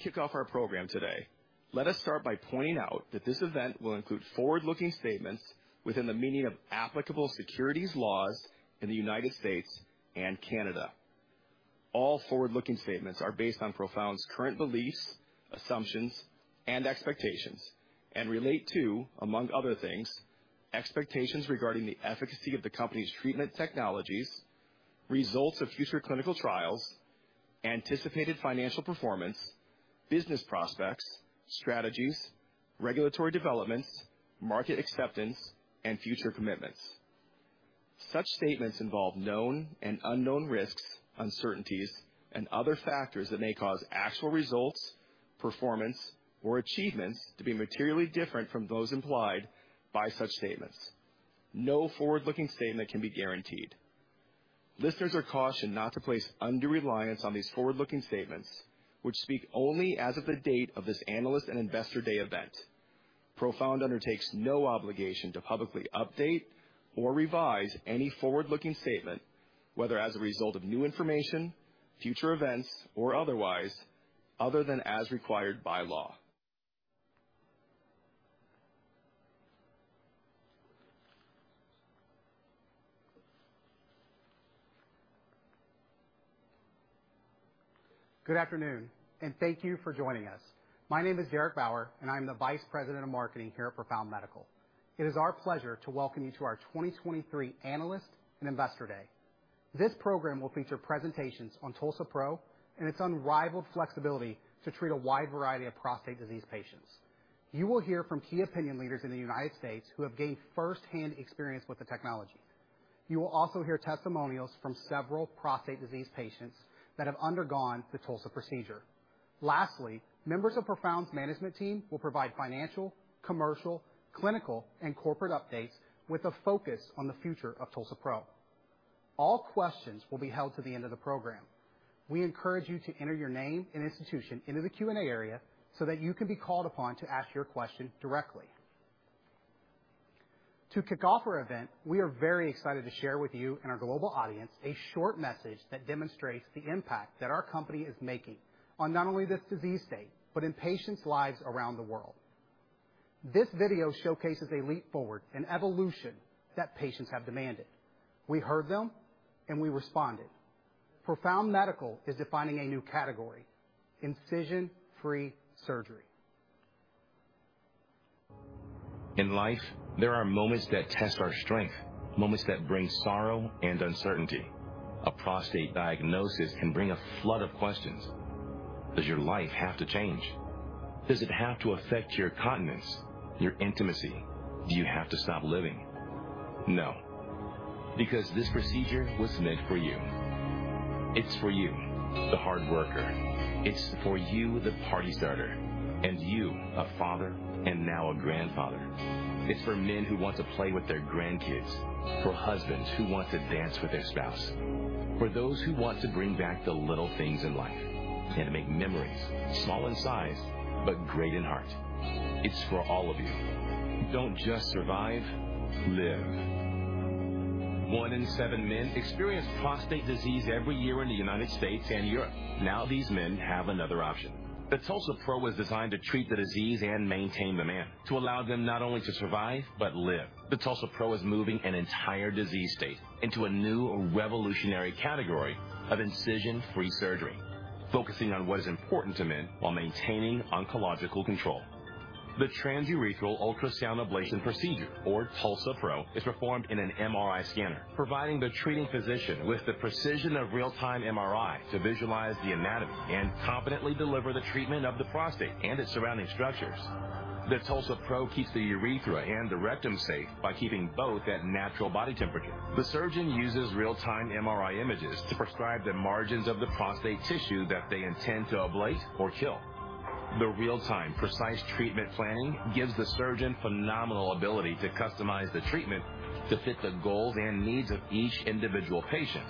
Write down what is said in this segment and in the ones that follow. Kick off our program today. Let us start by pointing out that this event will include forward-looking statements within the meaning of applicable securities laws in the United States and Canada. All forward-looking statements are based on Profound's current beliefs, assumptions, and expectations, and relate to, among other things, expectations regarding the efficacy of the company's treatment technologies, results of future clinical trials, anticipated financial performance, business prospects, strategies, regulatory developments, market acceptance, and future commitments. Such statements involve known and unknown risks, uncertainties, and other factors that may cause actual results, performance, or achievements to be materially different from those implied by such statements. No forward-looking statement can be guaranteed. Listeners are cautioned not to place undue reliance on these forward-looking statements, which speak only as of the date of this analyst and investor day event. Profound undertakes no obligation to publicly update or revise any forward-looking statement, whether as a result of new information, future events, or otherwise, other than as required by law. Good afternoon, and thank you for joining us. My name is Derek Bower, and I'm the Vice President of Marketing here at Profound Medical. It is our pleasure to welcome you to our 2023 Analyst and Investor Day. This program will feature presentations on TULSA-PRO and its unrivaled flexibility to treat a wide variety of prostate disease patients. You will hear from key opinion leaders in the United States who have gained firsthand experience with the technology. You will also hear testimonials from several prostate disease patients that have undergone the TULSA procedure. Lastly, members of Profound's management team will provide financial, commercial, clinical, and corporate updates with a focus on the future of TULSA-PRO. All questions will be held to the end of the program. We encourage you to enter your name and institution into the Q&A area so that you can be called upon to ask your question directly. To kick off our event, we are very excited to share with you and our global audience a short message that demonstrates the impact that our company is making on not only this disease state, but in patients' lives around the world. This video showcases a leap forward, an evolution that patients have demanded. We heard them, and we responded. Profound Medical is defining a new category: incision-free surgery. In life, there are moments that test our strength, moments that bring sorrow and uncertainty. A prostate diagnosis can bring a flood of questions. Does your life have to change? Does it have to affect your continence, your intimacy? Do you have to stop living? No, because this procedure was meant for you. It's for you, the hard worker. It's for you, the party starter, and you, a father and now a grandfather. It's for men who want to play with their grandkids, for husbands who want to dance with their spouse, for those who want to bring back the little things in life and to make memories, small in size, but great in heart. It's for all of you. Don't just survive, live! one in seven men experience prostate disease every year in the United States and Europe. Now, these men have another option. The TULSA-PRO was designed to treat the disease and maintain the man, to allow them not only to survive, but live. The TULSA-PRO is moving an entire disease state into a new revolutionary category of incision-free surgery, focusing on what is important to men while maintaining oncological control. The transurethral ultrasound ablation procedure, or TULSA-PRO, is performed in an MRI scanner, providing the treating physician with the precision of real-time MRI to visualize the anatomy and confidently deliver the treatment of the prostate and its surrounding structures. The TULSA-PRO keeps the urethra and the rectum safe by keeping both at natural body temperature. The surgeon uses real-time MRI images to prescribe the margins of the prostate tissue that they intend to ablate or kill. The real-time, precise treatment planning gives the surgeon phenomenal ability to customize the treatment to fit the goals and needs of each individual patient,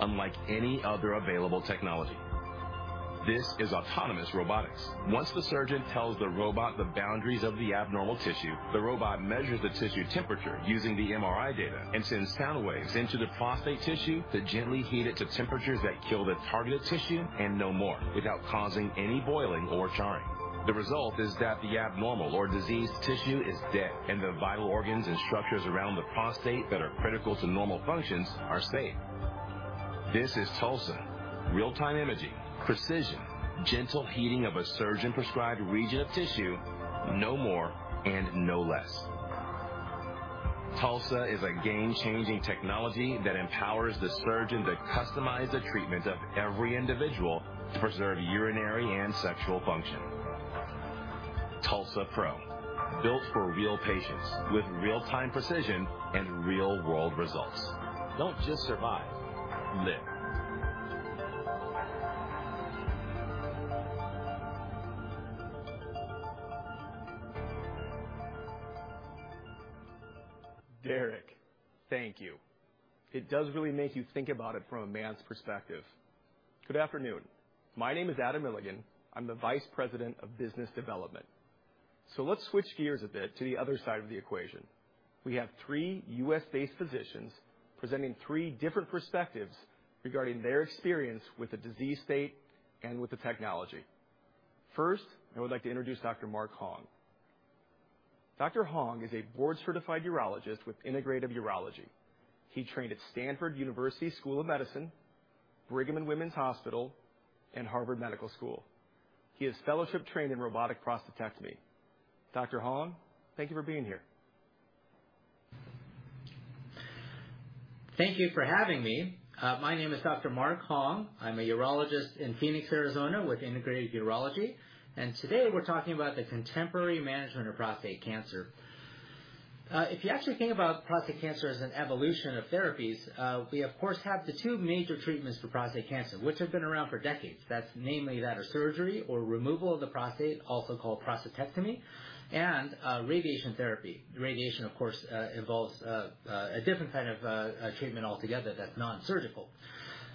unlike any other available technology. This is autonomous robotics. Once the surgeon tells the robot the boundaries of the abnormal tissue, the robot measures the tissue temperature using the MRI data and sends sound waves into the prostate tissue to gently heat it to temperatures that kill the targeted tissue and no more, without causing any boiling or charring. The result is that the abnormal or diseased tissue is dead, and the vital organs and structures around the prostate that are critical to normal functions are safe. This is TULSA. Real-time imaging, precision, gentle heating of a surgeon-prescribed region of tissue, no more and no less. TULSA is a game-changing technology that empowers the surgeon to customize the treatment of every individual to preserve urinary and sexual function. TULSA-PRO, built for real patients with real-time precision and real-world results. Don't just survive, live. Derek, thank you. It does really make you think about it from a man's perspective. Good afternoon. My name is Adam Milligan. I'm the Vice President of Business Development. So let's switch gears a bit to the other side of the equation. We have three U.S.-based physicians presenting three different perspectives regarding their experience with the disease state and with the technology. First, I would like to introduce Dr. Mark Hong. Dr. Hong is a board-certified urologist with Integrative Urology. He trained at Stanford University School of Medicine, Brigham and Women's Hospital, and Harvard Medical School. He is fellowship-trained in robotic prostatectomy. Dr. Hong, thank you for being here. Thank you for having me. My name is Dr. Mark Hong. I'm a urologist in Phoenix, Arizona, with Integrative Urology, and today we're talking about the contemporary management of prostate cancer. If you actually think about prostate cancer as an evolution of therapies, we, of course, have the two major treatments for prostate cancer, which have been around for decades. That's namely that of surgery or removal of the prostate, also called prostatectomy, and radiation therapy. Radiation, of course, involves a different kind of treatment altogether that's non-surgical.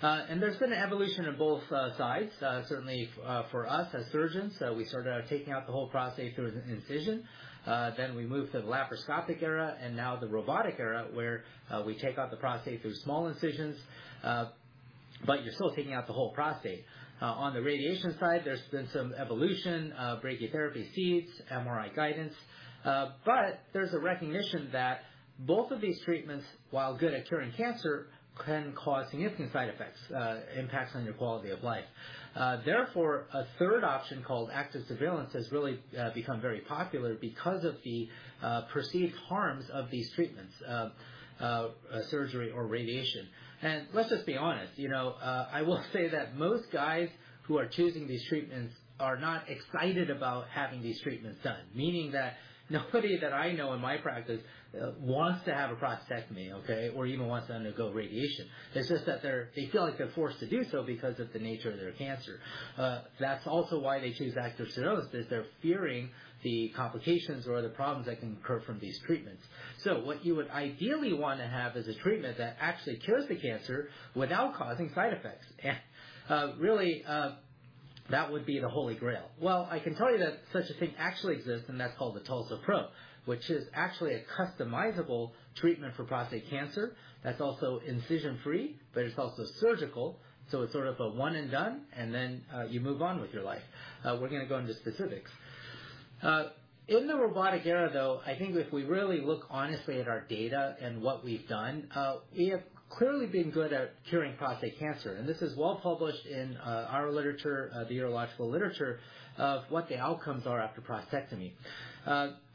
There's been an evolution in both sides. Certainly, for us as surgeons, we started out taking out the whole prostate through an incision. Then we moved to the laparoscopic era, and now the robotic era, where we take out the prostate through small incisions. But you're still taking out the whole prostate. On the radiation side, there's been some evolution, brachytherapy seeds, MRI guidance, but there's a recognition that both of these treatments, while good at curing cancer, can cause significant side effects, impacts on your quality of life. Therefore, a third option, called active surveillance, has really become very popular because of the perceived harms of these treatments, of surgery or radiation. And let's just be honest, you know, I will say that most guys who are choosing these treatments are not excited about having these treatments done. Meaning that nobody that I know in my practice wants to have a prostatectomy, okay, or even wants to undergo radiation. It's just that they feel like they're forced to do so because of the nature of their cancer. That's also why they choose active surveillance, is they're fearing the complications or other problems that can occur from these treatments. So what you would ideally want to have is a treatment that actually cures the cancer without causing side effects. And, really, that would be the holy grail. Well, I can tell you that such a thing actually exists, and that's called the TULSA-PRO, which is actually a customizable treatment for prostate cancer that's also incision-free, but it's also surgical. So it's sort of a one and done, and then, you move on with your life. We're gonna go into specifics. In the robotic era, though, I think if we really look honestly at our data and what we've done, we have clearly been good at curing prostate cancer. This is well-published in our literature, the urological literature, of what the outcomes are after prostatectomy.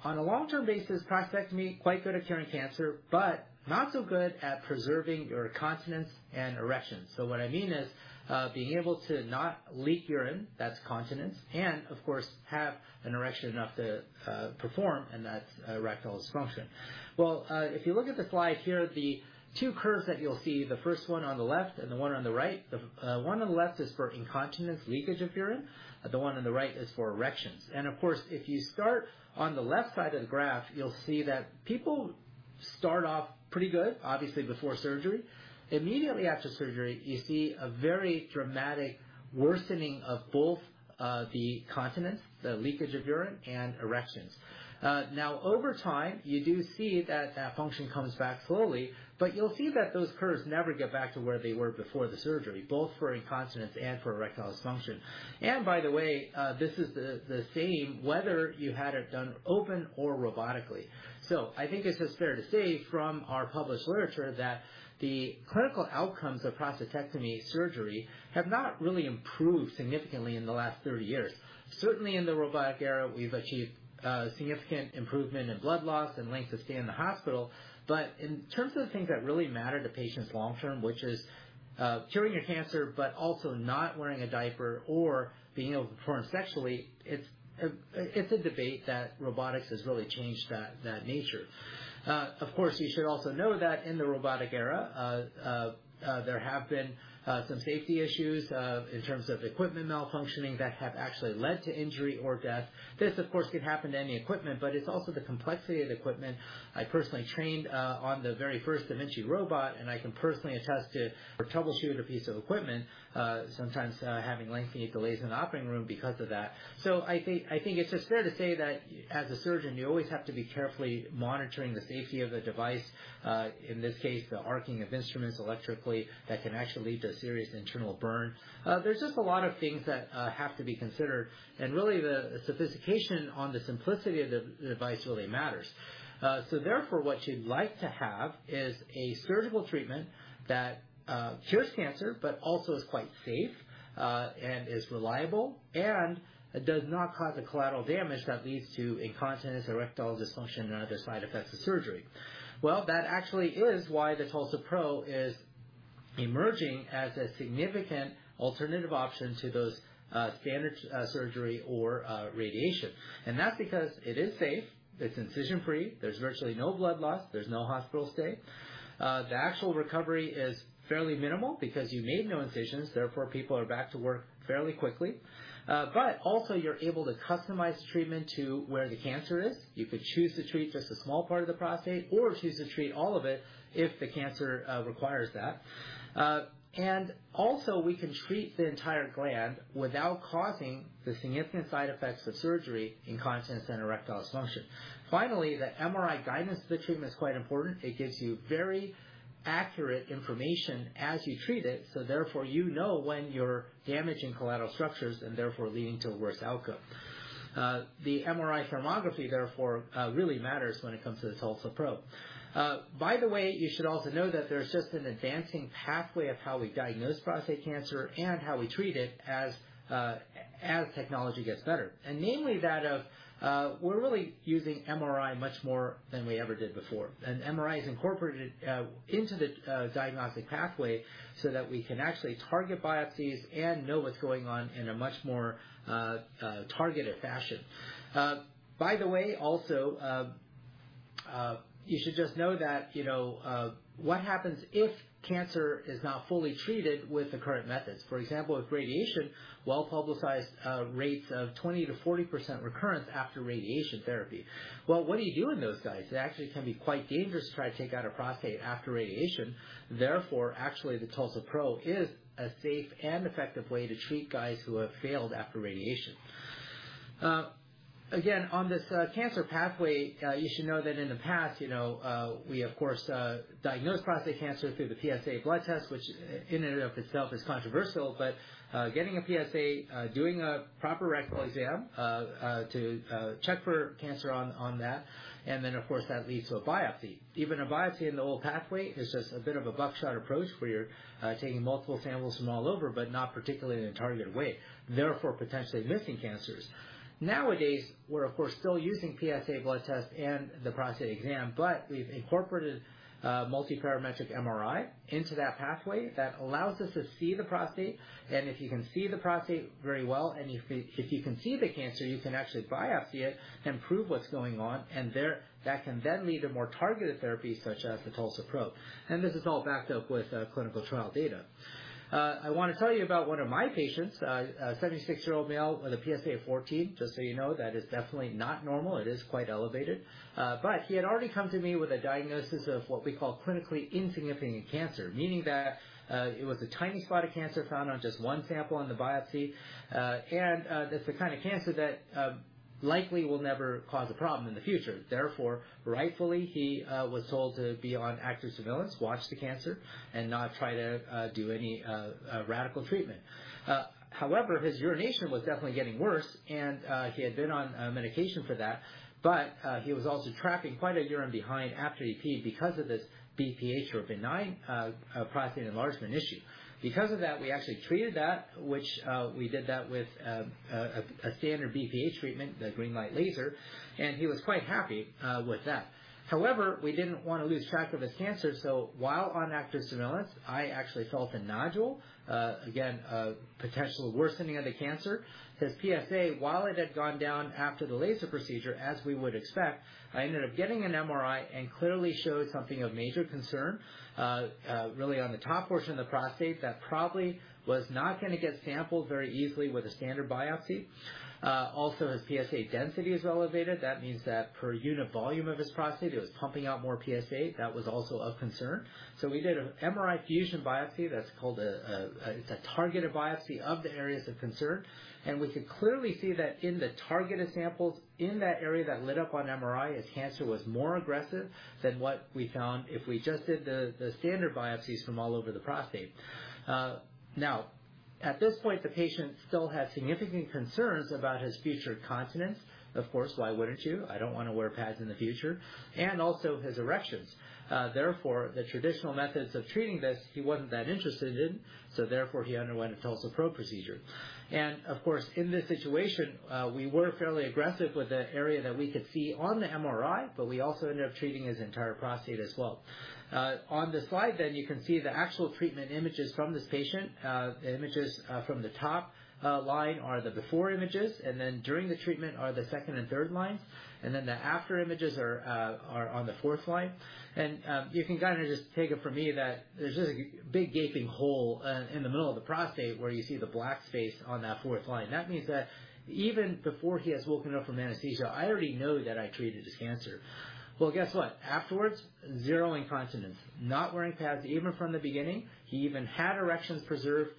On a long-term basis, prostatectomy, quite good at curing cancer, but not so good at preserving your continence and erections. So what I mean is, being able to not leak urine, that's continence, and, of course, have an erection enough to perform, and that's erectile dysfunction. Well, if you look at the slide here, the two curves that you'll see, the first one on the left and the one on the right. The one on the left is for incontinence, leakage of urine, the one on the right is for erections. Of course, if you start on the left side of the graph, you'll see that people start off pretty good, obviously, before surgery. Immediately after surgery, you see a very dramatic worsening of both the incontinence, the leakage of urine, and erections. Now, over time, you do see that that function comes back slowly, but you'll see that those curves never get back to where they were before the surgery, both for incontinence and for erectile dysfunction. And by the way, this is the same whether you had it done open or robotically. So I think it's just fair to say from our published literature that the clinical outcomes of prostatectomy surgery have not really improved significantly in the last 30 years. Certainly, in the robotic era, we've achieved significant improvement in blood loss and length of stay in the hospital. But in terms of the things that really matter to patients long term, which is, curing your cancer, but also not wearing a diaper or being able to perform sexually, it's a, it's a debate that robotics has really changed that, that nature. Of course, you should also know that in the robotic era, there have been, some safety issues, in terms of equipment malfunctioning that have actually led to injury or death. This, of course, could happen to any equipment, but it's also the complexity of the equipment. I personally trained, on the very first da Vinci robot, and I can personally attest to, or troubleshoot a piece of equipment, sometimes, having lengthy delays in the operating room because of that. So I think, I think it's just fair to say that as a surgeon, you always have to be carefully monitoring the safety of the device. In this case, the arcing of instruments electrically, that can actually lead to a serious internal burn. There's just a lot of things that have to be considered. And really, the sophistication on the simplicity of the device really matters. So therefore, what you'd like to have is a surgical treatment that cures cancer but also is quite safe, and is reliable, and it does not cause the collateral damage that leads to incontinence or erectile dysfunction and other side effects of surgery. Well, that actually is why the TULSA-PRO is emerging as a significant alternative option to those standard surgery or radiation. And that's because it is safe, it's incision-free, there's virtually no blood loss, there's no hospital stay. The actual recovery is fairly minimal because you made no incisions. Therefore, people are back to work fairly quickly. But also you're able to customize treatment to where the cancer is. You could choose to treat just a small part of the prostate or choose to treat all of it if the cancer requires that. And also, we can treat the entire gland without causing the significant side effects of surgery, incontinence and erectile dysfunction. Finally, the MRI guidance for the treatment is quite important. It gives you very accurate information as you treat it, so therefore, you know when you're damaging collateral structures and therefore leading to a worse outcome. The MRI thermometry, therefore, really matters when it comes to the TULSA-PRO. By the way, you should also know that there's just an advancing pathway of how we diagnose prostate cancer and how we treat it as technology gets better, and namely, that we're really using MRI much more than we ever did before. And MRI is incorporated into the diagnostic pathway so that we can actually target biopsies and know what's going on in a much more targeted fashion. By the way, also, you should just know that, you know, what happens if cancer is not fully treated with the current methods? For example, with radiation, well-publicized rates of 20%-40% recurrence after radiation therapy. Well, what do you do in those guys? It actually can be quite dangerous to try to take out a prostate after radiation. Therefore, actually, the TULSA-PRO is a safe and effective way to treat guys who have failed after radiation. Again, on this cancer pathway, you should know that in the past, you know, we, of course, diagnosed prostate cancer through the PSA blood test, which in and of itself is controversial, but, getting a PSA, doing a proper rectal exam, to check for cancer on that, and then, of course, that leads to a biopsy. Even a biopsy in the old pathway is just a bit of a buckshot approach, where you're taking multiple samples from all over, but not particularly in a targeted way, therefore potentially missing cancers. Nowadays, we're, of course, still using PSA blood tests and the prostate exam, but we've incorporated multiparametric MRI into that pathway that allows us to see the prostate. And if you can see the prostate very well, and if you, if you can see the cancer, you can actually biopsy it and prove what's going on, and there. That can then lead to more targeted therapy, such as the TULSA-PRO, and this is all backed up with clinical trial data. I want to tell you about one of my patients, a 76-year-old male with a PSA of 14. Just so you know, that is definitely not normal. It is quite elevated. But he had already come to me with a diagnosis of what we call clinically insignificant cancer, meaning that, it was a tiny spot of cancer found on just one sample on the biopsy. And, that's the kind of cancer that, likely will never cause a problem in the future. Therefore, rightfully, he was told to be on active surveillance, watch the cancer, and not try to do any radical treatment. However, his urination was definitely getting worse, and he had been on medication for that, but he was also trapping quite a urine behind after he peed because of this BPH or benign prostate enlargement issue. Because of that, we actually treated that, which we did that with a standard BPH treatment, the GreenLight laser, and he was quite happy with that. However, we didn't want to lose track of his cancer, so while on active surveillance, I actually felt a nodule again, a potential worsening of the cancer. His PSA, while it had gone down after the laser procedure, as we would expect, I ended up getting an MRI and clearly showed something of major concern, really on the top portion of the prostate, that probably was not gonna get sampled very easily with a standard biopsy. Also, his PSA density is elevated. That means that per unit volume of his prostate, it was pumping out more PSA. That was also of concern. So we did an MRI fusion biopsy. That's called a-- It's a targeted biopsy of the areas of concern, and we could clearly see that in the targeted samples, in that area that lit up on MRI, his cancer was more aggressive than what we found if we just did the standard biopsies from all over the prostate. Now, at this point, the patient still has significant concerns about his future continence. Of course, why wouldn't you? I don't want to wear pads in the future. And also, his erections. Therefore, the traditional methods of treating this, he wasn't that interested in, so therefore, he underwent a TULSA-PRO procedure. And of course, in this situation, we were fairly aggressive with the area that we could see on the MRI, but we also ended up treating his entire prostate as well. On the slide, then you can see the actual treatment images from this patient. The images from the top line are the before images, and then during the treatment are the second and third lines, and then the after images are on the fourth line. You can kind of just take it from me that there's just a big, gaping hole, in the middle of the prostate where you see the black space on that fourth line. That means that even before he has woken up from anesthesia, I already know that I treated his cancer. Well, guess what? Afterwards, zero incontinence, not wearing pads, even from the beginning. He even had erections preserved,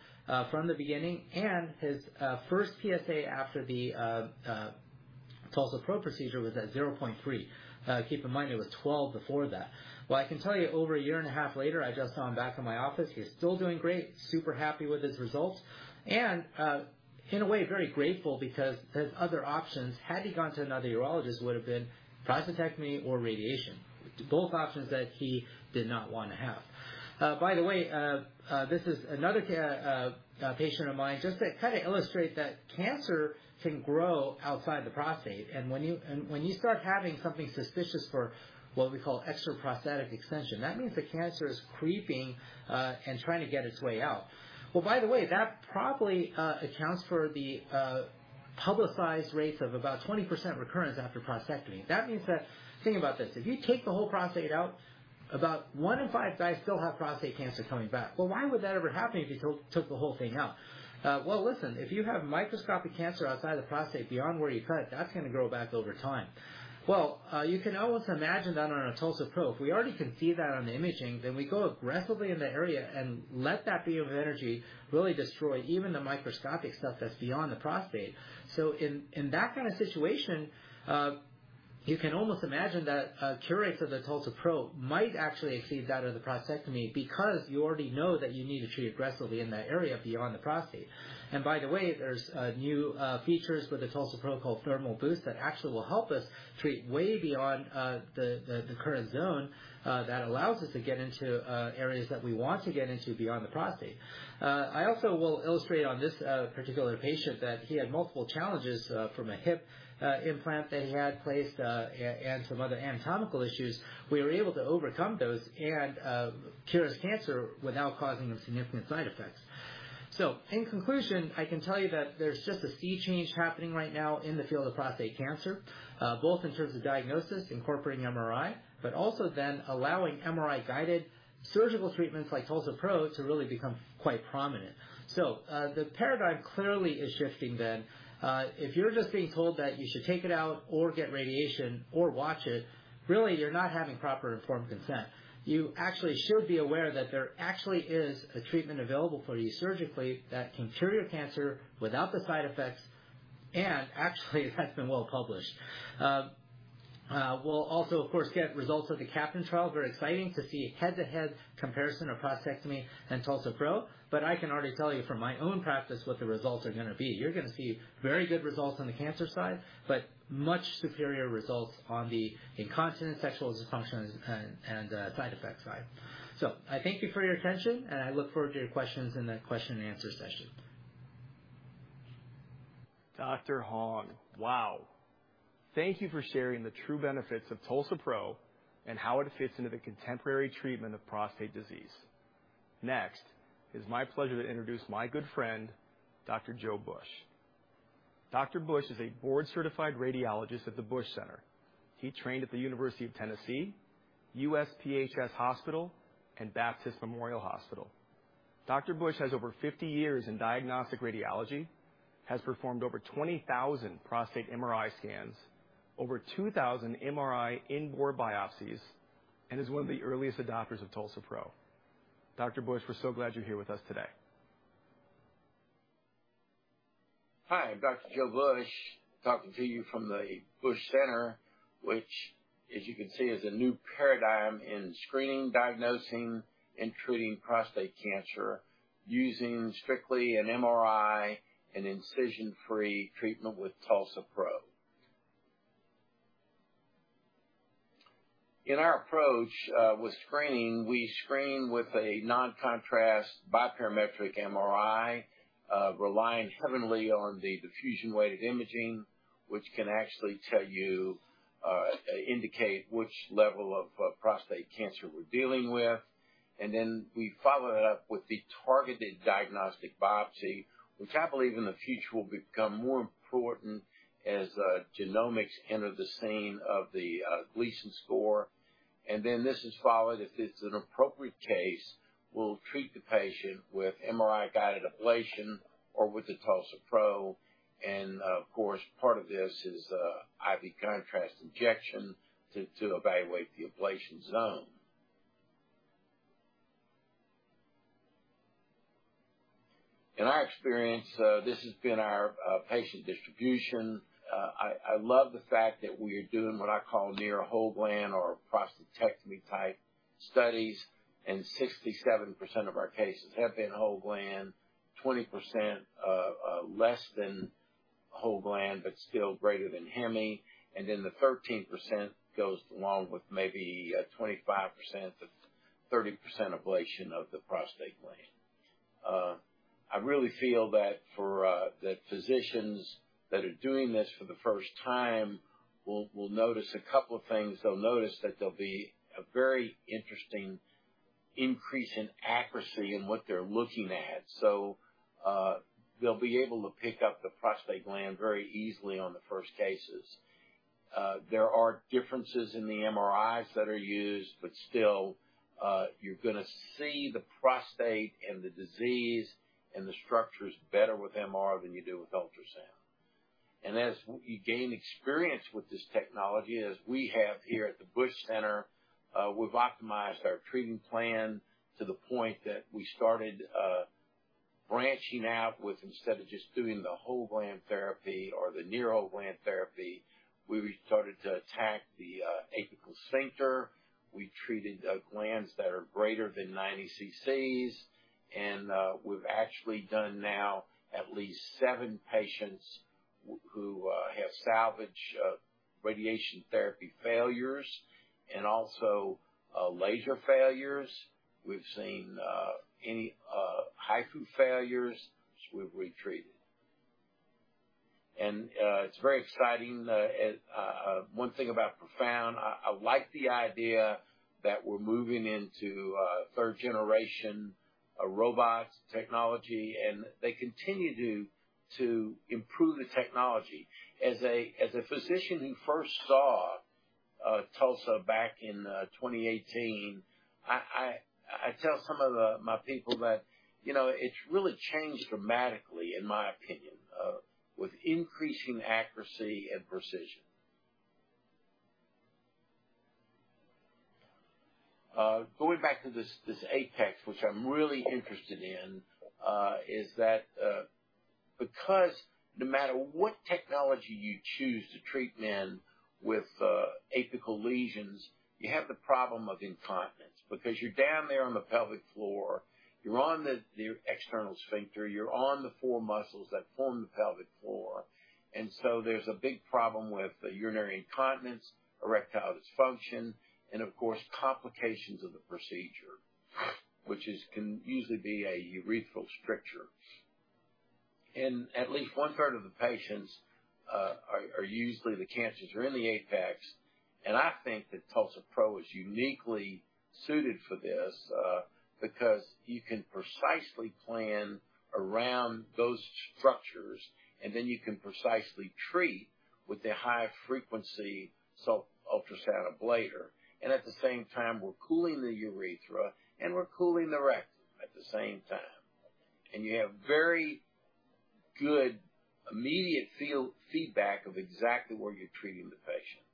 from the beginning, and his, first PSA after the, TULSA-PRO procedure was at 0.3. Keep in mind, it was 12 before that. Well, I can tell you, over a year and a half later, I just saw him back in my office. He's still doing great, super happy with his results, and in a way, very grateful because his other options, had he gone to another urologist, would have been prostatectomy or radiation. Both options that he did not want to have. By the way, this is another patient of mine, just to kind of illustrate that cancer can grow outside the prostate, and when you start having something suspicious for what we call extraprostatic extension, that means the cancer is creeping and trying to get its way out. Well, by the way, that probably accounts for the publicized rates of about 20% recurrence after prostatectomy. That means that... Think about this. If you take the whole prostate out, about one in five guys still have prostate cancer coming back. Well, why would that ever happen if you took, took the whole thing out? Well, listen, if you have microscopic cancer outside the prostate, beyond where you cut, that's gonna grow back over time. Well, you can almost imagine that on a TULSA-PRO, if we already can see that on the imaging, then we go aggressively in the area and let that beam of energy really destroy even the microscopic stuff that's beyond the prostate. So in, in that kind of situation, you can almost imagine that cure rates of the TULSA-PRO might actually exceed that of the prostatectomy because you already know that you need to treat aggressively in that area beyond the prostate. And by the way, there's new features with the TULSA-PRO called Thermal Boost, that actually will help us treat way beyond the current zone that allows us to get into areas that we want to get into beyond the prostate. I also will illustrate on this particular patient, that he had multiple challenges from a hip implant that he had placed and some other anatomical issues. We were able to overcome those and cure his cancer without causing him significant side effects. So in conclusion, I can tell you that there's just a sea change happening right now in the field of prostate cancer, both in terms of diagnosis, incorporating MRI, but also then allowing MRI-guided surgical treatments like TULSA-PRO, to really become quite prominent. So the paradigm clearly is shifting then. If you're just being told that you should take it out or get radiation or watch it, really, you're not having proper informed consent. You actually should be aware that there actually is a treatment available for you surgically that can cure your cancer without the side effects, and actually, that's been well published. We'll also, of course, get results of the CAPTAIN trial. Very exciting to see a head-to-head comparison of prostatectomy and TULSA-PRO, but I can already tell you from my own practice what the results are gonna be. You're gonna see very good results on the cancer side, but much superior results on the incontinence, sexual dysfunction, and side effect side. So I thank you for your attention, and I look forward to your questions in the question and answer session. Dr. Hong, wow! Thank you for sharing the true benefits of TULSA-PRO and how it fits into the contemporary treatment of prostate disease. Next, it's my pleasure to introduce my good friend, Dr. Joe Busch. Dr. Busch is a board-certified radiologist at The Busch Center. He trained at the University of Tennessee, USPHS Hospital, and Baptist Memorial Hospital. Dr. Busch has over 50 years in diagnostic radiology, has performed over 20,000 prostate MRI scans, over 2,000 MRI in-bore biopsies, and is one of the earliest adopters of TULSA-PRO. Dr. Busch, we're so glad you're here with us today. Hi, I'm Dr. Joe Busch, talking to you from The Busch Center, which, as you can see, is a new paradigm in screening, diagnosing, and treating prostate cancer using strictly an MRI and incision-free treatment with TULSA-PRO. In our approach, with screening, we screen with a non-contrast biparametric MRI, relying heavily on the diffusion-weighted imaging, which can actually tell you, indicate which level of prostate cancer we're dealing with. And then we follow that up with the targeted diagnostic biopsy, which I believe in the future, will become more important as genomics enter the scene of the Gleason score. And then, this is followed, if it's an appropriate case, we'll treat the patient with MRI-guided ablation or with the TULSA-PRO, and of course, part of this is IV contrast injection to evaluate the ablation zone. In our experience, this has been our patient distribution. I love the fact that we are doing what I call near whole gland or prostatectomy-type studies, and 67% of our cases have been whole gland, 20% less than whole gland, but still greater than hemi, and then the 13% goes along with maybe 25%-30% ablation of the prostate gland. I really feel that physicians that are doing this for the first time will notice a couple of things. They'll notice that there'll be a very interesting increase in accuracy in what they're looking at. So, they'll be able to pick up the prostate gland very easily on the first cases. There are differences in the MRIs that are used, but still, you're gonna see the prostate and the disease and the structures better with MR than you do with ultrasound. As you gain experience with this technology, as we have here at The Busch Center, we've optimized our treatment plan to the point that we started branching out with instead of just doing the whole gland therapy or the near whole gland therapy, we started to attack the apical sphincter. We treated glands that are greater than 90 ccs, and we've actually done now at least seven patients who have salvage radiation therapy failures and also laser failures. We've seen any HIFU failures, which we've treated. It's very exciting, and one thing about Profound, I like the idea that we're moving into 3rd-generation robotic technology, and they continue to improve the technology. As a physician who first saw TULSA back in 2018, I tell some of my people that, you know, it's really changed dramatically, in my opinion, with increasing accuracy and precision. Going back to this apex, which I'm really interested in, is that because no matter what technology you choose to treat men with apical lesions, you have the problem of incontinence. Because you're down there on the pelvic floor, you're on the external sphincter, you're on the four muscles that form the pelvic floor, and so there's a big problem with urinary incontinence, erectile dysfunction, and of course, complications of the procedure, which can usually be a urethral stricture. In at least 1/3 of the patients, usually the cancers are in the apex, and I think that TULSA-PRO is uniquely suited for this, because you can precisely plan around those structures, and then you can precisely treat with the high frequency, so ultrasound ablator. At the same time, we're cooling the urethra, and we're cooling the rectum at the same time. You have very good immediate feedback of exactly where you're treating the patient.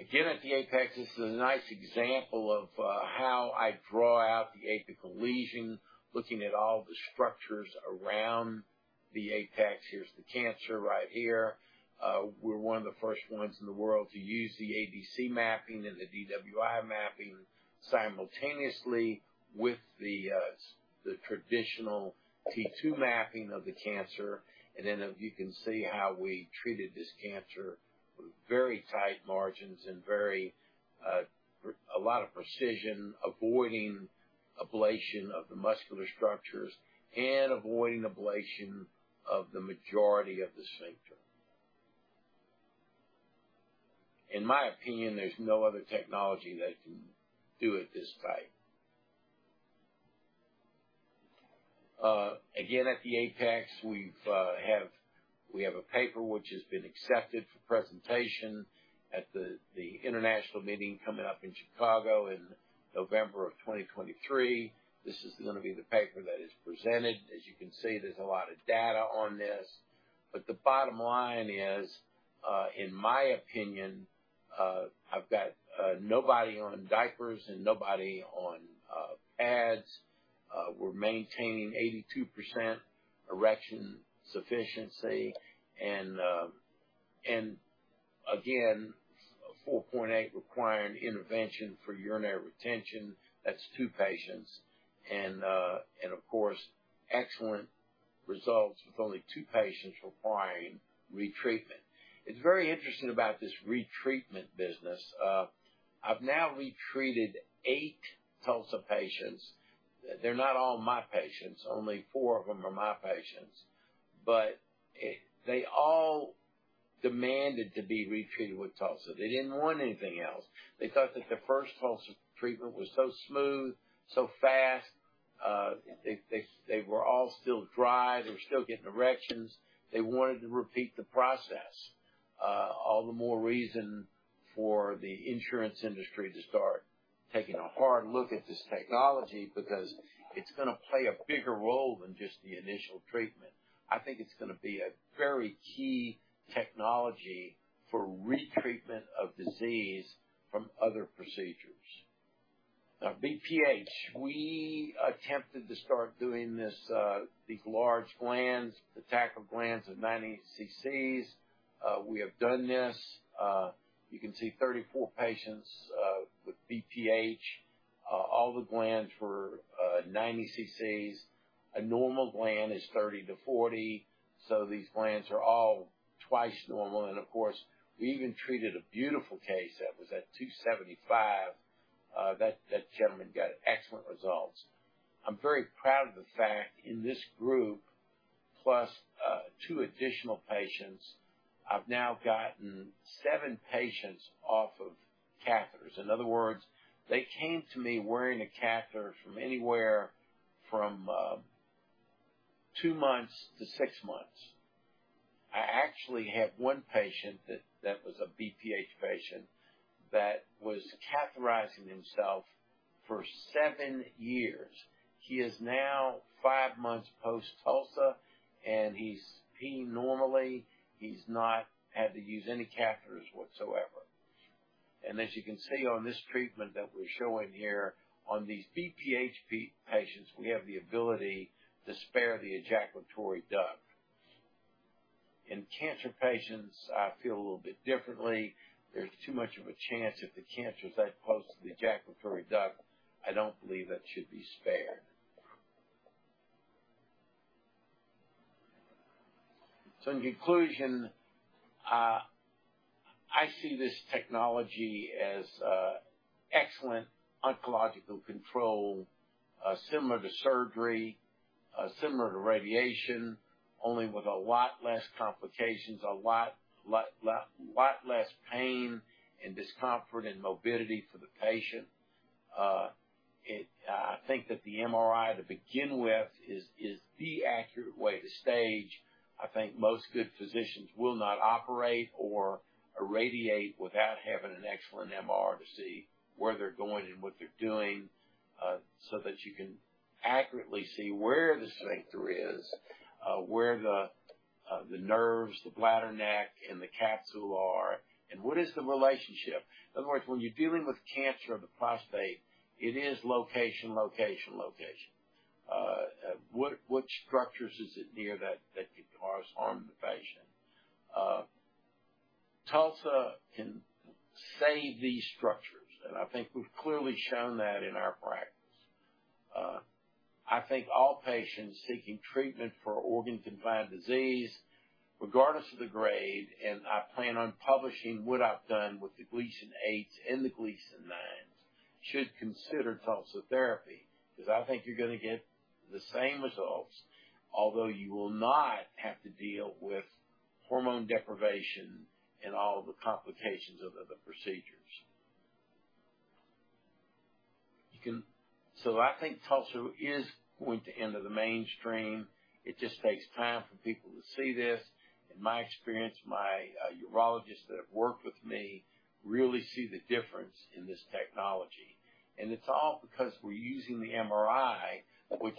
Again, at the apex, this is a nice example of how I draw out the apical lesion, looking at all the structures around the apex. Here's the cancer right here. We're one of the first ones in the world to use the ADC mapping and the DWI mapping simultaneously with the traditional T2 mapping of the cancer. And then, you can see how we treated this cancer, very tight margins and very a lot of precision, avoiding ablation of the muscular structures and avoiding ablation of the majority of the sphincter. In my opinion, there's no other technology that can do it this way. Again, at the apex, we have a paper which has been accepted for presentation at the international meeting coming up in Chicago in November of 2023. This is gonna be the paper that is presented. As you can see, there's a lot of data on this, but the bottom line is, in my opinion, I've got nobody on diapers and nobody on pads. We're maintaining 82% erection sufficiency and again, 4.8% requiring intervention for urinary retention. That's two patients, and of course, excellent results with only two patients requiring retreatment. It's very interesting about this retreatment business. I've now retreated eight TULSA patients. They're not all my patients. Only four of them are my patients. But they all demanded to be retreated with TULSA. They didn't want anything else. They thought that their first TULSA treatment was so smooth, so fast. They were all still dry. They were still getting erections. They wanted to repeat the process. All the more reason for the insurance industry to start taking a hard look at this technology because it's gonna play a bigger role than just the initial treatment. I think it's gonna be a very key technology for retreatment of disease from other procedures. Now, BPH, we attempted to start doing this, these large glands, the taco glands of 90 cc's. We have done this. You can see 34 patients with BPH. All the glands were 90 cc's. A normal gland is 30-40, so these glands are all twice normal. And of course, we even treated a beautiful case that was at 275. That gentleman got excellent results. I'm very proud of the fact in this group, plus two additional patients, I've now gotten seven patients off of catheters. In other words, they came to me wearing a catheter from anywhere from two months to six months. I actually had one patient that was a BPH patient, that was catheterizing himself for seven years. He is now five months post TULSA, and he's peeing normally. He's not had to use any catheters whatsoever. And as you can see on this treatment that we're showing here, on these BPH patients, we have the ability to spare the ejaculatory duct. In cancer patients, I feel a little bit differently. There's too much of a chance if the cancer is that close to the ejaculatory duct; I don't believe that should be spared. So in conclusion, I see this technology as excellent oncological control, similar to surgery, similar to radiation, only with a lot less complications, a lot, lot, lot, lot less pain and discomfort and morbidity for the patient. I think that the MRI, to begin with, is the accurate way to stage. I think most good physicians will not operate or irradiate without having an excellent MR to see where they're going and what they're doing, so that you can accurately see where the sphincter is, where the nerves, the bladder neck, and the capsule are, and what is the relationship. In other words, when you're dealing with cancer of the prostate, it is location, location, location. What structures is it near that could cause harm to the patient? TULSA can save these structures, and I think we've clearly shown that in our practice. I think all patients seeking treatment for organ-confined disease, regardless of the grade, and I plan on publishing what I've done with the Gleason 8s and the Gleason 9s, should consider TULSA therapy. Because I think you're gonna get the same results, although you will not have to deal with hormone deprivation and all the complications of other procedures. You can... So I think TULSA is going to enter the mainstream. It just takes time for people to see this. In my experience, my urologists that have worked with me really see the difference in this technology, and it's all because we're using the MRI, which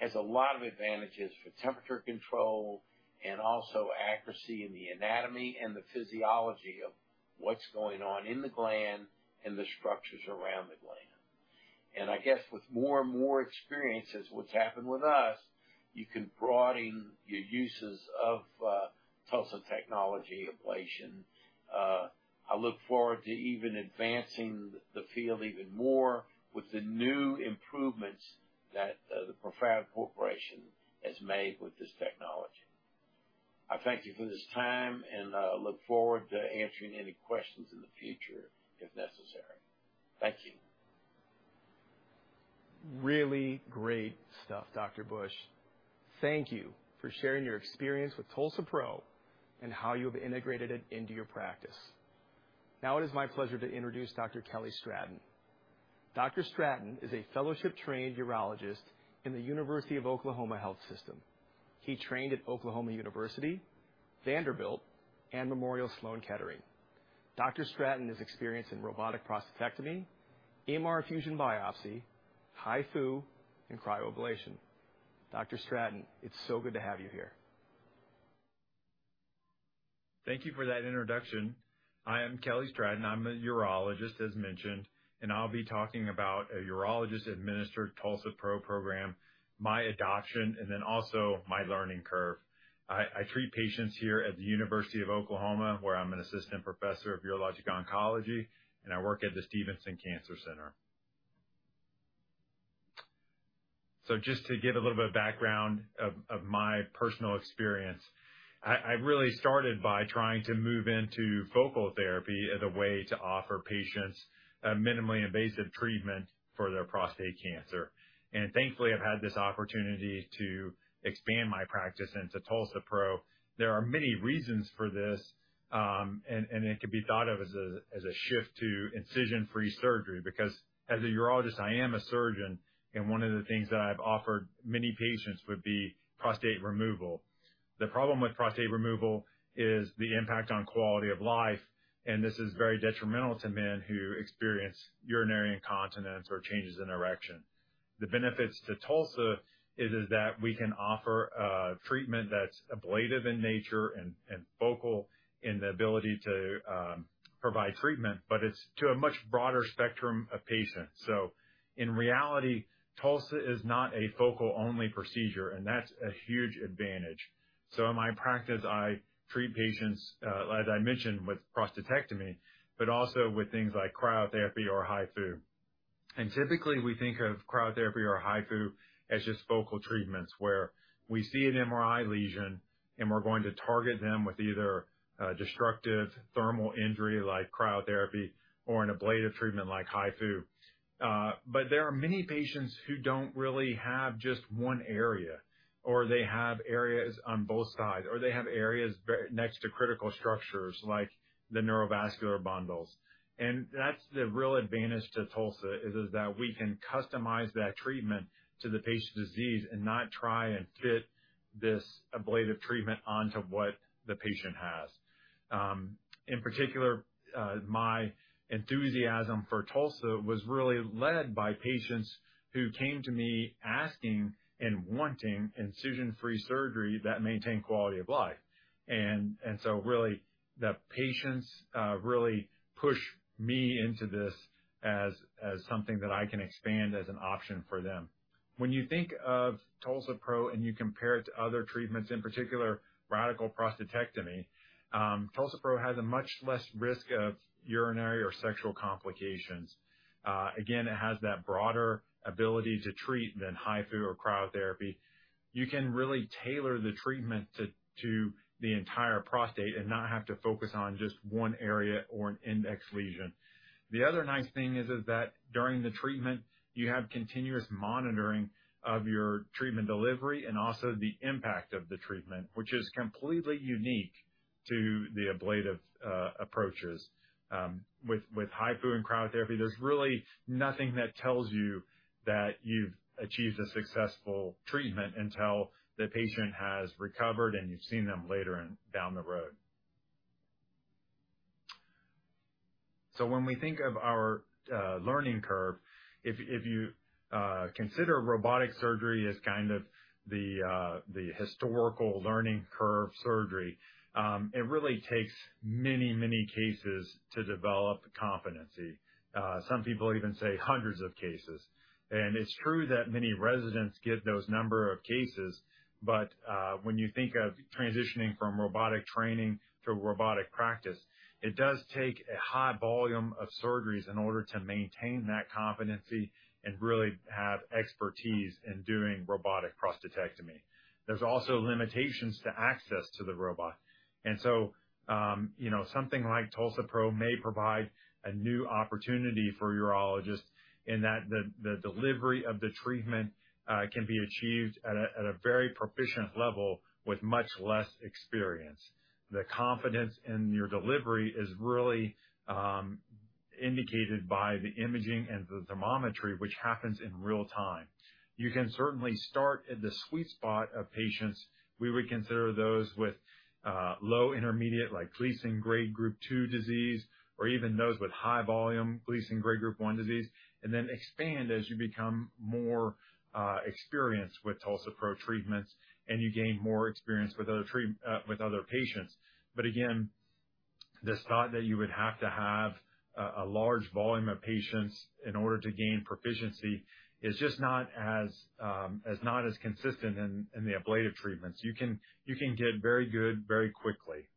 has a lot of advantages for temperature control and also accuracy in the anatomy and the physiology of what's going on in the gland and the structures around the gland. I guess with more and more experiences, what's happened with us, you can broaden your uses of TULSA technology ablation. I look forward to even advancing the field even more with the new improvements that the Profound Medical Corporation has made with this technology. I thank you for this time, and I look forward to answering any questions in the future, if necessary. Thank you. Really great stuff, Dr. Busch. Thank you for sharing your experience with TULSA-PRO and how you have integrated it into your practice. Now it is my pleasure to introduce Dr. Kelly Stratton. Dr. Stratton is a fellowship-trained urologist in the University of Oklahoma Health System. He trained at Oklahoma University, Vanderbilt, and Memorial Sloan Kettering. Dr. Stratton is experienced in robotic prostatectomy, MR fusion biopsy, HIFU, and cryoablation. Dr. Stratton, it's so good to have you here. Thank you for that introduction. I am Kelly Stratton, I'm a urologist, as mentioned, and I'll be talking about a urologist-administered TULSA-PRO program, my adoption, and then also my learning curve. I treat patients here at the University of Oklahoma, where I'm an Assistant Professor of Urologic Oncology, and I work at the Stephenson Cancer Center. So just to give a little bit of background of my personal experience, I really started by trying to move into focal therapy as a way to offer patients a minimally invasive treatment for their prostate cancer. Thankfully, I've had this opportunity to expand my practice into TULSA-PRO. There are many reasons for this, and it could be thought of as a shift to incision-free surgery, because as a urologist, I am a surgeon, and one of the things that I've offered many patients would be prostate removal. The problem with prostate removal is the impact on quality of life, and this is very detrimental to men who experience urinary incontinence or changes in erection. The benefits to TULSA is that we can offer a treatment that's ablative in nature and focal in the ability to provide treatment, but it's to a much broader spectrum of patients. So in reality, TULSA is not a focal-only procedure, and that's a huge advantage. So in my practice, I treat patients, as I mentioned, with prostatectomy, but also with things like cryotherapy or HIFU. Typically, we think of cryotherapy or HIFU as just focal treatments, where we see an MRI lesion, and we're going to target them with either a destructive thermal injury like cryotherapy or an ablative treatment like HIFU. But there are many patients who don't really have just one area, or they have areas very next to critical structures like the neurovascular bundles. That's the real advantage to TULSA: we can customize that treatment to the patient's disease and not try and fit this ablative treatment onto what the patient has. In particular, my enthusiasm for TULSA was really led by patients who came to me asking and wanting incision-free surgery that maintained quality of life. So really, the patients really pushed me into this as something that I can expand as an option for them. When you think of TULSA-PRO and you compare it to other treatments, in particular, radical prostatectomy, TULSA-PRO has a much less risk of urinary or sexual complications. Again, it has that broader ability to treat than HIFU or cryotherapy. You can really tailor the treatment to the entire prostate and not have to focus on just one area or an index lesion. The other nice thing is that during the treatment, you have continuous monitoring of your treatment delivery and also the impact of the treatment, which is completely unique to the ablative approaches. With HIFU and cryotherapy, there's really nothing that tells you that you've achieved a successful treatment until the patient has recovered, and you've seen them later and down the road.... So when we think of our learning curve, if you consider robotic surgery as kind of the historical learning curve surgery, it really takes many, many cases to develop competency. Some people even say hundreds of cases. And it's true that many residents get those number of cases, but when you think of transitioning from robotic training to robotic practice, it does take a high volume of surgeries in order to maintain that competency and really have expertise in doing robotic prostatectomy. There's also limitations to access to the robot. You know, something like TULSA-PRO may provide a new opportunity for urologists in that the delivery of the treatment can be achieved at a very proficient level with much less experience. The confidence in your delivery is really, you know, indicated by the imaging and the thermometry, which happens in real time. You can certainly start at the sweet spot of patients. We would consider those with low-intermediate, like Gleason grade group 2 disease, or even those with high volume Gleason grade group 1 disease, and then expand as you become more experienced with TULSA-PRO treatments and you gain more experience with other patients. Again, this thought that you would have to have a large volume of patients in order to gain proficiency is just not as, as not as consistent in the ablative treatments. You can get very good very quickly.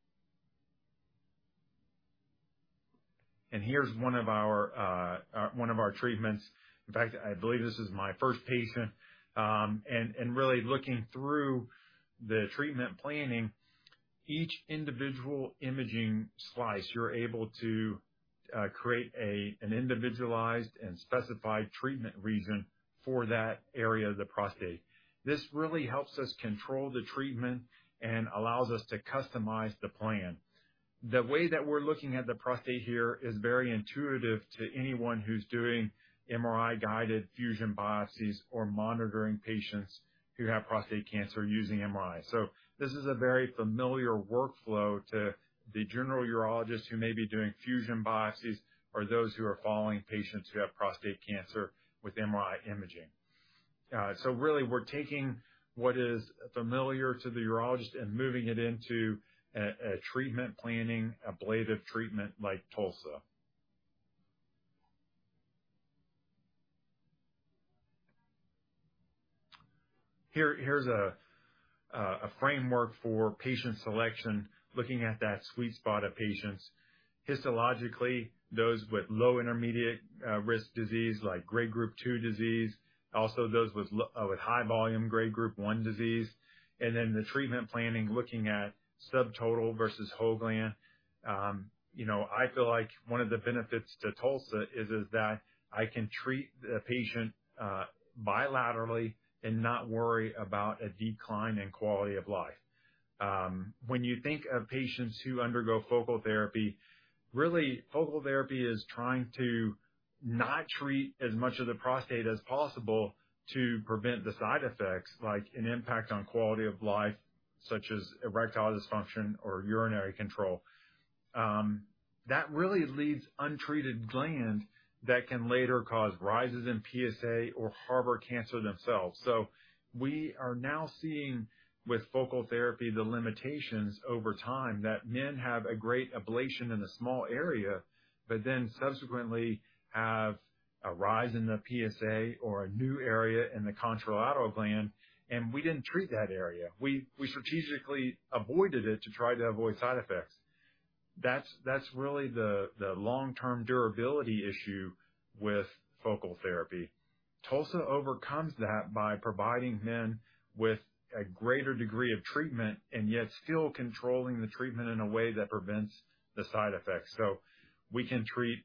Here's one of our, one of our treatments. In fact, I believe this is my first patient. Really looking through the treatment planning, each individual imaging slice, you're able to create an individualized and specified treatment region for that area of the prostate. This really helps us control the treatment and allows us to customize the plan. The way that we're looking at the prostate here is very intuitive to anyone who's doing MRI-guided fusion biopsies or monitoring patients who have prostate cancer using MRI. So this is a very familiar workflow to the general urologist who may be doing fusion biopsies or those who are following patients who have prostate cancer with MRI imaging. So really, we're taking what is familiar to the urologist and moving it into a treatment planning, ablative treatment like TULSA. Here, here's a framework for patient selection, looking at that sweet spot of patients. Histologically, those with low-intermediate risk disease, like Grade Group 2 disease, also those with high volume Grade Group 1 disease, and then the treatment planning, looking at sub-total versus whole gland. You know, I feel like one of the benefits to TULSA is that I can treat the patient bilaterally and not worry about a decline in quality of life. When you think of patients who undergo focal therapy, really, focal therapy is trying to not treat as much of the prostate as possible to prevent the side effects, like an impact on quality of life, such as erectile dysfunction or urinary control. That really leaves untreated gland that can later cause rises in PSA or harbor cancer themselves. So we are now seeing, with focal therapy, the limitations over time, that men have a great ablation in a small area, but then subsequently have a rise in the PSA or a new area in the contralateral gland, and we didn't treat that area. We strategically avoided it to try to avoid side effects. That's really the long-term durability issue with focal therapy. TULSA overcomes that by providing men with a greater degree of treatment and yet still controlling the treatment in a way that prevents the side effects. So we can treat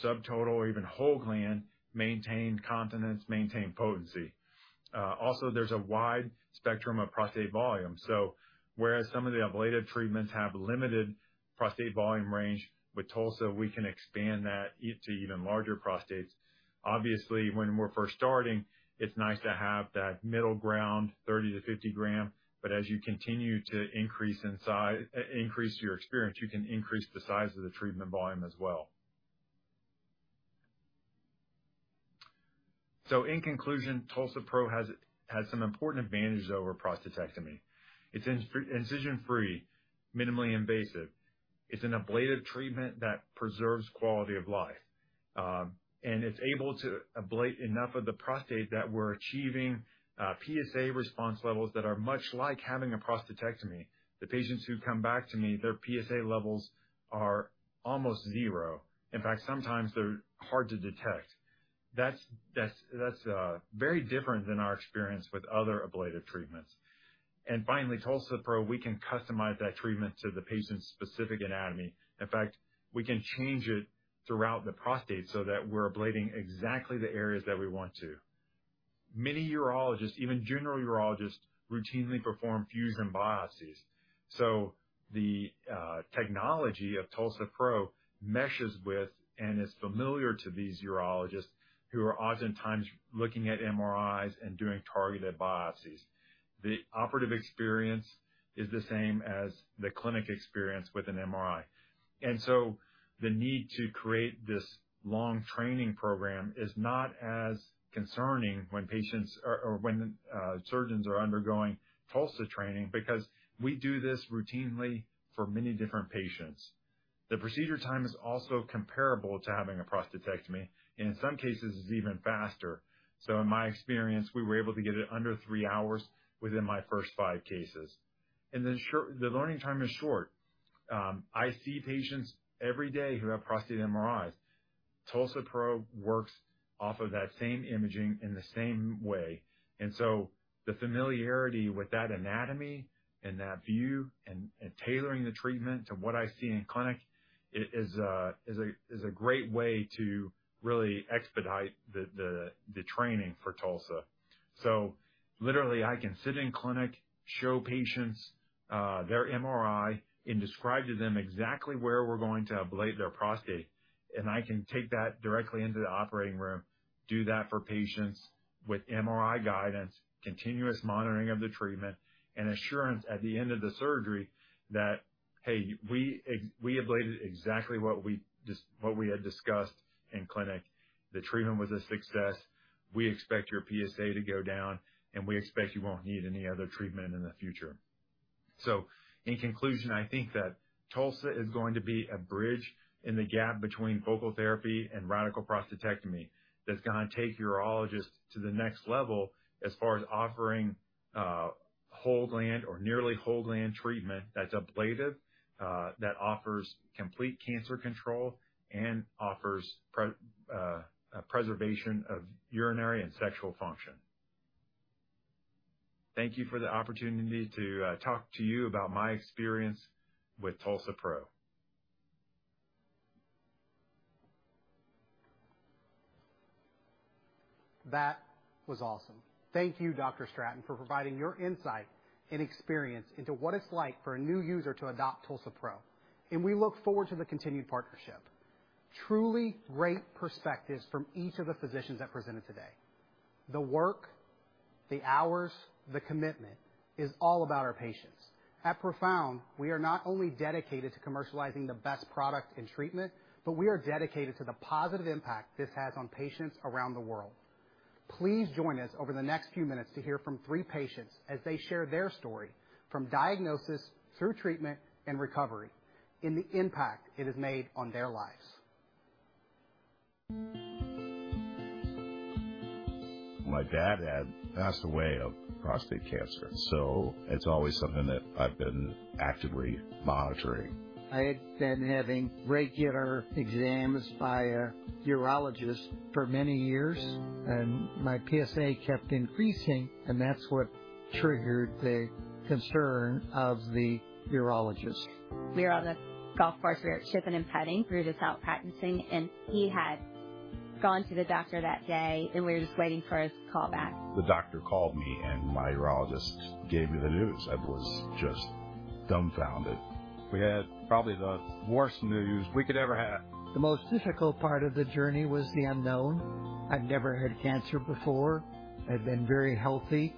sub-total or even whole gland, maintain continence, maintain potency. Also, there's a wide spectrum of prostate volume. So whereas some of the ablative treatments have limited prostate volume range, with TULSA, we can expand that to even larger prostates. Obviously, when we're first starting, it's nice to have that middle ground, 30 g-50 g. But as you continue to increase in increase your experience, you can increase the size of the treatment volume as well. So in conclusion, TULSA-PRO has some important advantages over prostatectomy. It's incision-free, minimally invasive. It's an ablative treatment that preserves quality of life. It's able to ablate enough of the prostate that we're achieving PSA response levels that are much like having a prostatectomy. The patients who come back to me, their PSA levels are almost zero. In fact, sometimes they're hard to detect. That's very different than our experience with other ablative treatments. And finally, TULSA-PRO, we can customize that treatment to the patient's specific anatomy. In fact, we can change it throughout the prostate so that we're ablating exactly the areas that we want to. Many urologists, even general urologists, routinely perform fusion biopsies. So the technology of TULSA-PRO meshes with and is familiar to these urologists, who are oftentimes looking at MRIs and doing targeted biopsies. The operative experience is the same as the clinic experience with an MRI. The need to create this long training program is not as concerning when patients or surgeons are undergoing TULSA training, because we do this routinely for many different patients. The procedure time is also comparable to having a prostatectomy, and in some cases, it's even faster. In my experience, we were able to get it under three hours within my first five cases. The short learning time is short. I see patients every day who have prostate MRIs. TULSA-PRO works off of that same imaging in the same way. The familiarity with that anatomy and that view and tailoring the treatment to what I see in clinic is a great way to really expedite the training for TULSA. So literally, I can sit in clinic, show patients their MRI and describe to them exactly where we're going to ablate their prostate, and I can take that directly into the operating room, do that for patients with MRI guidance, continuous monitoring of the treatment, and assurance at the end of the surgery that, "Hey, we ablated exactly what we had discussed in clinic. The treatment was a success. We expect your PSA to go down, and we expect you won't need any other treatment in the future." In conclusion, I think that TULSA is going to be a bridge in the gap between focal therapy and radical prostatectomy, that's gonna take urologists to the next level as far as offering whole-gland or nearly whole-gland treatment that's ablative, that offers complete cancer control and offers preservation of urinary and sexual function. Thank you for the opportunity to talk to you about my experience with TULSA-PRO. That was awesome. Thank you, Dr. Stratton, for providing your insight and experience into what it's like for a new user to adopt TULSA-PRO, and we look forward to the continued partnership. Truly great perspectives from each of the physicians that presented today. The work, the hours, the commitment is all about our patients. At Profound, we are not only dedicated to commercializing the best product and treatment, but we are dedicated to the positive impact this has on patients around the world. Please join us over the next few minutes to hear from three patients as they share their story, from diagnosis through treatment and recovery, and the impact it has made on their lives. My dad had passed away of prostate cancer, so it's always something that I've been actively monitoring. I had been having regular exams by a urologist for many years, and my PSA kept increasing, and that's what triggered the concern of the urologist. We were on the golf course. We were chipping and putting. We were just out practicing, and he had gone to the doctor that day, and we were just waiting for his call back. The doctor called me, and my urologist gave me the news. I was just dumbfounded. We had probably the worst news we could ever have. The most difficult part of the journey was the unknown. I've never had cancer before. I've been very healthy,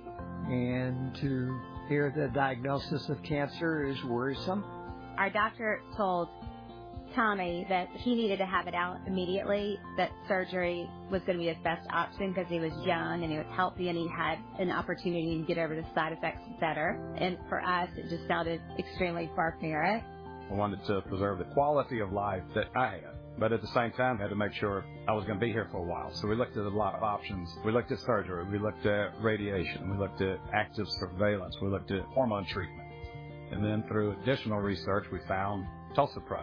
and to hear the diagnosis of cancer is worrisome. Our doctor told Tommy that he needed to have it out immediately, that surgery was gonna be his best option because he was young, and he was healthy, and he had an opportunity to get over the side effects better. For us, it just sounded extremely barbaric. I wanted to preserve the quality of life that I had, but at the same time, had to make sure I was gonna be here for a while. We looked at a lot of options. We looked at surgery, we looked at radiation, we looked at active surveillance, we looked at hormone treatments. Then through additional research, we found TULSA-PRO,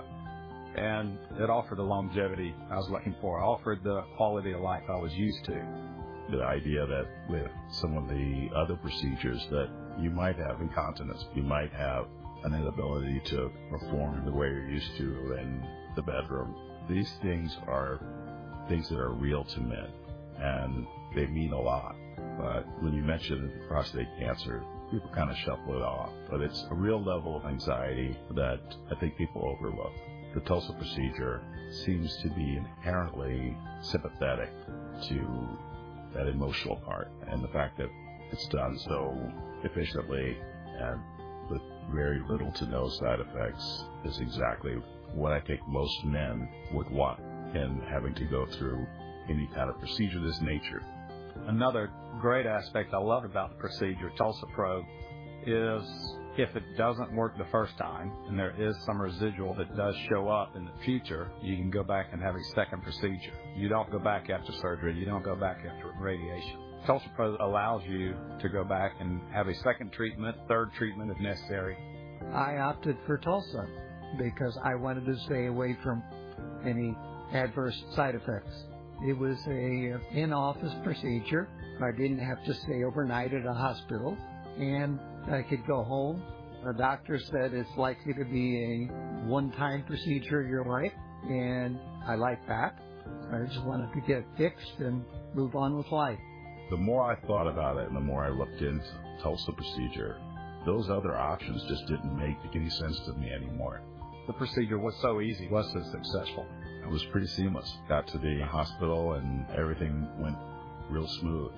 and it offered the longevity I was looking for. It offered the quality of life I was used to. The idea that with some of the other procedures that you might have incontinence, you might have an inability to perform the way you're used to in the bedroom. These things are things that are real to men, and they mean a lot. But when you mention prostate cancer, people kind of shuffle it off, but it's a real level of anxiety that I think people overlook. The TULSA procedure seems to be inherently sympathetic to that emotional part, and the fact that it's done so efficiently and with very little to no side effects, is exactly what I think most men would want in having to go through any kind of procedure of this nature. Another great aspect I love about the procedure, TULSA-PRO, is if it doesn't work the first time and there is some residual that does show up in the future, you can go back and have a second procedure. You don't go back after surgery, and you don't go back after radiation. TULSA-PRO allows you to go back and have a second treatment, third treatment, if necessary. I opted for TULSA because I wanted to stay away from any adverse side effects. It was an in-office procedure. I didn't have to stay overnight at a hospital, and I could go home. My doctor said it's likely to be a one-time procedure in your life, and I like that. I just wanted to get it fixed and move on with life. The more I thought about it, and the more I looked into TULSA procedure,... Those other options just didn't make any sense to me anymore. The procedure was so easy, plus it was successful. It was pretty seamless. Got to the hospital, and everything went real smooth.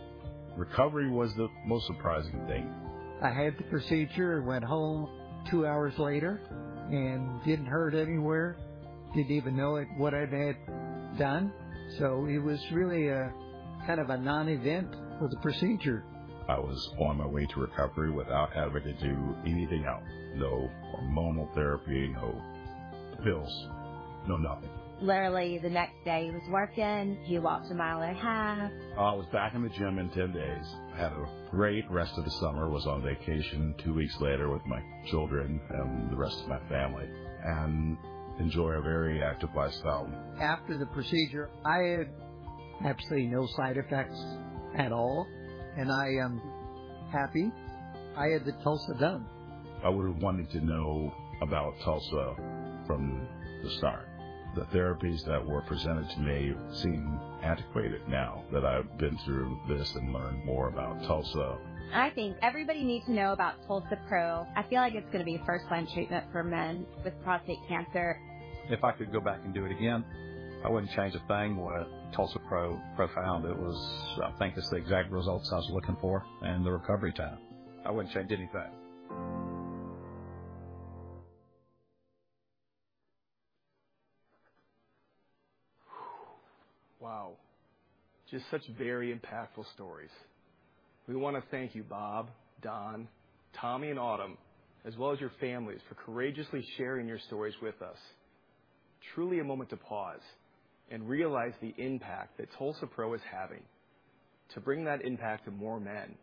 Recovery was the most surprising thing. I had the procedure and went home two hours later and didn't hurt anywhere. Didn't even know it, what I'd had done, so it was really a kind of a non-event for the procedure. I was on my way to recovery without having to do anything else. No hormonal therapy, no pills, no nothing. Literally, the next day, he was working. He walked 1.5 mi. I was back in the gym in 10 days, had a great rest of the summer, was on vacation two weeks later with my children and the rest of my family, and enjoy a very active lifestyle. After the procedure, I had absolutely no side effects at all, and I am happy I had the TULSA done. I would have wanted to know about TULSA from the start. The therapies that were presented to me seem antiquated now that I've been through this and learned more about TULSA. I think everybody needs to know about TULSA-PRO. I feel like it's going to be a first-line treatment for men with prostate cancer. If I could go back and do it again, I wouldn't change a thing with TULSA-PRO, Profound. It was... I think it's the exact results I was looking for and the recovery time. I wouldn't change anything. Wow! Just such very impactful stories. We want to thank you, Bob, Don, Tommy, and Autumn, as well as your families, for courageously sharing your stories with us. Truly a moment to pause and realize the impact that TULSA-PRO is having. To bring that impact to more men,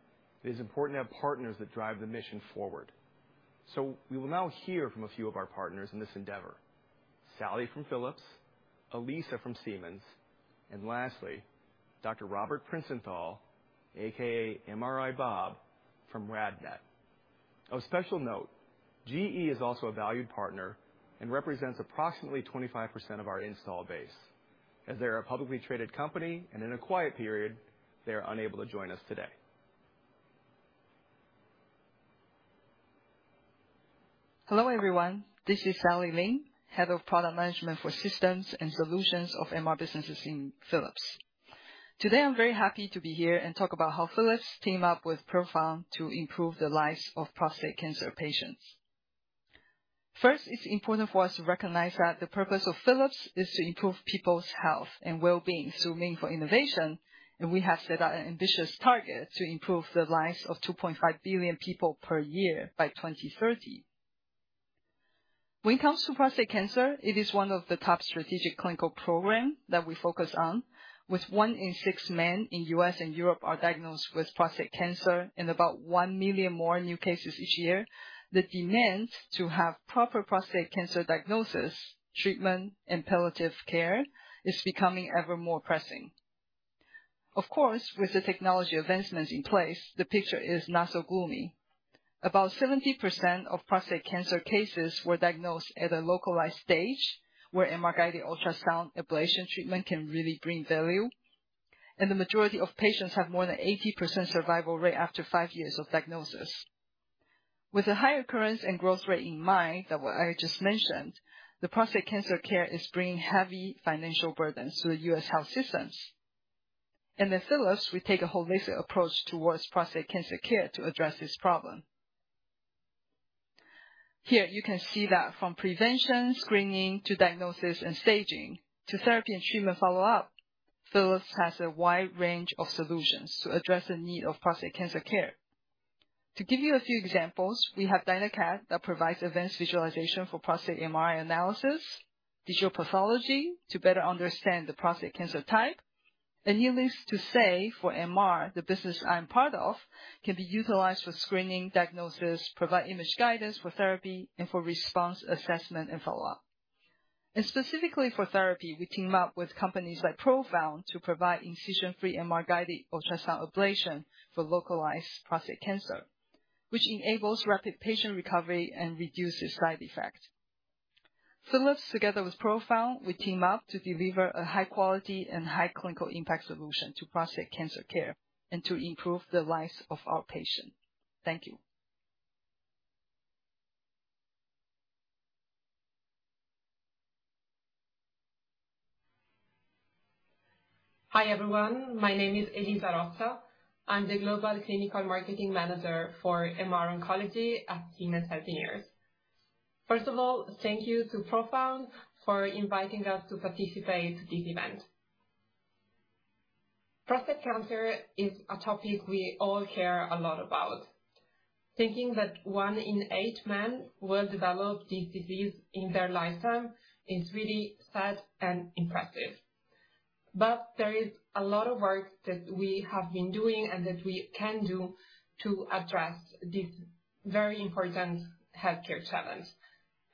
it is important to have partners that drive the mission forward. So we will now hear from a few of our partners in this endeavor. Sally from Philips, Elisa from Siemens, and lastly, Dr. Robert Princenthal, aka MRI Bob from RadNet. Of special note, GE is also a valued partner and represents approximately 25% of our install base. As they're a publicly traded company and in a quiet period, they are unable to join us today. Hello, everyone. This is Sally Lin, Head of Product Management for Systems and Solutions of MR Businesses at Philips. Today, I'm very happy to be here and talk about how Philips team up with Profound to improve the lives of prostate cancer patients. First, it's important for us to recognize that the purpose of Philips is to improve people's health and well-being through meaningful innovation, and we have set out an ambitious target to improve the lives of 2.5 billion people per year by 2030. When it comes to prostate cancer, it is one of the top strategic clinical program that we focus on, with one in six men in U.S. and Europe are diagnosed with prostate cancer and about 1 million more new cases each year. The demand to have proper prostate cancer diagnosis, treatment, and palliative care is becoming ever more pressing. Of course, with the technology advancements in place, the picture is not so gloomy. About 70% of prostate cancer cases were diagnosed at a localized stage, where MR-guided ultrasound ablation treatment can really bring value, and the majority of patients have more than 80% survival rate after five years of diagnosis. With a high occurrence and growth rate in mind, that what I just mentioned, the prostate cancer care is bringing heavy financial burdens to the U.S. health systems. At Philips, we take a holistic approach towards prostate cancer care to address this problem. Here, you can see that from prevention, screening, to diagnosis and staging, to therapy and treatment follow-up, Philips has a wide range of solutions to address the need of prostate cancer care. To give you a few examples, we have Dyna-CAD that provides advanced visualization for prostate MRI analysis, digital pathology to better understand the prostate cancer type. Needless to say, for MR, the business I'm part of, can be utilized for screening, diagnosis, provide image guidance for therapy, and for response, assessment, and follow-up. Specifically for therapy, we team up with companies like Profound to provide incision-free MR-guided ultrasound ablation for localized prostate cancer, which enables rapid patient recovery and reduces side effects. Philips, together with Profound, we team up to deliver a high quality and high clinical impact solution to prostate cancer care and to improve the lives of our patients. Thank you. Hi, everyone. My name is Elisa Roccia. I'm the Global Clinical Marketing Manager for MR Oncology at Siemens Healthineers. First of all, thank you to Profound for inviting us to participate in this event. Prostate cancer is a topic we all care a lot about. Thinking that one in eight men will develop this disease in their lifetime is really sad and impressive. There is a lot of work that we have been doing and that we can do to address this very important healthcare challenge,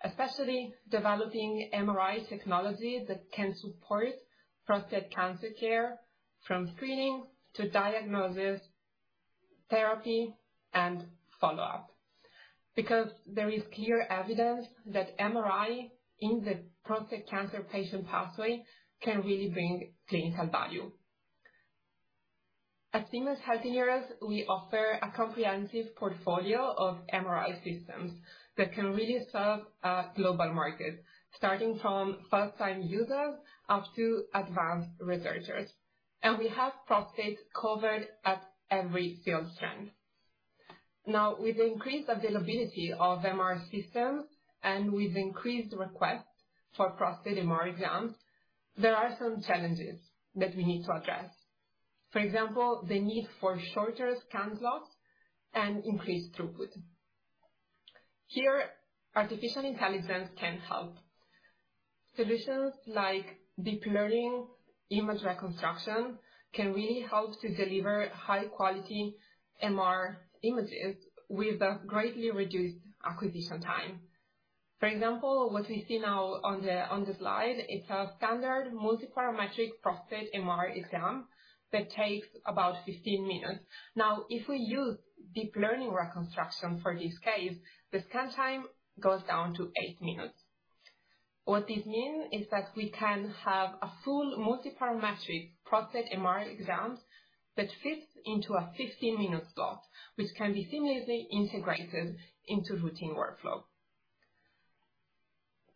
especially developing MRI technology that can support prostate cancer care from screening to diagnosis, therapy, and follow-up. Because there is clear evidence that MRI in the prostate cancer patient pathway can really bring clinical value. At Siemens Healthineers, we offer a comprehensive portfolio of MRI systems that can really serve a global market, starting from first-time users up to advanced researchers. We have prostate covered at every field strength. Now, with increased availability of MRI systems and with increased requests for prostate MR exams, there are some challenges that we need to address. For example, the need for shorter scan slots and increased throughput. Here, artificial intelligence can help. Solutions like deep learning image reconstruction can really help to deliver high-quality MR images with a greatly reduced acquisition time. For example, what we see now on the slide, it's a standard multiparametric prostate MR exam that takes about 15 minutes. Now, if we use deep learning reconstruction for this case, the scan time goes down to eight minutes. What this means is that we can have a full multiparametric prostate MR exam that fits into a 15-minute slot, which can be seamlessly integrated into routine workflow.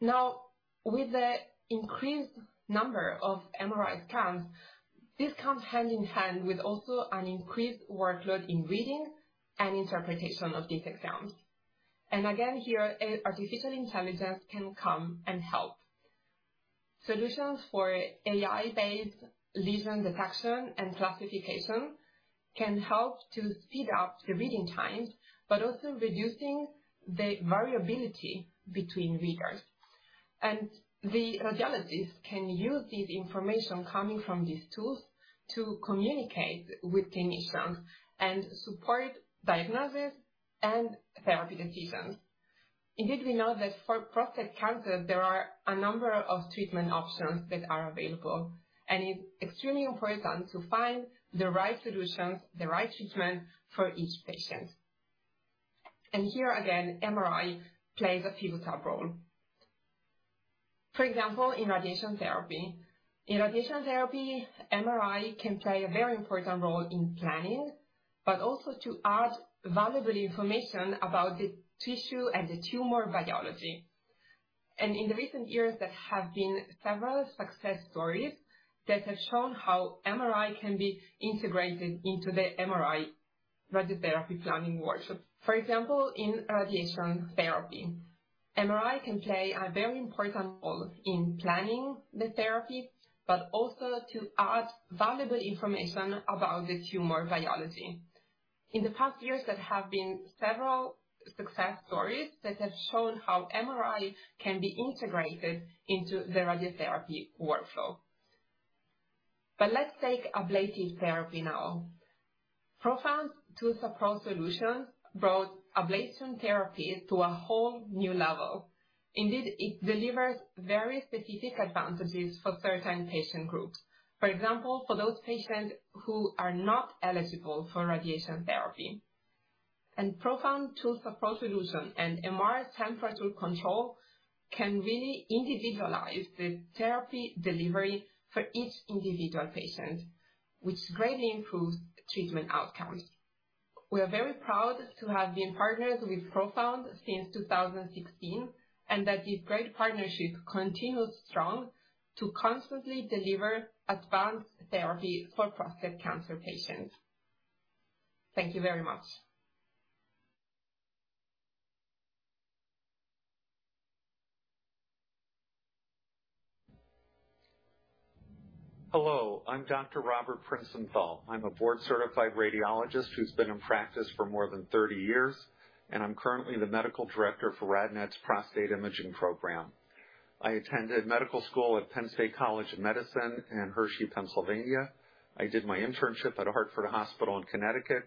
Now, with the increased number of MRI scans, this comes hand in hand with also an increased workload in reading and interpretation of these exams. And again, here, artificial intelligence can come and help. Solutions for AI-based lesion detection and classification can help to speed up the reading times, but also reducing the variability between readers. And the radiologists can use this information coming from these tools to communicate with clinicians and support diagnosis and therapy decisions. Indeed, we know that for prostate cancer, there are a number of treatment options that are available, and it's extremely important to find the right solutions, the right treatment for each patient. And here again, MRI plays a pivotal role. For example, in radiation therapy. In radiation therapy, MRI can play a very important role in planning, but also to add valuable information about the tissue and the tumor biology. In recent years, there have been several success stories that have shown how MRI can be integrated into the MRI radiotherapy planning workshop. For example, in radiation therapy, MRI can play a very important role in planning the therapy, but also to add valuable information about the tumor biology. In the past years, there have been several success stories that have shown how MRI can be integrated into the radiotherapy workflow. Let's take ablative therapy now. Profound TULSA-PRO solutions brought ablation therapy to a whole new level. Indeed, it delivers very specific advantages for certain patient groups. For example, for those patients who are not eligible for radiation therapy. Profound TULSA-PRO solution and MR temperature control can really individualize the therapy delivery for each individual patient, which greatly improves treatment outcomes. We are very proud to have been partners with Profound since 2016, and that this great partnership continues strong to constantly deliver advanced therapy for prostate cancer patients. Thank you very much. Hello, I'm Dr. Robert Princenthal. I'm a board-certified radiologist who's been in practice for more than 30 years, and I'm currently the medical director for RadNet's prostate imaging program. I attended medical school at Penn State College of Medicine in Hershey, Pennsylvania. I did my internship at Hartford Hospital in Connecticut.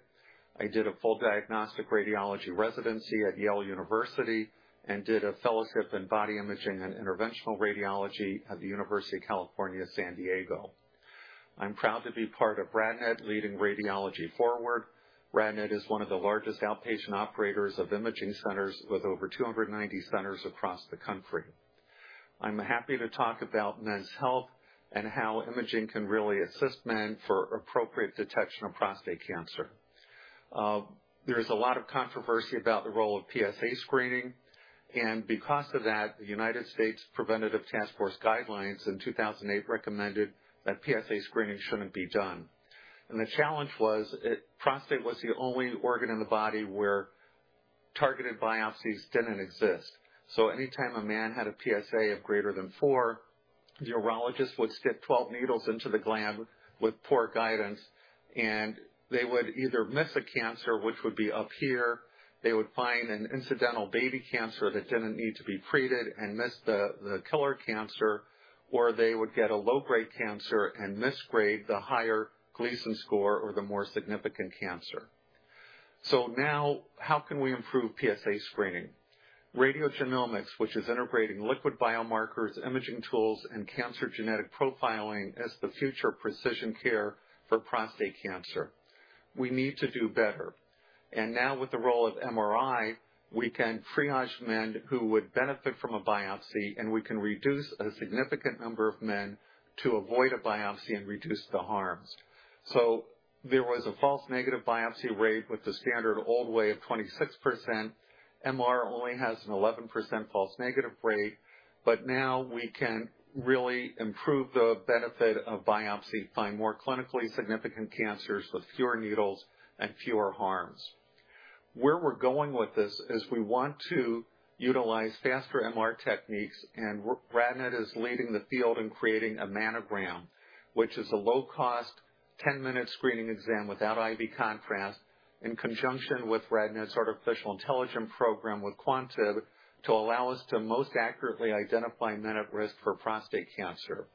I did a full diagnostic radiology residency at Yale University and did a fellowship in body imaging and interventional radiology at the University of California, San Diego. I'm proud to be part of RadNet, Leading Radiology Forward. RadNet is one of the largest outpatient operators of imaging centers with over 290 centers across the country. I'm happy to talk about men's health and how imaging can really assist men for appropriate detection of prostate cancer. There is a lot of controversy about the role of PSA screening, and because of that, the United States Preventive Task Force guidelines in 2008 recommended that PSA screening shouldn't be done. The challenge was, prostate was the only organ in the body where targeted biopsies didn't exist. Anytime a man had a PSA of greater than four, urologists would stick 12 needles into the gland with poor guidance, and they would either miss a cancer, which would be up here. They would find an incidental baby cancer that didn't need to be treated and miss the, the killer cancer, or they would get a low-grade cancer and misgrade the higher Gleason score or the more significant cancer. Now, how can we improve PSA screening? Radiogenomics, which is integrating liquid biomarkers, imaging tools, and cancer genetic profiling, is the future of precision care for prostate cancer. We need to do better.... And now with the role of MRI, we can triage men who would benefit from a biopsy, and we can reduce a significant number of men to avoid a biopsy and reduce the harms. So there was a false negative biopsy rate with the standard old way of 26%. MR only has an 11% false negative rate, but now we can really improve the benefit of biopsy, find more clinically significant cancers with fewer needles and fewer harms. Where we're going with this is we want to utilize faster MR techniques, and RadNet is leading the field in creating a MANogram, which is a low-cost, ten-minute screening exam without IV contrast, in conjunction with RadNet's artificial intelligence program with Quantib, to allow us to most accurately identify men at risk for prostate cancer.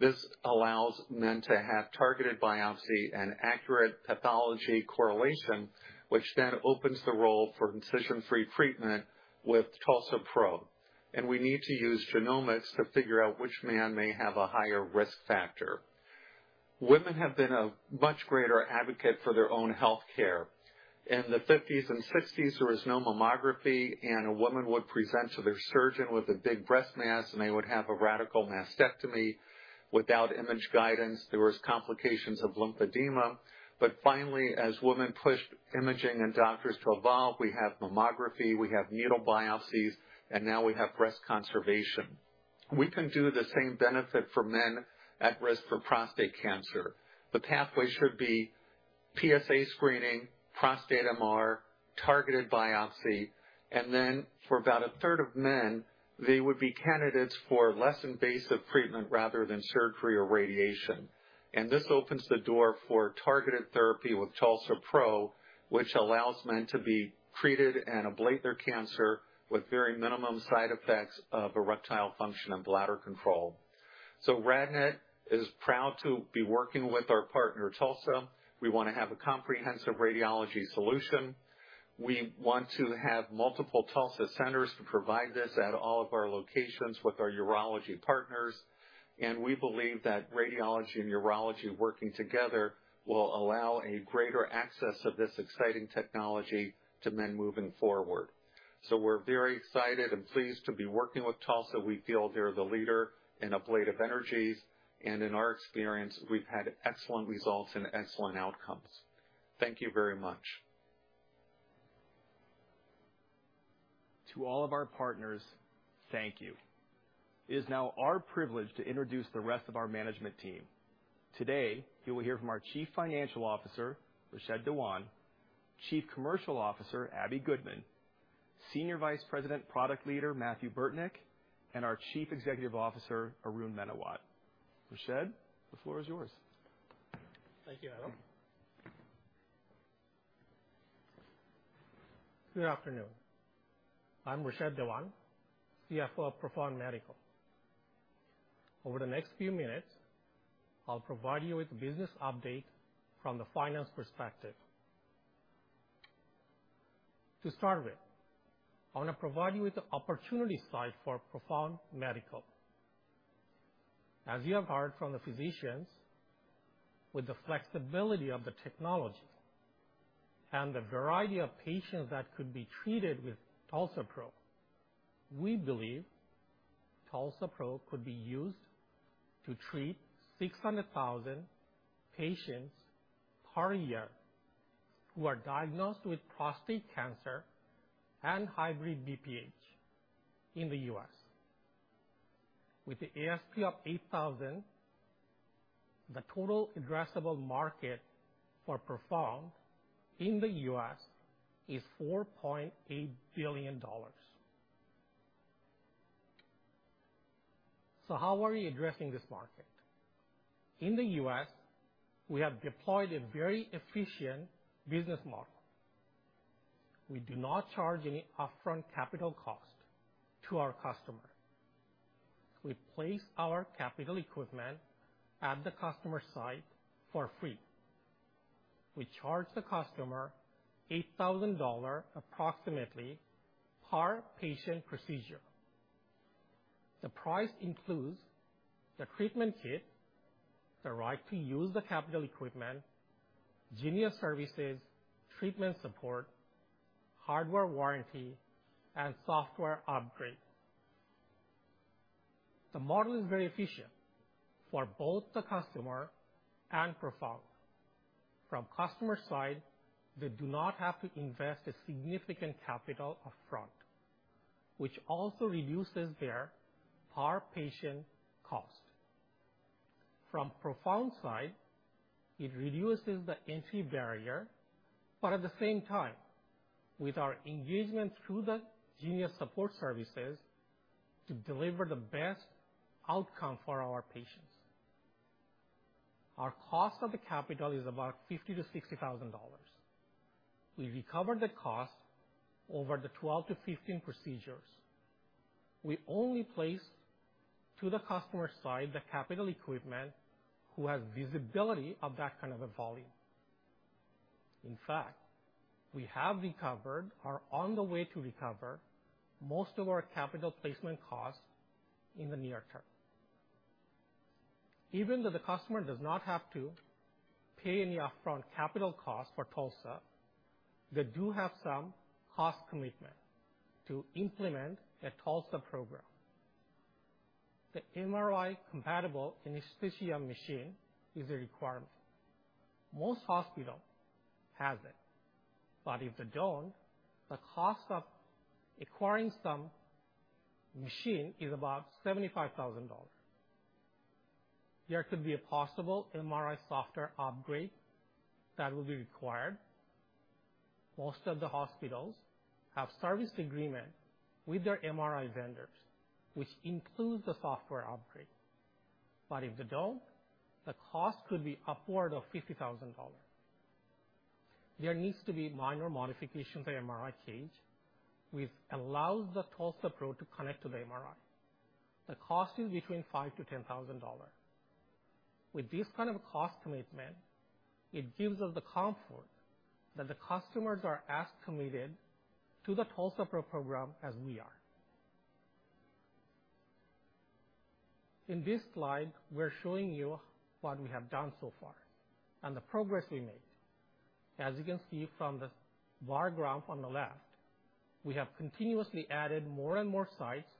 This allows men to have targeted biopsy and accurate pathology correlation, which then opens the role for incision-free treatment with TULSA-PRO. And we need to use genomics to figure out which man may have a higher risk factor. Women have been a much greater advocate for their own health care. In the fifties and sixties, there was no mammography, and a woman would present to their surgeon with a big breast mass, and they would have a radical mastectomy. Without image guidance, there was complications of lymphedema. But finally, as women pushed imaging and doctors to evolve, we have mammography, we have needle biopsies, and now we have breast conservation. We can do the same benefit for men at risk for prostate cancer. The pathway should be PSA screening, prostate MR, targeted biopsy, and then for about a third of men, they would be candidates for less invasive treatment rather than surgery or radiation. And this opens the door for targeted therapy with TULSA-PRO, which allows men to be treated and ablate their cancer with very minimum side effects of erectile function and bladder control. So RadNet is proud to be working with our partner, TULSA-PRO. We want to have a comprehensive radiology solution. We want to have multiple TULSA-PRO centers to provide this at all of our locations with our urology partners. We believe that radiology and urology working together will allow a greater access of this exciting technology to men moving forward. We're very excited and pleased to be working with TULSA. We feel they're the leader in ablative energies, and in our experience, we've had excellent results and excellent outcomes. Thank you very much. To all of our partners, thank you. It is now our privilege to introduce the rest of our management team. Today, you will hear from our Chief Financial Officer, Rashed Dewan, Chief Commercial Officer, Abbey Goodman, Senior Vice President, Product Leader, Mathieu Burtnyk, and our Chief Executive Officer, Arun Menawat. Rashed, the floor is yours. Thank you, Adam. Good afternoon. I'm Rashed Dewan, CFO of Profound Medical. Over the next few minutes, I'll provide you with business update from the finance perspective. To start with, I want to provide you with the opportunity side for Profound Medical. As you have heard from the physicians, with the flexibility of the technology and the variety of patients that could be treated with TULSA-PRO, we believe TULSA-PRO could be used to treat 600,000 patients per year who are diagnosed with prostate cancer and hybrid BPH in the U.S.. With the ASP of $8,000, the total addressable market for Profound in the U.S. is $4.8 billion. So how are we addressing this market? In the US, we have deployed a very efficient business model. We do not charge any upfront capital cost to our customer. We place our capital equipment at the customer site for free. We charge the customer $8,000, approximately, per patient procedure. The price includes the treatment kit, the right to use the capital equipment, GENIUS Services, treatment support, hardware warranty, and software upgrade. The model is very efficient for both the customer and Profound. From customer side, they do not have to invest a significant capital upfront, which also reduces their per-patient cost. From Profound side, it reduces the entry barrier, but at the same time, with our engagement through the GENIUS support services, to deliver the best outcome for our patients. Our cost of the capital is about $50,000-$60,000. We recover the cost over the 12 to15 procedures. We only place to the customer side the capital equipment, who has visibility of that kind of a volume. In fact, we have recovered or on the way to recover most of our capital placement costs in the near term.... Even though the customer does not have to pay any upfront capital costs for TULSA, they do have some cost commitment to implement a TULSA program. The MRI-compatible anesthesia machine is a requirement. Most hospitals have it, but if they don't, the cost of acquiring some machine is about $75,000. There could be a possible MRI software upgrade that will be required. Most of the hospitals have service agreement with their MRI vendors, which includes the software upgrade. But if they don't, the cost could be upward of $50,000. There needs to be minor modification to the MRI cage, which allows the TULSA-PRO to connect to the MRI. The cost is between $5,000-$10,000. With this kind of cost commitment, it gives us the comfort that the customers are as committed to the TULSA-PRO program as we are. In this slide, we're showing you what we have done so far and the progress we made. As you can see from the bar graph on the left, we have continuously added more and more sites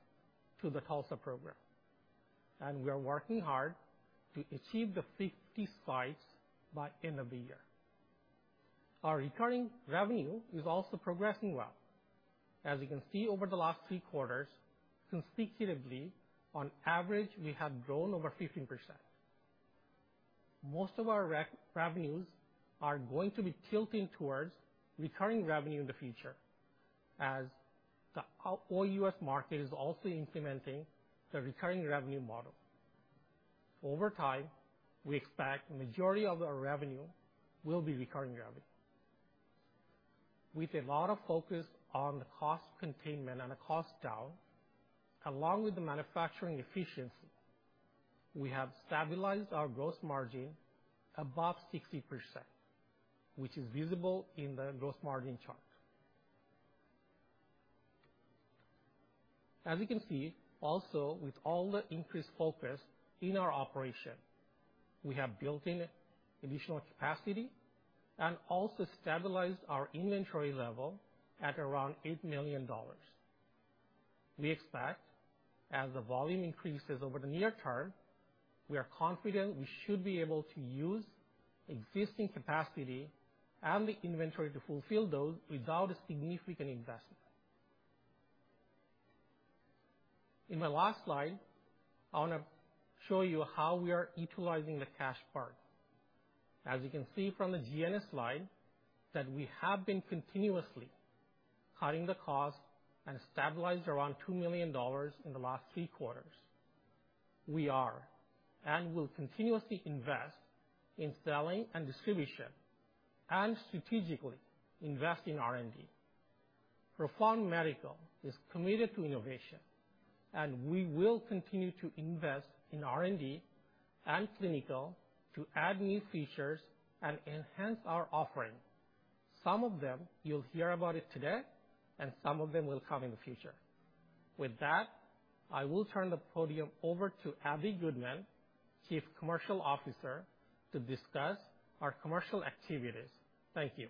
to the TULSA program, and we are working hard to achieve the 50 sites by end of the year. Our recurring revenue is also progressing well. As you can see, over the last three quarters, consecutively, on average, we have grown over 15%. Most of our revenues are going to be tilting towards recurring revenue in the future, as the overall U.S. market is also implementing the recurring revenue model. Over time, we expect majority of our revenue will be recurring revenue. With a lot of focus on the cost containment and the cost down, along with the manufacturing efficiency, we have stabilized our gross margin above 60%, which is visible in the gross margin chart. As you can see, also, with all the increased focus in our operation, we have built in additional capacity and also stabilized our inventory level at around $8 million. We expect as the volume increases over the near term, we are confident we should be able to use existing capacity and the inventory to fulfill those without a significant investment. In my last slide, I want to show you how we are utilizing the cash part. As you can see from the GNS slide, that we have been continuously cutting the cost and stabilized around $2 million in the last three quarters. We are and will continuously invest in selling and distribution and strategically invest in R&D. Profound Medical is committed to innovation, and we will continue to invest in R&D and clinical to add new features and enhance our offering. Some of them, you'll hear about it today, and some of them will come in the future. With that, I will turn the podium over to Abbey Goodman, Chief Commercial Officer, to discuss our commercial activities. Thank you.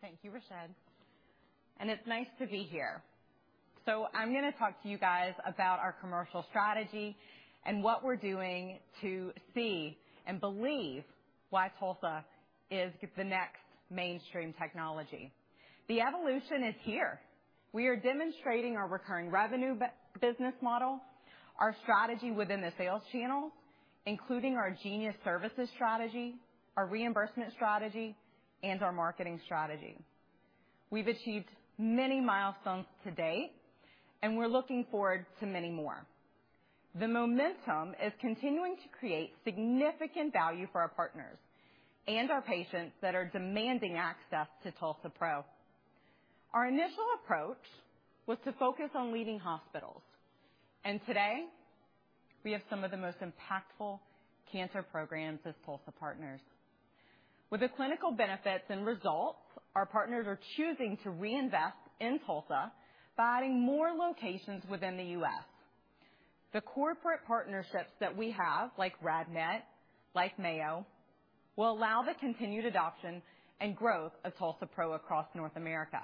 Thank you, Rashed, and it's nice to be here. So I'm gonna talk to you guys about our commercial strategy and what we're doing to see and believe why TULSA is the next mainstream technology. The evolution is here. We are demonstrating our recurring revenue business model, our strategy within the sales channel, including our GENIUS Services strategy, our reimbursement strategy, and our marketing strategy. We've achieved many milestones to date, and we're looking forward to many more. The momentum is continuing to create significant value for our partners and our patients that are demanding access to TULSA-PRO. Our initial approach was to focus on leading hospitals, and today, we have some of the most impactful cancer programs as TULSA partners. With the clinical benefits and results, our partners are choosing to reinvest in TULSA by adding more locations within the U.S. The corporate partnerships that we have, like RadNet, like Mayo, will allow the continued adoption and growth of TULSA-PRO across North America.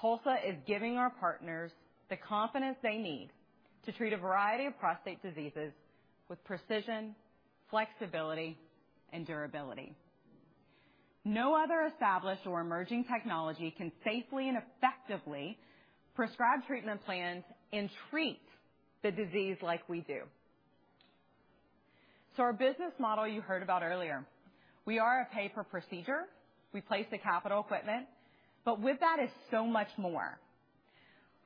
TULSA-PRO is giving our partners the confidence they need to treat a variety of prostate diseases with precision, flexibility, and durability. No other established or emerging technology can safely and effectively prescribe treatment plans and treat the disease like we do. So our business model you heard about earlier, we are a pay-per-procedure. We place the capital equipment, but with that is so much more.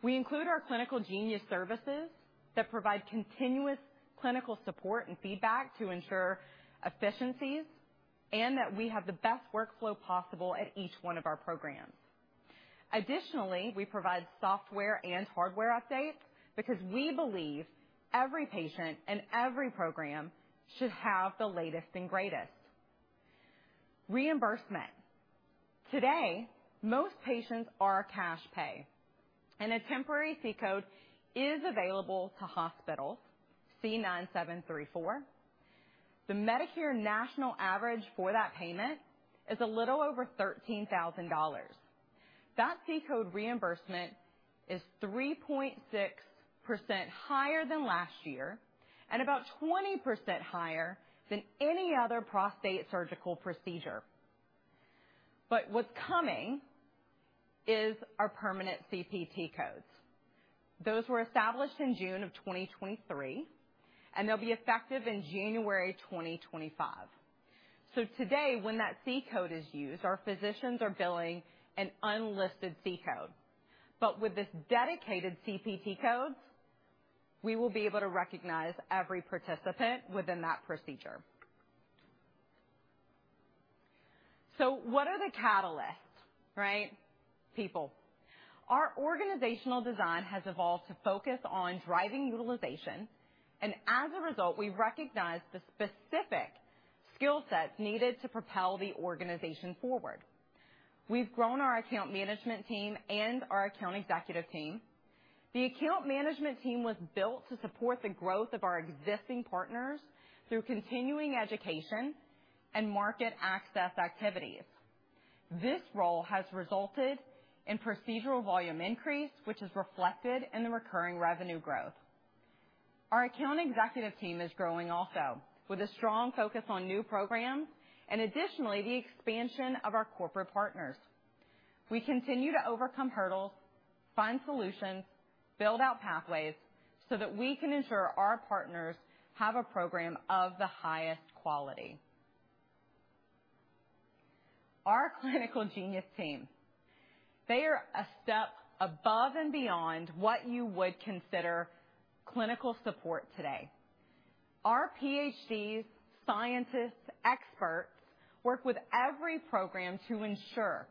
We include our clinical GENIUS Services that provide continuous clinical support and feedback to ensure efficiencies, and that we have the best workflow possible at each one of our programs. Additionally, we provide software and hardware updates because we believe every patient and every program should have the latest and greatest.... Reimbursement. Today, most patients are cash pay, and a temporary C code is available to hospitals, C9734. The Medicare national average for that payment is a little over $13,000. That C code reimbursement is 3.6% higher than last year and about 20% higher than any other prostate surgical procedure. But what's coming is our permanent CPT codes. Those were established in June 2023, and they'll be effective in January 2025. So today, when that C code is used, our physicians are billing an unlisted C code, but with this dedicated CPT code, we will be able to recognize every participant within that procedure. So what are the catalysts, right? People. Our organizational design has evolved to focus on driving utilization, and as a result, we've recognized the specific skill sets needed to propel the organization forward. We've grown our account management team and our account executive team. The account management team was built to support the growth of our existing partners through continuing education and market access activities. This role has resulted in procedural volume increase, which is reflected in the recurring revenue growth. Our account executive team is growing also, with a strong focus on new programs and additionally, the expansion of our corporate partners. We continue to overcome hurdles, find solutions, build out pathways, so that we can ensure our partners have a program of the highest quality. Our clinical GENIUS team, they are a step above and beyond what you would consider clinical support today. Our PhDs, scientists, experts, work with every program to ensure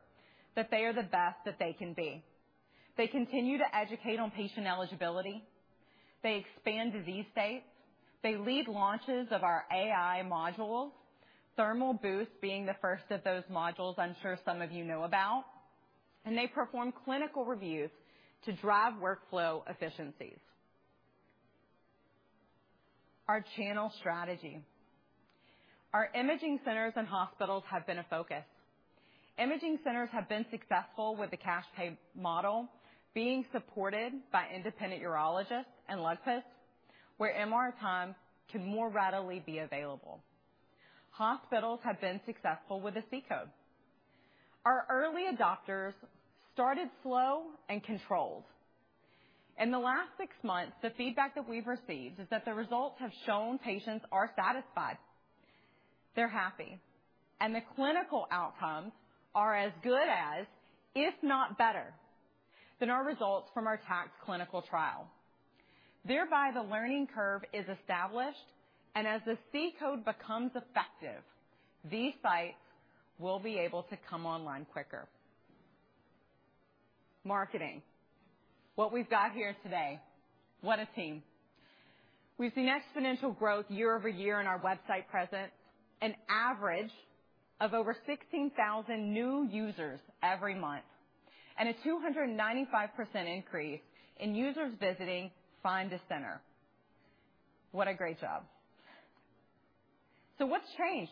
that they are the best that they can be. They continue to educate on patient eligibility, they expand disease states, they lead launches of our AI modules, Thermal Boost being the first of those modules, I'm sure some of you know about, and they perform clinical reviews to drive workflow efficiencies. Our channel strategy. Our imaging centers and hospitals have been a focus. Imaging centers have been successful with the cash pay model, being supported by independent urologists and radiologists, where MR time can more readily be available. Hospitals have been successful with the C code. Our early adopters started slow and controlled. In the last six months, the feedback that we've received is that the results have shown patients are satisfied, they're happy, and the clinical outcomes are as good as, if not better, than our results from our TACT clinical trial. Thereby, the learning curve is established, and as the C code becomes effective, these sites will be able to come online quicker. Marketing. What we've got here today, what a team! We've seen exponential growth year-over-year in our website presence, an average of over 16,000 new users every month, and a 295% increase in users visiting Find a Center. What a great job. So what's changed?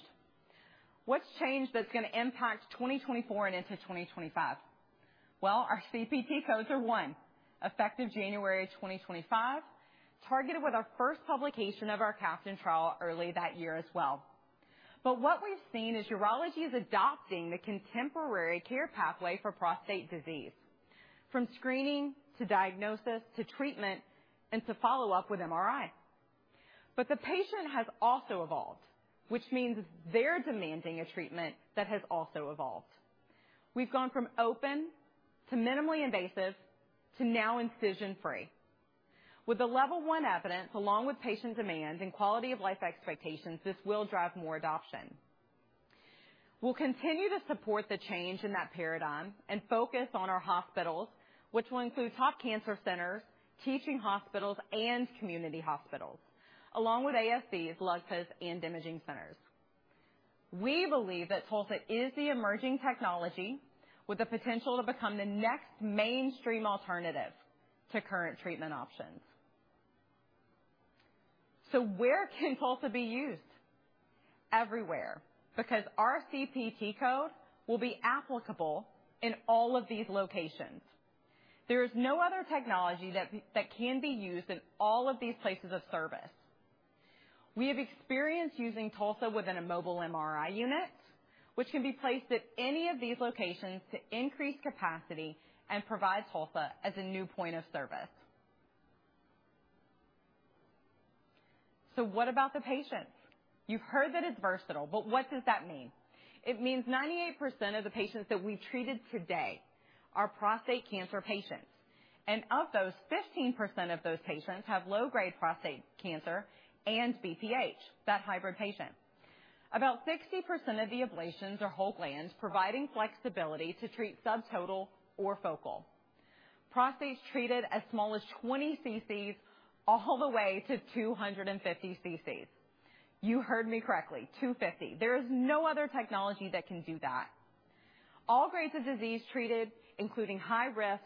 What's changed that's going to impact 2024 and into 2025? Well, our CPT codes are one, effective January 2025, targeted with our first publication of our CAPTAIN trial early that year as well. But what we've seen is urology is adopting the contemporary care pathway for prostate disease, from screening to diagnosis to treatment and to follow-up with MRI. But the patient has also evolved, which means they're demanding a treatment that has also evolved. We've gone from open to minimally invasive to now incision-free. With the level one evidence, along with patient demand and quality of life expectations, this will drive more adoption. We'll continue to support the change in that paradigm and focus on our hospitals, which will include top cancer centers, teaching hospitals, and community hospitals, along with ASCs, urologists, and imaging centers. We believe that TULSA is the emerging technology with the potential to become the next mainstream alternative to current treatment options. So where can TULSA be used? Everywhere, because our CPT code will be applicable in all of these locations. There is no other technology that can be used in all of these places of service. We have experience using TULSA within a mobile MRI unit, which can be placed at any of these locations to increase capacity and provide TULSA as a new point of service. So what about the patient? You've heard that it's versatile, but what does that mean? It means 98% of the patients that we treated today are prostate cancer patients, and of those, 15% of those patients have low-grade prostate cancer and BPH, that hybrid patient. About 60% of the ablations are whole glands, providing flexibility to treat subtotal or focal. Prostates treated as small as 20 cc all the way to 250 cc. You heard me correctly, 250. There is no other technology that can do that. All grades of disease treated, including high risk,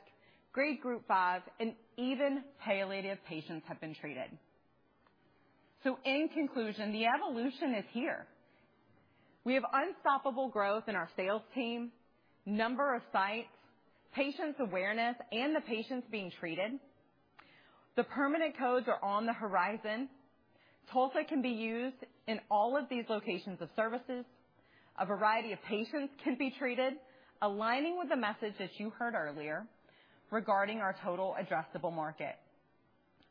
grade group five, and even palliative patients have been treated. So in conclusion, the evolution is here. We have unstoppable growth in our sales team, number of sites, patients awareness, and the patients being treated. The permanent codes are on the horizon. TULSA can be used in all of these locations of services. A variety of patients can be treated, aligning with the message that you heard earlier regarding our total addressable market.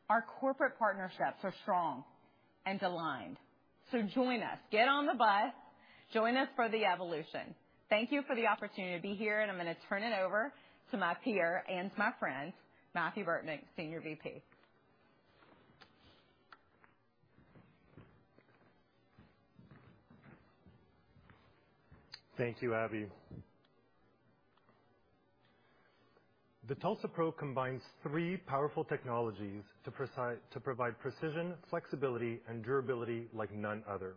Our corporate partnerships are strong and aligned. So join us. Get on the bus. Join us for the evolution. Thank you for the opportunity to be here, and I'm going to turn it over to my peer and my friend, Mathieu Burtnyk, Senior VP. Thank you, Abbey. The TULSA-PRO combines three powerful technologies to provide precision, flexibility, and durability like none other.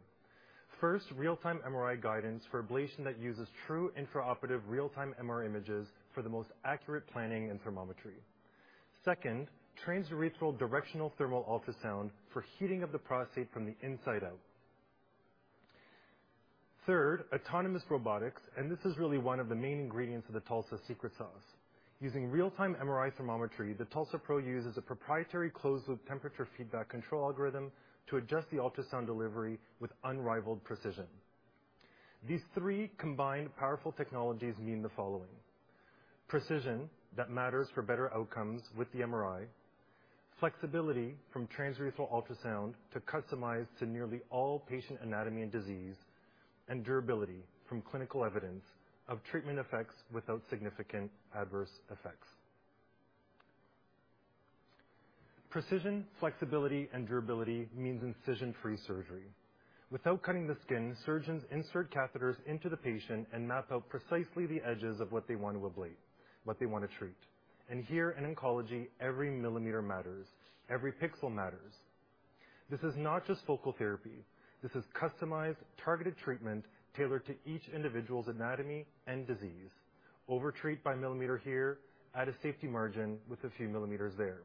First, real-time MRI guidance for ablation that uses true intraoperative real-time MRI images for the most accurate planning and thermometry. Second, transurethral directional thermal ultrasound for heating of the prostate from the inside out. Third, autonomous robotics, and this is really one of the main ingredients of the TULSA secret sauce. Using real-time MRI thermometry, the TULSA-PRO uses a proprietary closed loop temperature feedback control algorithm to adjust the ultrasound delivery with unrivaled precision. These three combined powerful technologies mean the following: precision that matters for better outcomes with the MRI, flexibility from transurethral ultrasound to customize to nearly all patient anatomy and disease, and durability from clinical evidence of treatment effects without significant adverse effects. Precision, flexibility, and durability means incision-free surgery. Without cutting the skin, surgeons insert catheters into the patient and map out precisely the edges of what they want to ablate, what they want to treat. Here in oncology, every millimeter matters. Every pixel matters. This is not just focal therapy. This is customized, targeted treatment tailored to each individual's anatomy and disease. Overtreat by millimeter here, add a safety margin with a few millimeters there.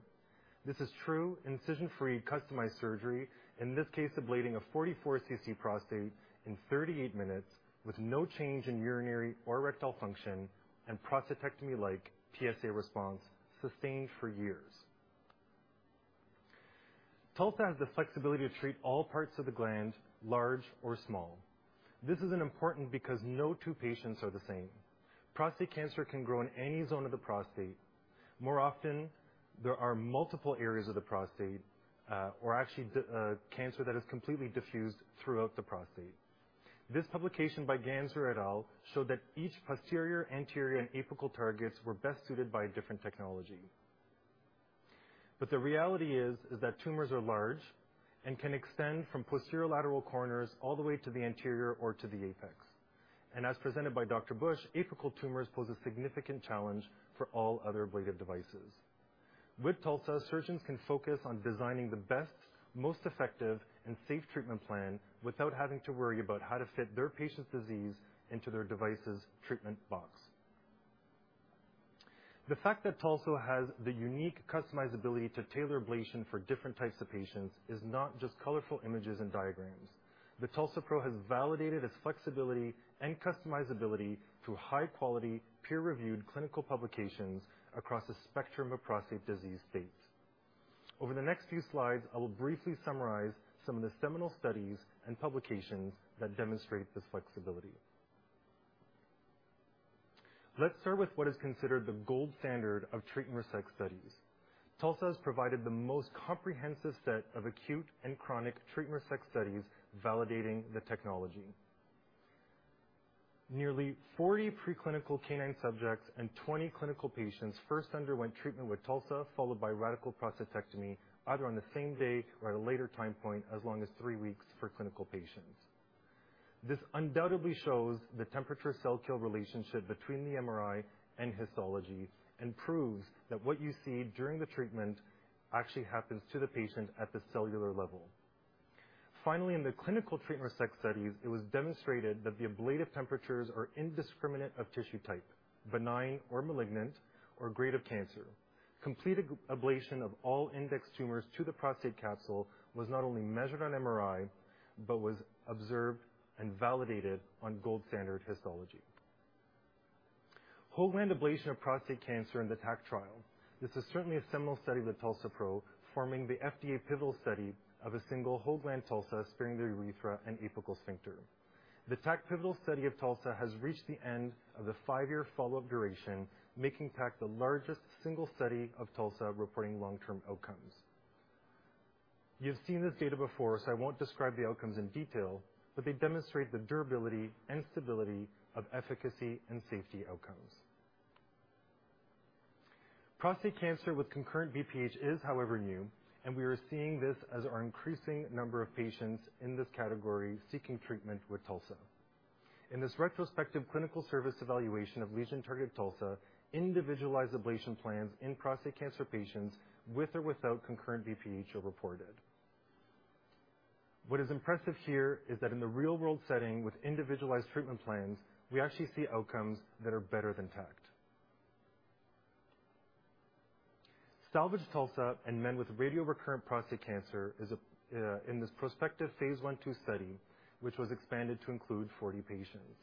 This is true incision-free, customized surgery, in this case, ablating a 44 cc prostate in 38 minutes with no change in urinary or erectile function and prostatectomy like PSA response sustained for years. TULSA has the flexibility to treat all parts of the gland, large or small. This is an important because no two patients are the same. Prostate cancer can grow in any zone of the prostate. More often, there are multiple areas of the prostate, or actually, cancer that is completely diffused throughout the prostate. This publication by Ganzer et al. showed that each posterior, anterior, and apical targets were best suited by a different technology. But the reality is, is that tumors are large and can extend from posterolateral corners all the way to the anterior or to the apex. And as presented by Dr. Busch, apical tumors pose a significant challenge for all other ablative devices. With TULSA, surgeons can focus on designing the best, most effective, and safe treatment plan without having to worry about how to fit their patient's disease into their device's treatment box. The fact that TULSA has the unique customizability to tailor ablation for different types of patients is not just colorful images and diagrams. The TULSA-PRO has validated its flexibility and customizability through high-quality, peer-reviewed clinical publications across a spectrum of prostate disease states. Over the next few slides, I will briefly summarize some of the seminal studies and publications that demonstrate this flexibility. Let's start with what is considered the gold standard of treatment effect studies. TULSA-PRO has provided the most comprehensive set of acute and chronic treatment effect studies validating the technology. Nearly 40 preclinical canine subjects and 20 clinical patients first underwent treatment with TULSA-PRO, followed by radical prostatectomy, either on the same day or at a later time point, as long as three weeks for clinical patients. This undoubtedly shows the temperature cell kill relationship between the MRI and histology, and proves that what you see during the treatment actually happens to the patient at the cellular level. Finally, in the clinical treatment effect studies, it was demonstrated that the ablative temperatures are indiscriminate of tissue type, benign or malignant, or grade of cancer. Completed ablation of all index tumors to the prostate capsule was not only measured on MRI, but was observed and validated on gold standard histology. Whole-gland ablation of prostate cancer in the TACT trial. This is certainly a seminal study of the TULSA-PRO, forming the FDA pivotal study of a single whole-gland TULSA sparing the urethra and apical sphincter. The TACT pivotal study of TULSA has reached the end of the five-year follow-up duration, making TACT the largest single study of TULSA reporting long-term outcomes. You've seen this data before, so I won't describe the outcomes in detail, but they demonstrate the durability and stability of efficacy and safety outcomes. Prostate cancer with concurrent BPH is, however, new, and we are seeing this as our increasing number of patients in this category seeking treatment with TULSA.... In this retrospective clinical service evaluation of lesion-targeted TULSA, individualized ablation plans in prostate cancer patients with or without concurrent BPH are reported. What is impressive here is that in the real-world setting with individualized treatment plans, we actually see outcomes that are better than TACT. Salvage TULSA in men with radio-recurrent prostate cancer is a in this prospective phase I, II study, which was expanded to include 40 patients.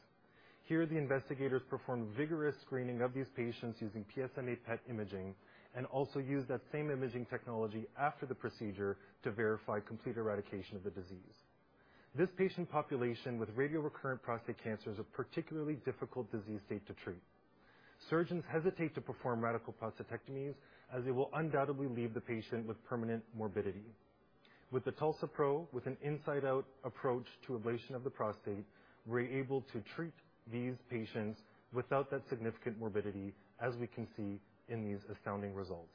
Here, the investigators performed vigorous screening of these patients using PSMA PET imaging and also used that same imaging technology after the procedure to verify complete eradication of the disease. This patient population with radio-recurrent prostate cancer is a particularly difficult disease state to treat. Surgeons hesitate to perform radical prostatectomies, as they will undoubtedly leave the patient with permanent morbidity. With the TULSA-PRO, with an inside-out approach to ablation of the prostate, we're able to treat these patients without that significant morbidity, as we can see in these astounding results.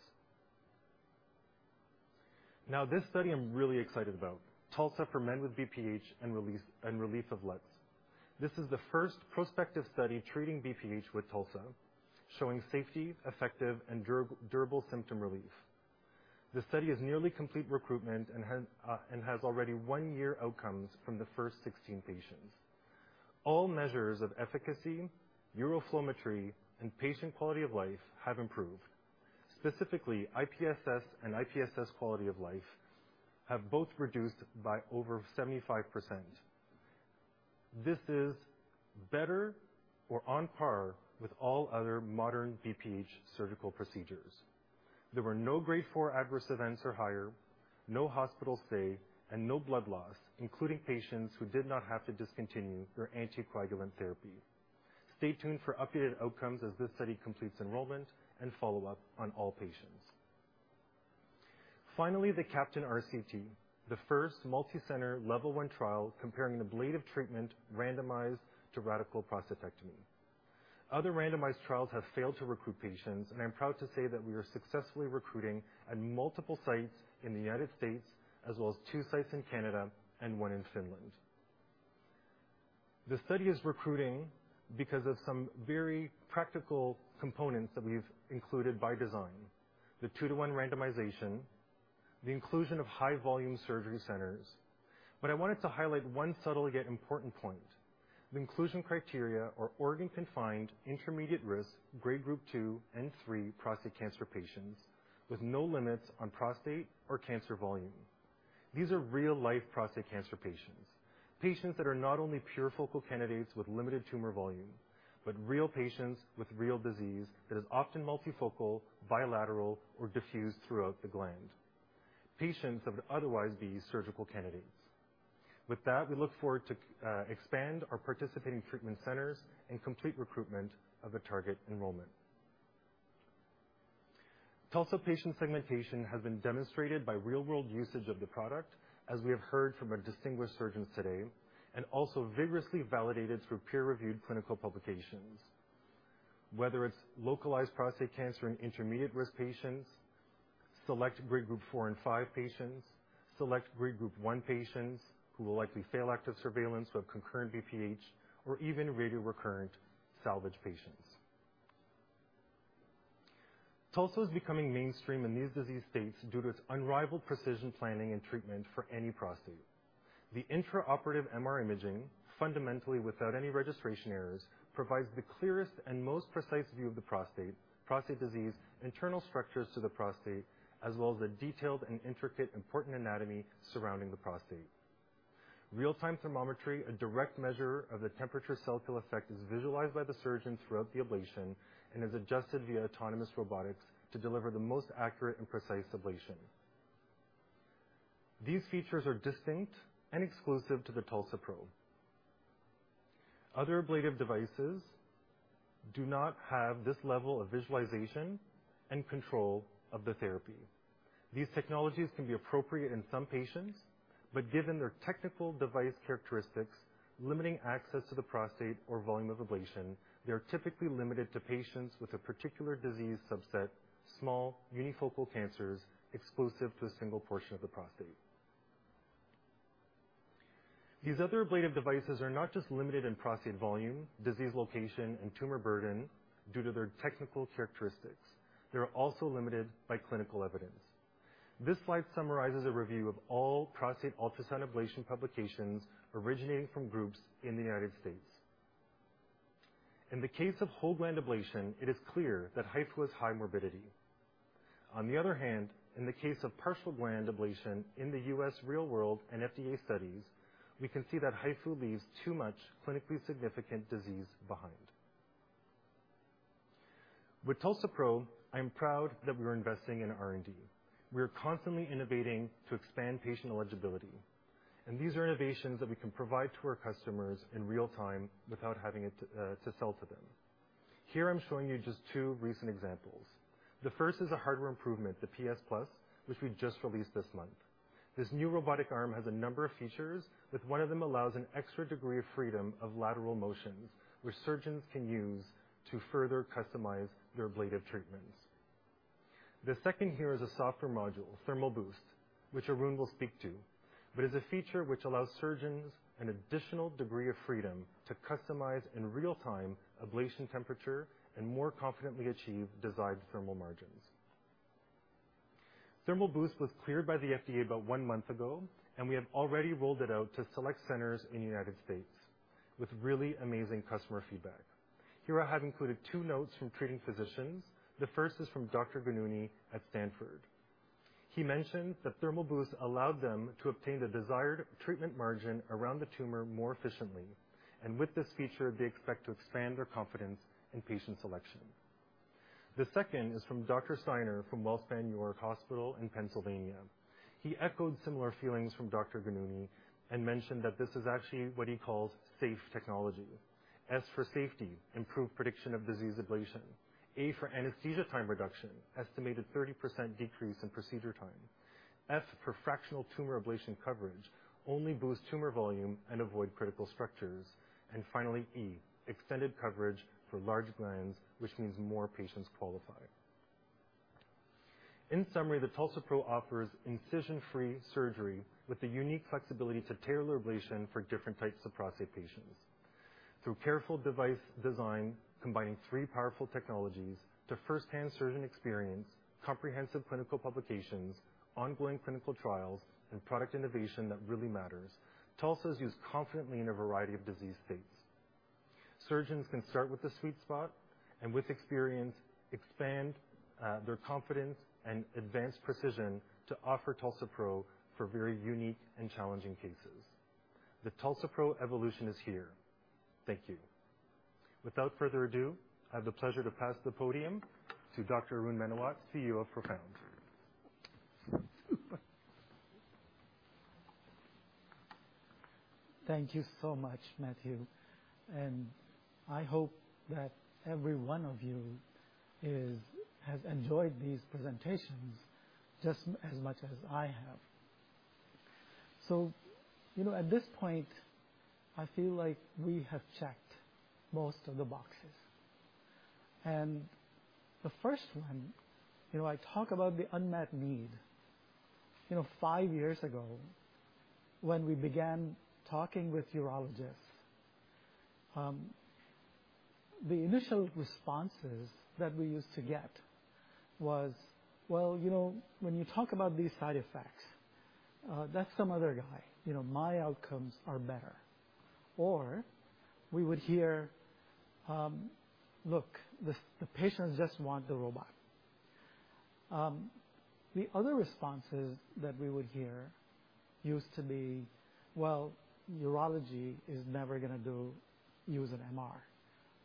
Now, this study I'm really excited about, TULSA-PRO for men with BPH and release-- and relief of LUTS. This is the first prospective study treating BPH with TULSA-PRO, showing safety, effective, and durable symptom relief. The study is nearly complete recruitment and has already one-year outcomes from the first 16 patients. All measures of efficacy, uroflowmetry, and patient quality of life have improved. Specifically, IPSS and IPSS quality of life have both reduced by over 75%. This is better or on par with all other modern BPH surgical procedures. There were no grade four adverse events or higher, no hospital stay, and no blood loss, including patients who did not have to discontinue their anticoagulant therapy. Stay tuned for updated outcomes as this study completes enrollment and follow-up on all patients. Finally, the CAPTAIN RCT, the first multicenter level one trial comparing ablative treatment randomized to radical prostatectomy. Other randomized trials have failed to recruit patients, and I'm proud to say that we are successfully recruiting at multiple sites in the United States, as well as two sites in Canada and 1 in Finland. The study is recruiting because of some very practical components that we've included by design: the two to one randomization, the inclusion of high-volume surgery centers. But I wanted to highlight one subtle yet important point. The inclusion criteria are organ-confined, intermediate risk, grade group two and three prostate cancer patients with no limits on prostate or cancer volume. These are real-life prostate cancer patients. Patients that are not only pure focal candidates with limited tumor volume, but real patients with real disease that is often multifocal, bilateral, or diffused throughout the gland, patients that would otherwise be surgical candidates. With that, we look forward to expand our participating treatment centers and complete recruitment of the target enrollment. TULSA patient segmentation has been demonstrated by real-world usage of the product, as we have heard from our distinguished surgeons today, and also vigorously validated through peer-reviewed clinical publications. Whether it's localized prostate cancer in intermediate-risk patients, select grade group four and five patients, select grade group one patients who will likely fail active surveillance with concurrent BPH or even radio-recurrent salvage patients. TULSA-PRO is becoming mainstream in these disease states due to its unrivaled precision planning and treatment for any prostate. The intraoperative MR imaging, fundamentally without any registration errors, provides the clearest and most precise view of the prostate, prostate disease, internal structures to the prostate, as well as the detailed and intricate important anatomy surrounding the prostate. Real-time thermometry, a direct measure of the temperature cell kill effect, is visualized by the surgeon throughout the ablation and is adjusted via autonomous robotics to deliver the most accurate and precise ablation. These features are distinct and exclusive to the TULSA-PRO. Other ablative devices do not have this level of visualization and control of the therapy. These technologies can be appropriate in some patients, but given their technical device characteristics, limiting access to the prostate or volume of ablation, they are typically limited to patients with a particular disease subset, small unifocal cancers exclusive to a single portion of the prostate. These other ablative devices are not just limited in prostate volume, disease location, and tumor burden due to their technical characteristics. They're also limited by clinical evidence. This slide summarizes a review of all prostate ultrasound ablation publications originating from groups in the United States. In the case of whole-gland ablation, it is clear that HIFU has high morbidity. On the other hand, in the case of partial gland ablation in the U.S. real world and FDA studies, we can see that HIFU leaves too much clinically significant disease behind. With TULSA-PRO, I'm proud that we're investing in R&D. We are constantly innovating to expand patient eligibility, and these are innovations that we can provide to our customers in real time without having it to sell to them. Here, I'm showing you just two recent examples. The first is a hardware improvement, the PS+, which we just released this month. This new robotic arm has a number of features, with one of them allows an extra degree of freedom of lateral motions, which surgeons can use to further customize their ablative treatments.... The second here is a software module, Thermal Boost, which Arun will speak to, but is a feature which allows surgeons an additional degree of freedom to customize in real time, ablation temperature, and more confidently achieve desired thermal margins. Thermal Boost was cleared by the FDA about one month ago, and we have already rolled it out to select centers in the United States with really amazing customer feedback. Here, I have included two notes from treating physicians. The first is from Dr. Ghanouni at Stanford. He mentioned that Thermal Boost allowed them to obtain the desired treatment margin around the tumor more efficiently, and with this feature, they expect to expand their confidence in patient selection. The second is from Dr. Steiner, from WellSpan York Hospital in Pennsylvania. He echoed similar feelings from Dr. Ghanouni and mentioned that this is actually what he calls safe technology. S for safety, improved prediction of disease ablation. A for anesthesia time reduction, estimated 30% decrease in procedure time. F for fractional tumor ablation coverage, only boost tumor volume and avoid critical structures. And finally, E, extended coverage for large glands, which means more patients qualify. In summary, the TULSA-PRO offers incision-free surgery with the unique flexibility to tailor ablation for different types of prostate patients. Through careful device design, combining three powerful technologies to first-hand surgeon experience, comprehensive clinical publications, ongoing clinical trials, and product innovation that really matters, TULSA is used confidently in a variety of disease states. Surgeons can start with the sweet spot, and with experience, expand their confidence and advance precision to offer TULSA-PRO for very unique and challenging cases. The TULSA-PRO evolution is here. Thank you. Without further ado, I have the pleasure to pass the podium to Dr. Arun Menawat, CEO of Profound. Thank you so much, Mathieu, and I hope that every one of you has enjoyed these presentations just as much as I have. So, you know, at this point, I feel like we have checked most of the boxes. And the first one, you know, I talk about the unmet need. You know, five years ago, when we began talking with urologists, the initial responses that we used to get was, "Well, you know, when you talk about these side effects, that's some other guy. You know, my outcomes are better." Or we would hear, "Look, the patients just want the robot." The other responses that we would hear used to be, "Well, urology is never gonna do use an MR.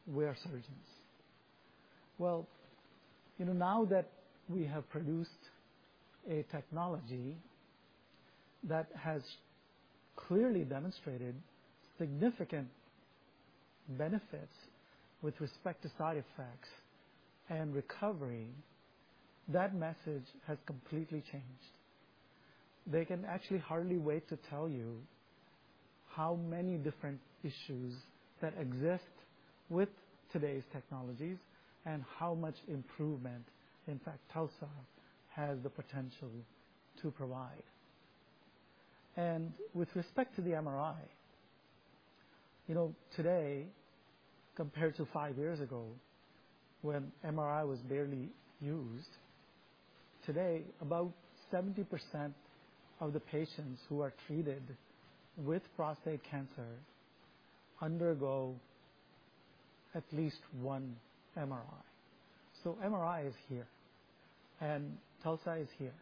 We are surgeons. Well, you know, now that we have produced a technology that has clearly demonstrated significant benefits with respect to side effects and recovery, that message has completely changed. They can actually hardly wait to tell you how many different issues that exist with today's technologies and how much improvement, in fact, TULSA has the potential to provide. With respect to the MRI, you know, today, compared to five years ago, when MRI was barely used, today, about 70% of the patients who are treated with prostate cancer undergo at least one MRI. MRI is here, and TULSA is here,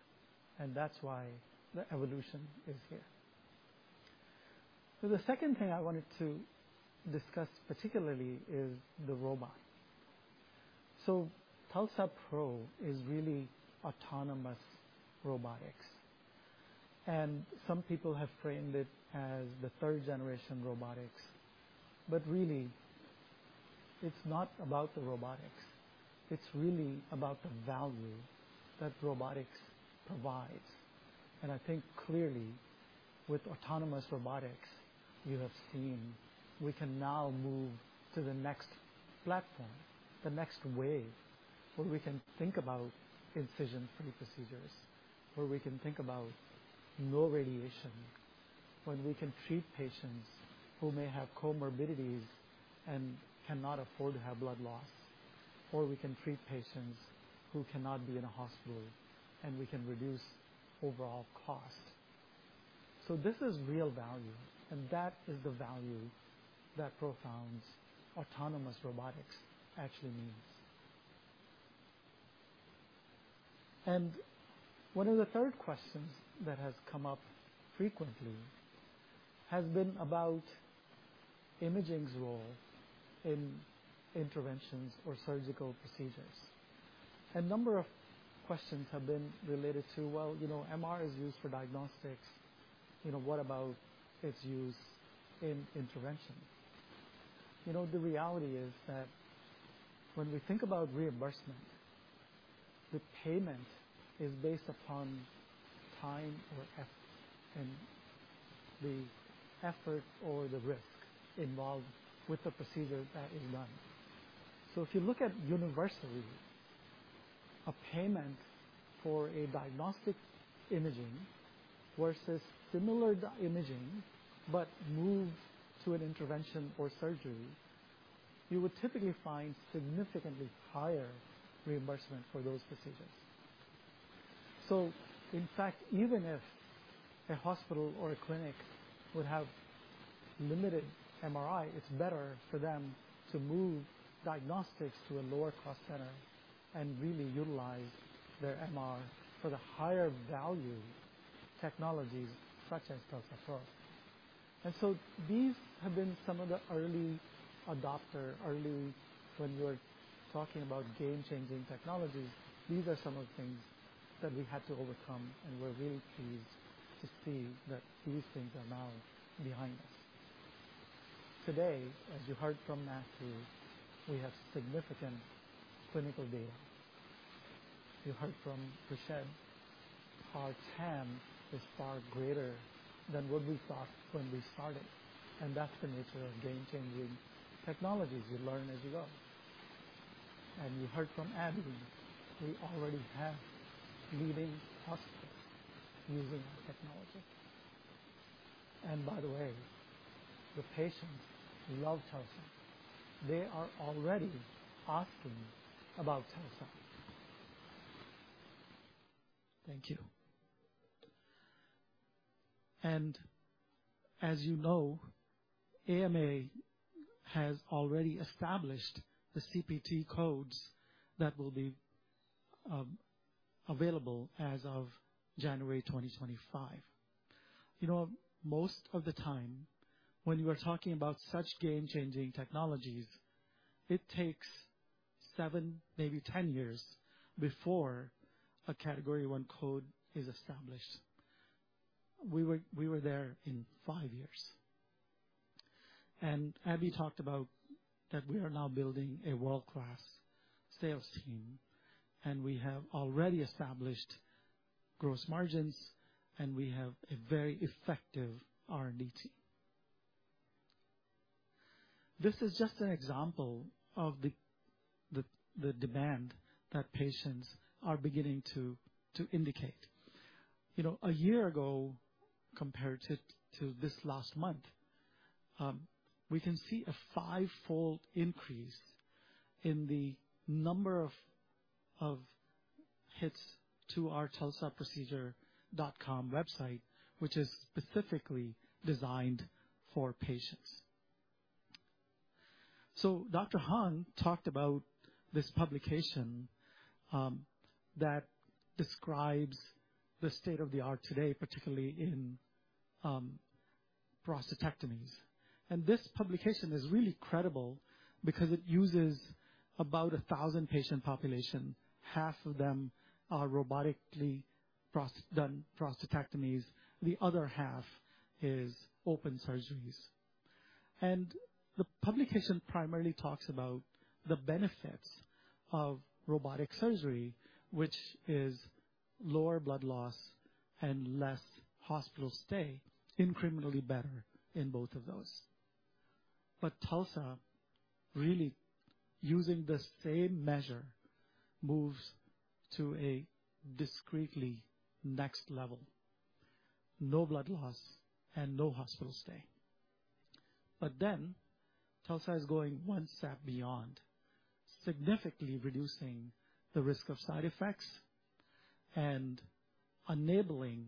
and that's why the evolution is here. The second thing I wanted to discuss, particularly, is the robot. TULSA-PRO is really autonomous robotics, and some people have framed it as the third-generation robotics, but really, it's not about the robotics. It's really about the value that robotics provides. And I think clearly, with autonomous robotics, we have seen we can now move to the next platform, the next wave, where we can think about incision-free procedures, where we can think about no radiation, when we can treat patients who may have comorbidities and cannot afford to have blood loss, or we can treat patients who cannot be in a hospital, and we can reduce overall cost. So this is real value, and that is the value that Profound's autonomous robotics actually means. And one of the third questions that has come up frequently has been about imaging's role in interventions or surgical procedures. A number of questions have been related to, well, you know, MR is used for diagnostics, you know, what about its use in intervention? You know, the reality is that when we think about reimbursement, the payment is based upon time or effort, and the effort or the risk involved with the procedure that is done. So if you look at universally, a payment for a diagnostic imaging versus similar diagnostic imaging, but moves to an intervention or surgery, you would typically find significantly higher reimbursement for those procedures. So in fact, even if a hospital or a clinic would have limited MRI, it's better for them to move diagnostics to a lower cost center and really utilize their MR for the higher value technologies, such as TULSA-PRO. And so these have been some of the early adopter, early when you are talking about game-changing technologies, these are some of the things that we had to overcome, and we're really pleased to see that these things are now behind us. Today, as you heard from Mathieu, we have significant clinical data. You heard from Rashed, our TAM is far greater than what we thought when we started, and that's the nature of game-changing technologies. You learn as you go. You heard from Abbey, we already have leading hospitals using our technology. By the way, the patients love TULSA. They are already asking about TULSA. Thank you. As you know, AMA has already established the CPT codes that will be available as of January 2025. You know, most of the time, when you are talking about such game-changing technologies, it takes seven, maybe 10 years before a Category I code is established. We were there in five years. Abbey talked about that we are now building a world-class sales team, and we have already established gross margins, and we have a very effective R&D team. This is just an example of the demand that patients are beginning to indicate. You know, a year ago, compared to this last month, we can see a fivefold increase in the number of hits to our TULSAprocedure.com website, which is specifically designed for patients. So Dr. Hong talked about this publication that describes the state-of-the-art today, particularly in prostatectomies. And this publication is really credible because it uses about a 1,000-patient population. Half of them are robotically done prostatectomies, the other half is open surgeries. And the publication primarily talks about the benefits of robotic surgery, which is lower blood loss and less hospital stay, incrementally better in both of those. But TULSA, really using the same measure, moves to a discrete next level, no blood loss and no hospital stay. But then TULSA is going one step beyond, significantly reducing the risk of side effects and enabling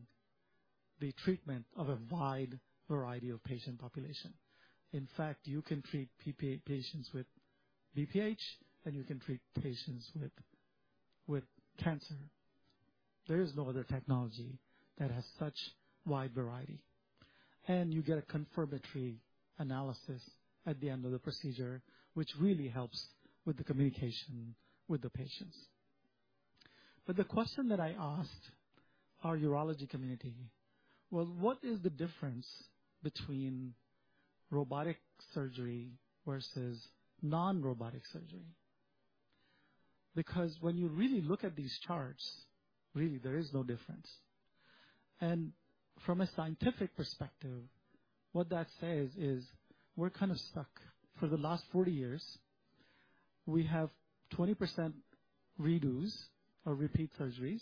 the treatment of a wide variety of patient population. In fact, you can treat PPA patients with BPH, and you can treat patients with, with cancer. There is no other technology that has such wide variety. And you get a confirmatory analysis at the end of the procedure, which really helps with the communication with the patients. But the question that I asked our urology community, "Well, what is the difference between robotic surgery versus non-robotic surgery?" Because when you really look at these charts, really there is no difference. And from a scientific perspective, what that says is we're kind of stuck. For the last 40 years, we have 20% redos or repeat surgeries,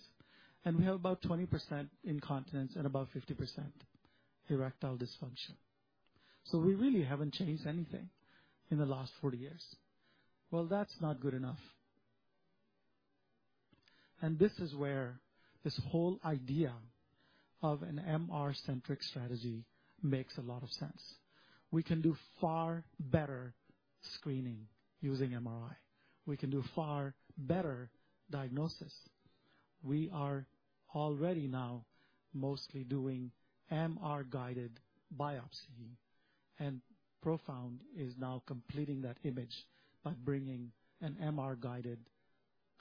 and we have about 20% incontinence and about 50% erectile dysfunction. So we really haven't changed anything in the last 40 years. Well, that's not good enough. And this is where this whole idea of an MR-centric strategy makes a lot of sense. We can do far better screening using MRI. We can do far better diagnosis. We are already now mostly doing MR-guided biopsy, and Profound is now completing that image by bringing an MR-guided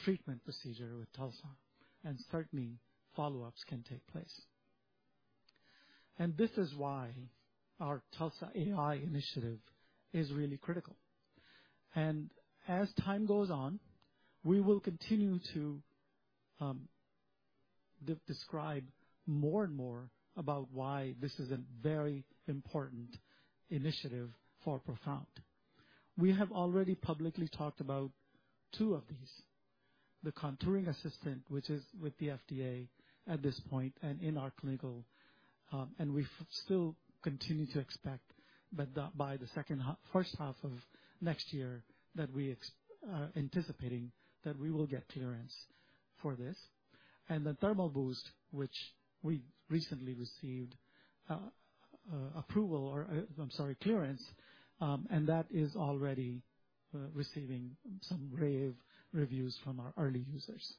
treatment procedure with TULSA, and certainly follow-ups can take place. And this is why our TULSA-AI initiative is really critical.... And as time goes on, we will continue to describe more and more about why this is a very important initiative for Profound. We have already publicly talked about two of these, the Contouring Assistant, which is with the FDA at this point, and in our clinical. We still continue to expect that by the first half of next year we will get clearance for this. The Thermal Boost, which we recently received clearance for, is already receiving some rave reviews from our early users.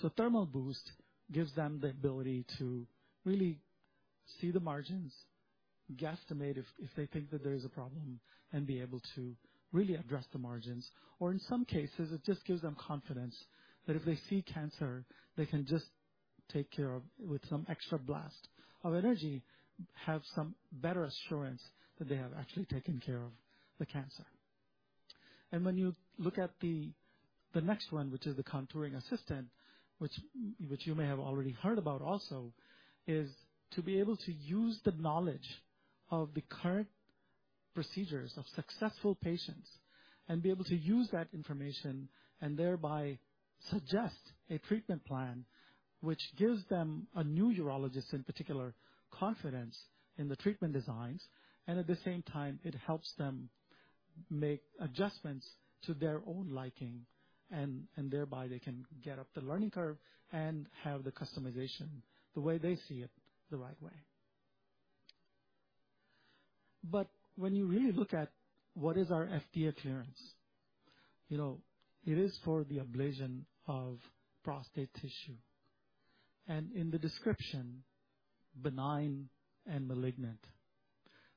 So Thermal Boost gives them the ability to really see the margins, guesstimate if, if they think that there is a problem, and be able to really address the margins, or in some cases, it just gives them confidence that if they see cancer, they can just take care of with some extra blast of energy, have some better assurance that they have actually taken care of the cancer. And when you look at the, the next one, which is the Contouring Assistant, which, which you may have already heard about also, is to be able to use the knowledge of the current procedures of successful patients and be able to use that information and thereby suggest a treatment plan, which gives them, a new urologist in particular, confidence in the treatment designs. At the same time, it helps them make adjustments to their own liking, and thereby they can get up the learning curve and have the customization, the way they see it, the right way. But when you really look at what is our FDA clearance, you know, it is for the ablation of prostate tissue, and in the description, benign and malignant.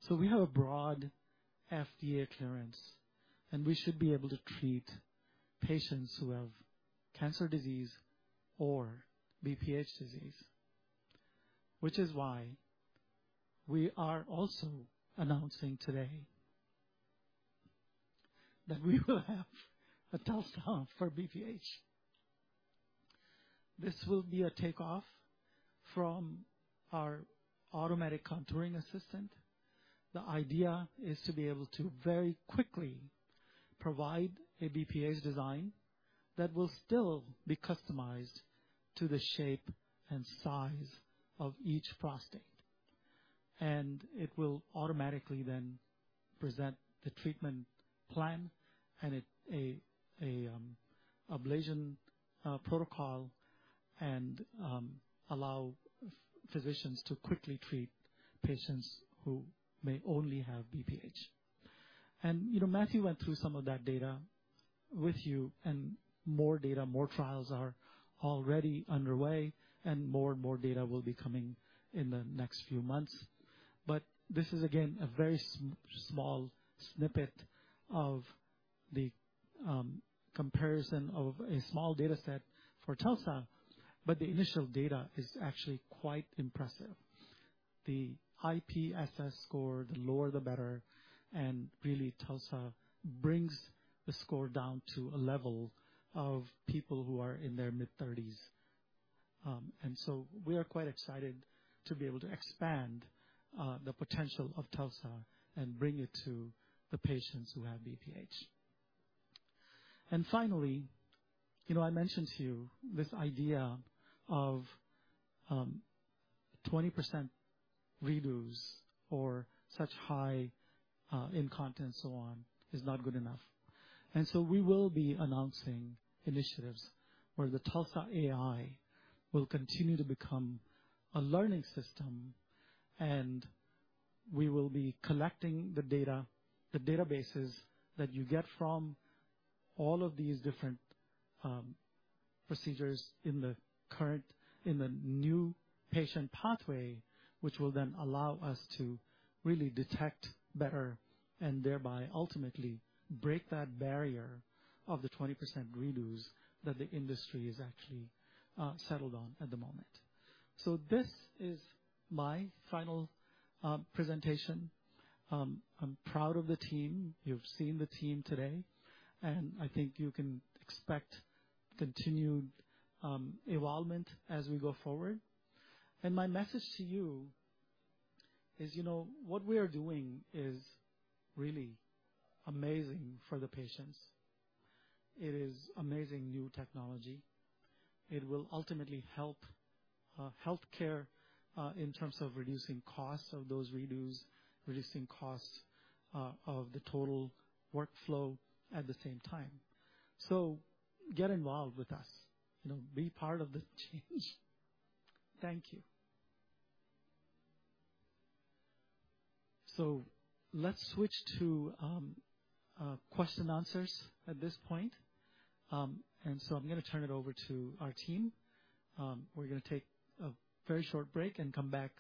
So we have a broad FDA clearance, and we should be able to treat patients who have cancer disease or BPH disease, which is why we are also announcing today that we will have a TULSA for BPH. This will be a takeoff from our Automatic Contouring Assistant. The idea is to be able to very quickly provide a BPH design that will still be customized to the shape and size of each prostate. And it will automatically then present the treatment plan and ablation protocol and allow physicians to quickly treat patients who may only have BPH. And, you know, Mathieu went through some of that data with you, and more data, more trials are already underway, and more and more data will be coming in the next few months. But this is, again, a very small snippet of the comparison of a small data set for TULSA, but the initial data is actually quite impressive. The IPSS score, the lower the better, and really, TULSA brings the score down to a level of people who are in their mid-thirties. And so we are quite excited to be able to expand the potential of TULSA and bring it to the patients who have BPH. And finally, you know, I mentioned to you this idea of 20% redos or such high incontinence so on is not good enough. So we will be announcing initiatives where the TULSA-AI will continue to become a learning system, and we will be collecting the data, the databases that you get from all of these different procedures in the new patient pathway, which will then allow us to really detect better and thereby ultimately break that barrier of the 20% redos that the industry is actually settled on at the moment. So this is my final presentation. I'm proud of the team. You've seen the team today, and I think you can expect continued evolvement as we go forward. My message to you is, you know, what we are doing is really amazing for the patients. It is amazing new technology. It will ultimately help healthcare in terms of reducing costs of those redos, reducing costs of the total workflow at the same time. So get involved with us, you know, be part of the change. Thank you. So let's switch to question and answers at this point. And so I'm gonna turn it over to our team. We're gonna take a very short break and come back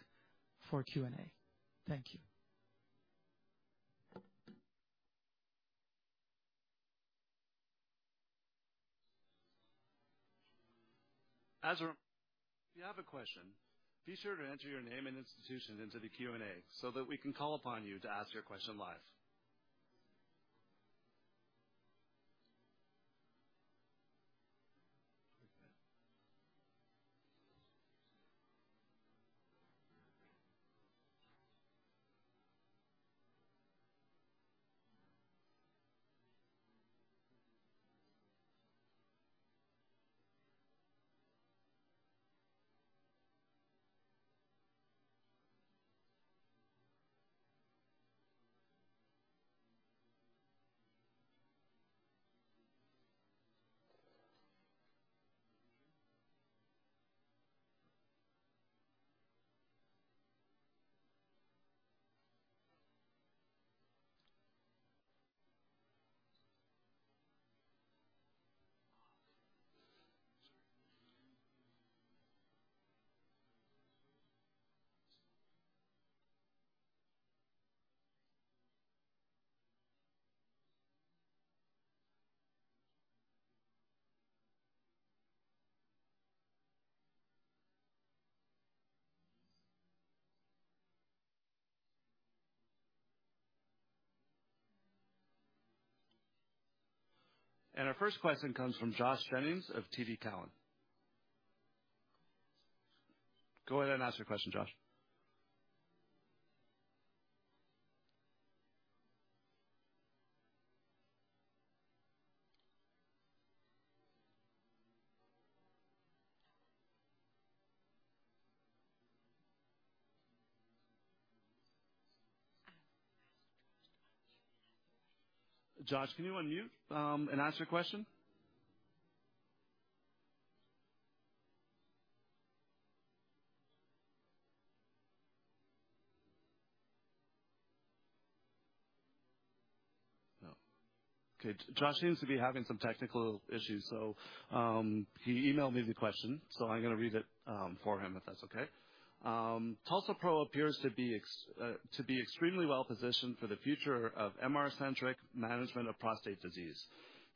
for Q&A. Thank you. As a reminder, if you have a question, be sure to enter your name and institution into the Q&A, so that we can call upon you to ask your question live. And our first question comes from Josh Jennings of TD Cowen. Go ahead and ask your question, Josh. Josh, can you unmute and ask your question? No. Okay, Josh seems to be having some technical issues, so he emailed me the question, so I'm gonna read it for him, if that's okay. TULSA-PRO appears to be extremely well positioned for the future of MR-centric management of prostate disease.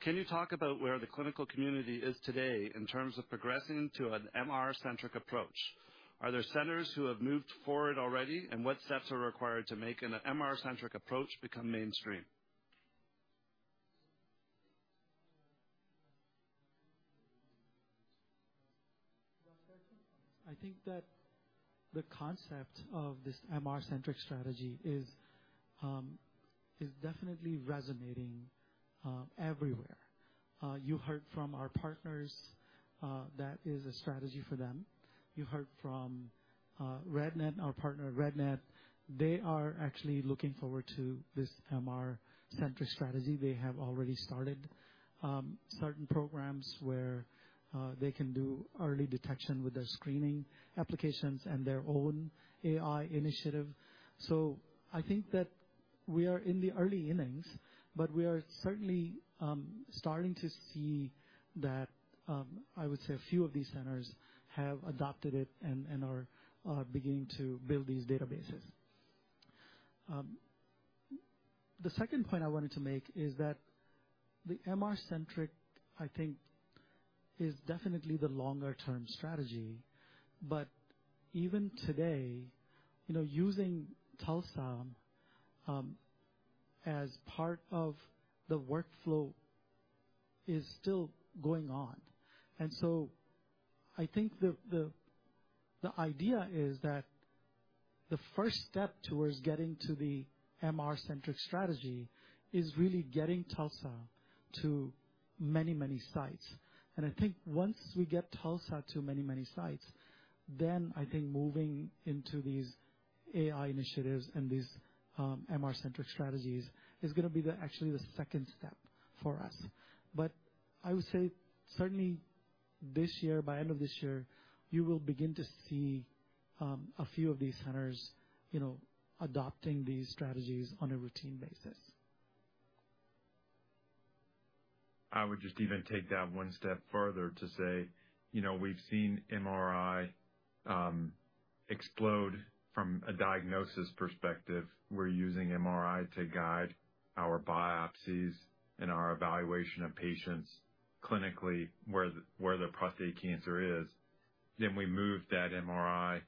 Can you talk about where the clinical community is today in terms of progressing to an MR-centric approach? Are there centers who have moved forward already, and what steps are required to make an MR-centric approach become mainstream? I think that the concept of this MR-centric strategy is definitely resonating everywhere. You heard from our partners that is a strategy for them. You heard from RadNet, our partner, RadNet, they are actually looking forward to this MR-centric strategy. They have already started certain programs where they can do early detection with their screening applications and their own AI initiative. So I think that we are in the early innings, but we are certainly starting to see that I would say a few of these centers have adopted it and are beginning to build these databases. The second point I wanted to make is that the MR-centric, I think, is definitely the longer term strategy, but even today, you know, using TULSA as part of the workflow is still going on. And so I think the idea is that the first step towards getting to the MR-centric strategy is really getting TULSA to many, many sites. And I think once we get TULSA to many, many sites, then I think moving into these AI initiatives and these MR-centric strategies is gonna be the actually the second step for us. But I would say certainly, this year, by end of this year, you will begin to see a few of these centers, you know, adopting these strategies on a routine basis. I would just even take that one step further to say, you know, we've seen MRI explode from a diagnosis perspective. We're using MRI to guide our biopsies and our evaluation of patients clinically, where the prostate cancer is. Then we move that MRI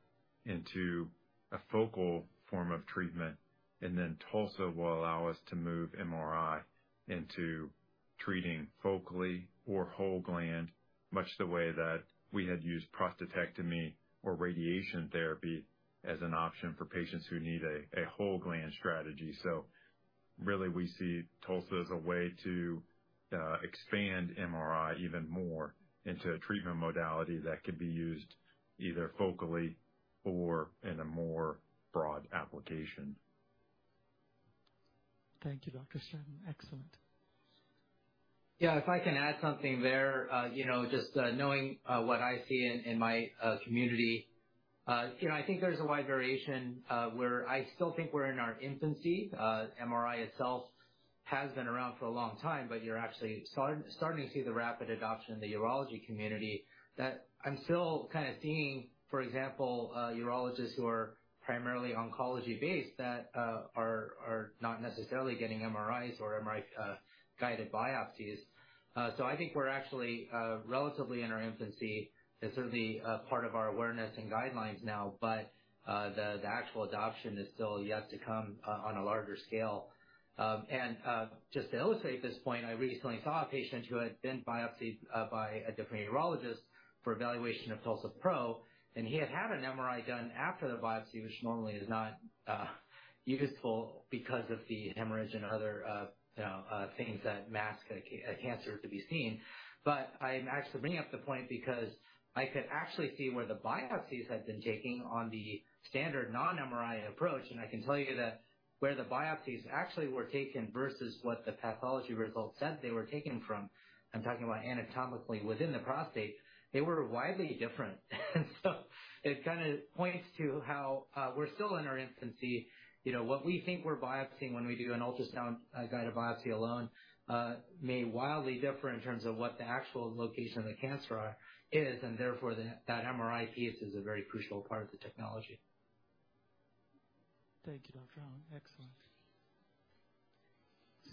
into a focal form of treatment, and then TULSA will allow us to move MRI into treating focally or whole gland, much the way that we had used prostatectomy or radiation therapy as an option for patients who need a whole gland strategy. So really, we see TULSA as a way to expand MRI even more into a treatment modality that could be used either focally or in a more broad application. Thank you, Dr. Stratton. Excellent. Yeah, if I can add something there, you know, just knowing what I see in my community, you know, I think there's a wide variation where I still think we're in our infancy. MRI itself has been around for a long time, but you're actually starting to see the rapid adoption in the urology community, that I'm still kind of seeing, for example, urologists who are primarily oncology-based, that are not necessarily getting MRIs or MRI guided biopsies. So I think we're actually relatively in our infancy, and certainly part of our awareness and guidelines now, but the actual adoption is still yet to come on a larger scale. Just to illustrate this point, I recently saw a patient who had been biopsied by a different urologist for evaluation of TULSA-PRO, and he had had an MRI done after the biopsy, which normally is not useful because of the hemorrhage and other, you know, things that mask a cancer to be seen. I'm actually bringing up the point because I could actually see where the biopsies had been taken on the standard non-MRI approach, and I can tell you that where the biopsies actually were taken versus what the pathology results said they were taken from, I'm talking about anatomically within the prostate, they were widely different. It kind of points to how, you know, we're still in our infancy. You know, what we think we're biopsying when we do an ultrasound guided biopsy alone may wildly differ in terms of what the actual location of the cancer are, is, and therefore, the, that MRI piece is a very crucial part of the technology. Thank you, Dr. Hong. Excellent.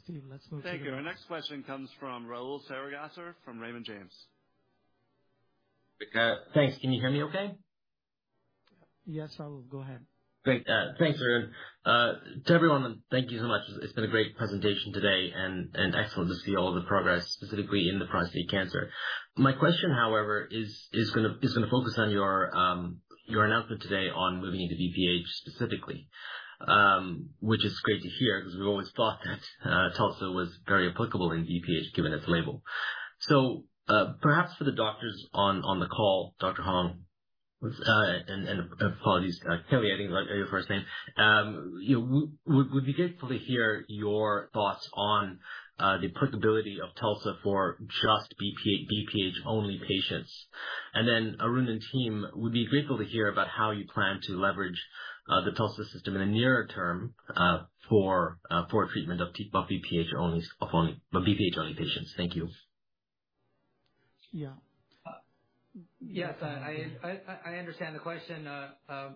Steve, let's move to the- Thank you. Our next question comes from Rahul Sarugaser from Raymond James. Thanks. Can you hear me okay? Yes, Rahul, go ahead. Great. Thanks, Arun. To everyone, thank you so much. It's been a great presentation today and excellent to see all the progress, specifically in the prostate cancer. My question, however, is gonna focus on your announcement today on moving into BPH, specifically. Which is great to hear because we've always thought that TULSA was very applicable in BPH, given its label. So, perhaps for the doctors on the call, Dr. Hong, what's... And apologies, Kelly, I think your first name. You know, we'd be grateful to hear your thoughts on the applicability of TULSA for just BPH-only patients. And then, Arun and team, we'd be grateful to hear about how you plan to leverage the TULSA system in the nearer term for treatment of BPH only, of only, of BPH-only patients. Thank you. Yeah. Yes, I understand the question.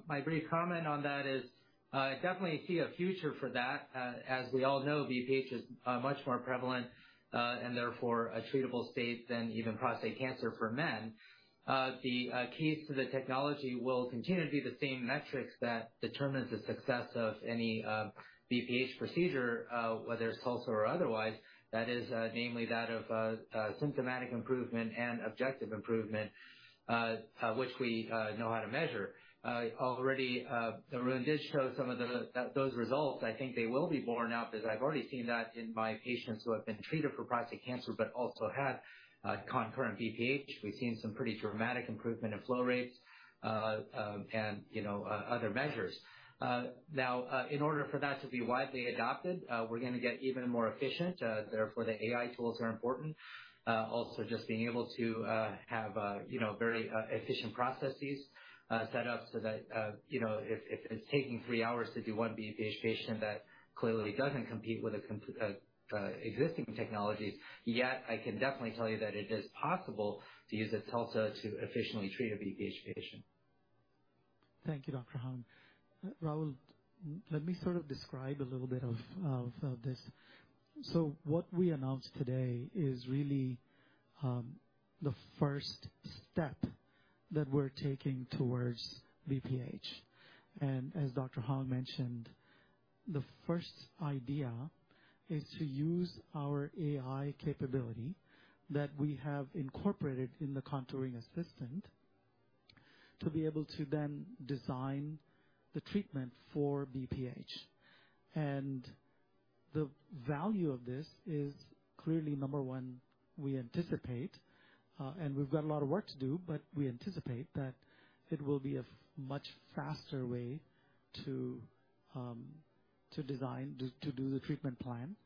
My brief comment on that is, I definitely see a future for that. As we all know, BPH is much more prevalent, and therefore a treatable state than even prostate cancer for men. The key to the technology will continue to be the same metrics that determines the success of any BPH procedure, whether it's TULSA or otherwise. That is, namely that of symptomatic improvement and objective improvement, which we know how to measure. Already, Arun did show some of those results. I think they will be borne out, 'cause I've already seen that in my patients who have been treated for prostate cancer, but also had concurrent BPH. We've seen some pretty dramatic improvement in flow rates, and, you know, other measures. Now, in order for that to be widely adopted, we're gonna get even more efficient, therefore, the AI tools are important. Also, just being able to have a, you know, very efficient processes set up so that, you know, if it's taking three hours to do one BPH patient, that clearly doesn't compete with the existing technologies. Yet, I can definitely tell you that it is possible to use the TULSA to efficiently treat a BPH patient. Thank you, Dr. Hong. Rahul, let me sort of describe a little bit of this. So what we announced today is really the first step that we're taking towards BPH. And as Dr. Hong mentioned, the first idea is to use our AI capability that we have incorporated in the Contouring Assistant, to be able to then design the treatment for BPH. And the value of this is clearly, number one, we anticipate and we've got a lot of work to do, but we anticipate that it will be much faster way to design, to do the treatment plan.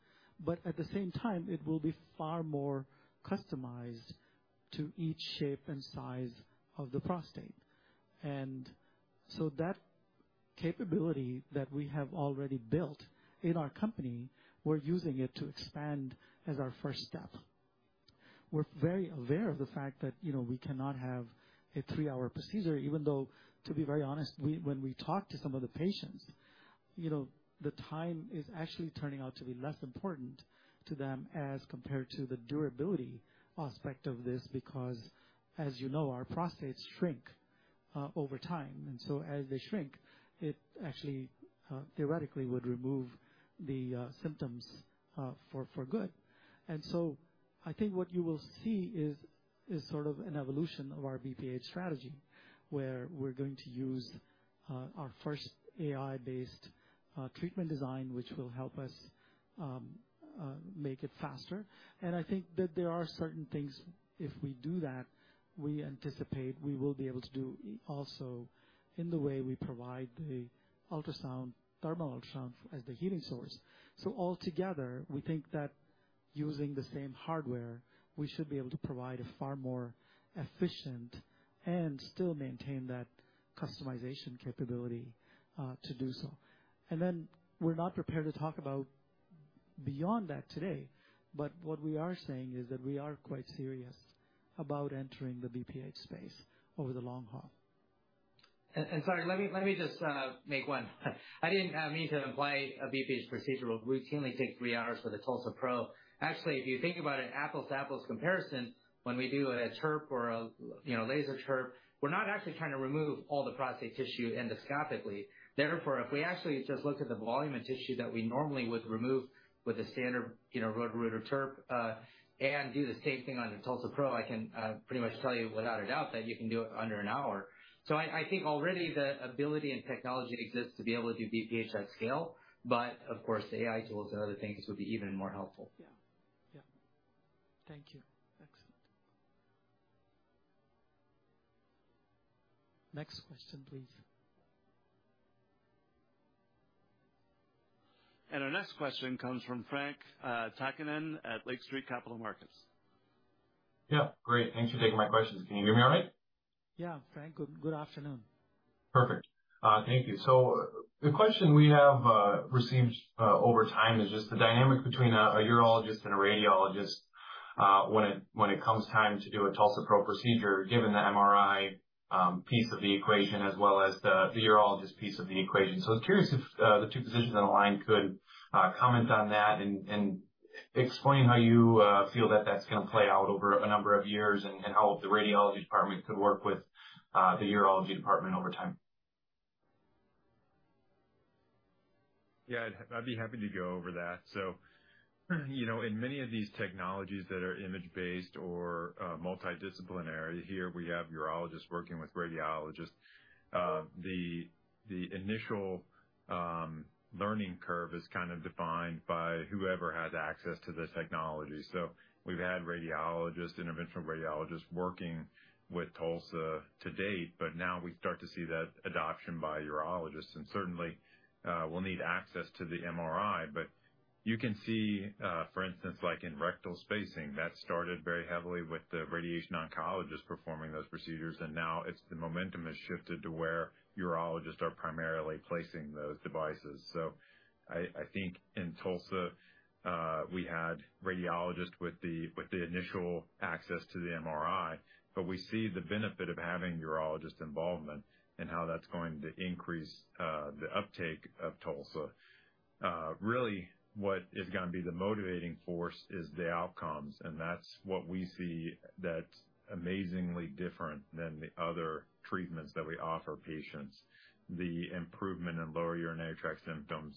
But at the same time, it will be far more customized to each shape and size of the prostate. And so that capability that we have already built in our company, we're using it to expand as our first step. We're very aware of the fact that, you know, we cannot have a three-hour procedure, even though, to be very honest, we... When we talk to some of the patients, you know, the time is actually turning out to be less important to them as compared to the durability aspect of this, because, as you know, our prostates shrink, you know, over time. And so as they shrink, it actually, theoretically, would remove the symptoms, you know, for good. I think what you will see is sort of an evolution of our BPH strategy, where we're going to use our first AI-based treatment design, which will help us make it faster. I think that there are certain things, if we do that, we anticipate we will be able to do also in the way we provide the ultrasound, thermal ultrasound as the heating source. So altogether, we think that using the same hardware, we should be able to provide a far more efficient and still maintain that customization capability, to do so. And then we're not prepared to talk about beyond that today, but what we are saying is that we are quite serious about entering the BPH space over the long haul. ... Sorry, let me just make one. I didn't mean to imply a BPH procedure will routinely take three hours for the TULSA-PRO. Actually, if you think about an apples-to-apples comparison, when we do a TURP or a, you know, laser TURP, we're not actually trying to remove all the prostate tissue endoscopically. Therefore, if we actually just look at the volume of tissue that we normally would remove with a standard, you know, resection TURP, and do the same thing on a TULSA-PRO, I can pretty much tell you without a doubt that you can do it under an hour. So I think already the ability and technology exists to be able to do BPH at scale, but of course, the AI tools and other things would be even more helpful. Yeah. Yeah. Thank you. Excellent. Next question, please. Our next question comes from Frank Takkinen at Lake Street Capital Markets. Yeah, great. Thanks for taking my questions. Can you hear me all right? Yeah, Frank. Good, good afternoon. Perfect. Thank you. So the question we have received over time is just the dynamic between a urologist and a radiologist when it comes time to do a TULSA-PRO procedure, given the MRI piece of the equation, as well as the urologist piece of the equation. So I was curious if the two physicians on the line could comment on that and explain how you feel that that's gonna play out over a number of years, and how the radiology department could work with the urology department over time. Yeah, I'd be happy to go over that. So, you know, in many of these technologies that are image-based or multidisciplinary, here we have urologists working with radiologists. The initial learning curve is kind of defined by whoever has access to the technology. So we've had radiologists, interventional radiologists, working with TULSA to date, but now we start to see that adoption by urologists, and certainly we'll need access to the MRI. But you can see, for instance, like in rectal spacing, that started very heavily with the radiation oncologist performing those procedures, and now it's the momentum has shifted to where urologists are primarily placing those devices. So I think in TULSA, we had radiologists with the initial access to the MRI, but we see the benefit of having urologist involvement and how that's going to increase the uptake of TULSA. Really, what is gonna be the motivating force is the outcomes, and that's what we see that's amazingly different than the other treatments that we offer patients. The improvement in lower urinary tract symptoms,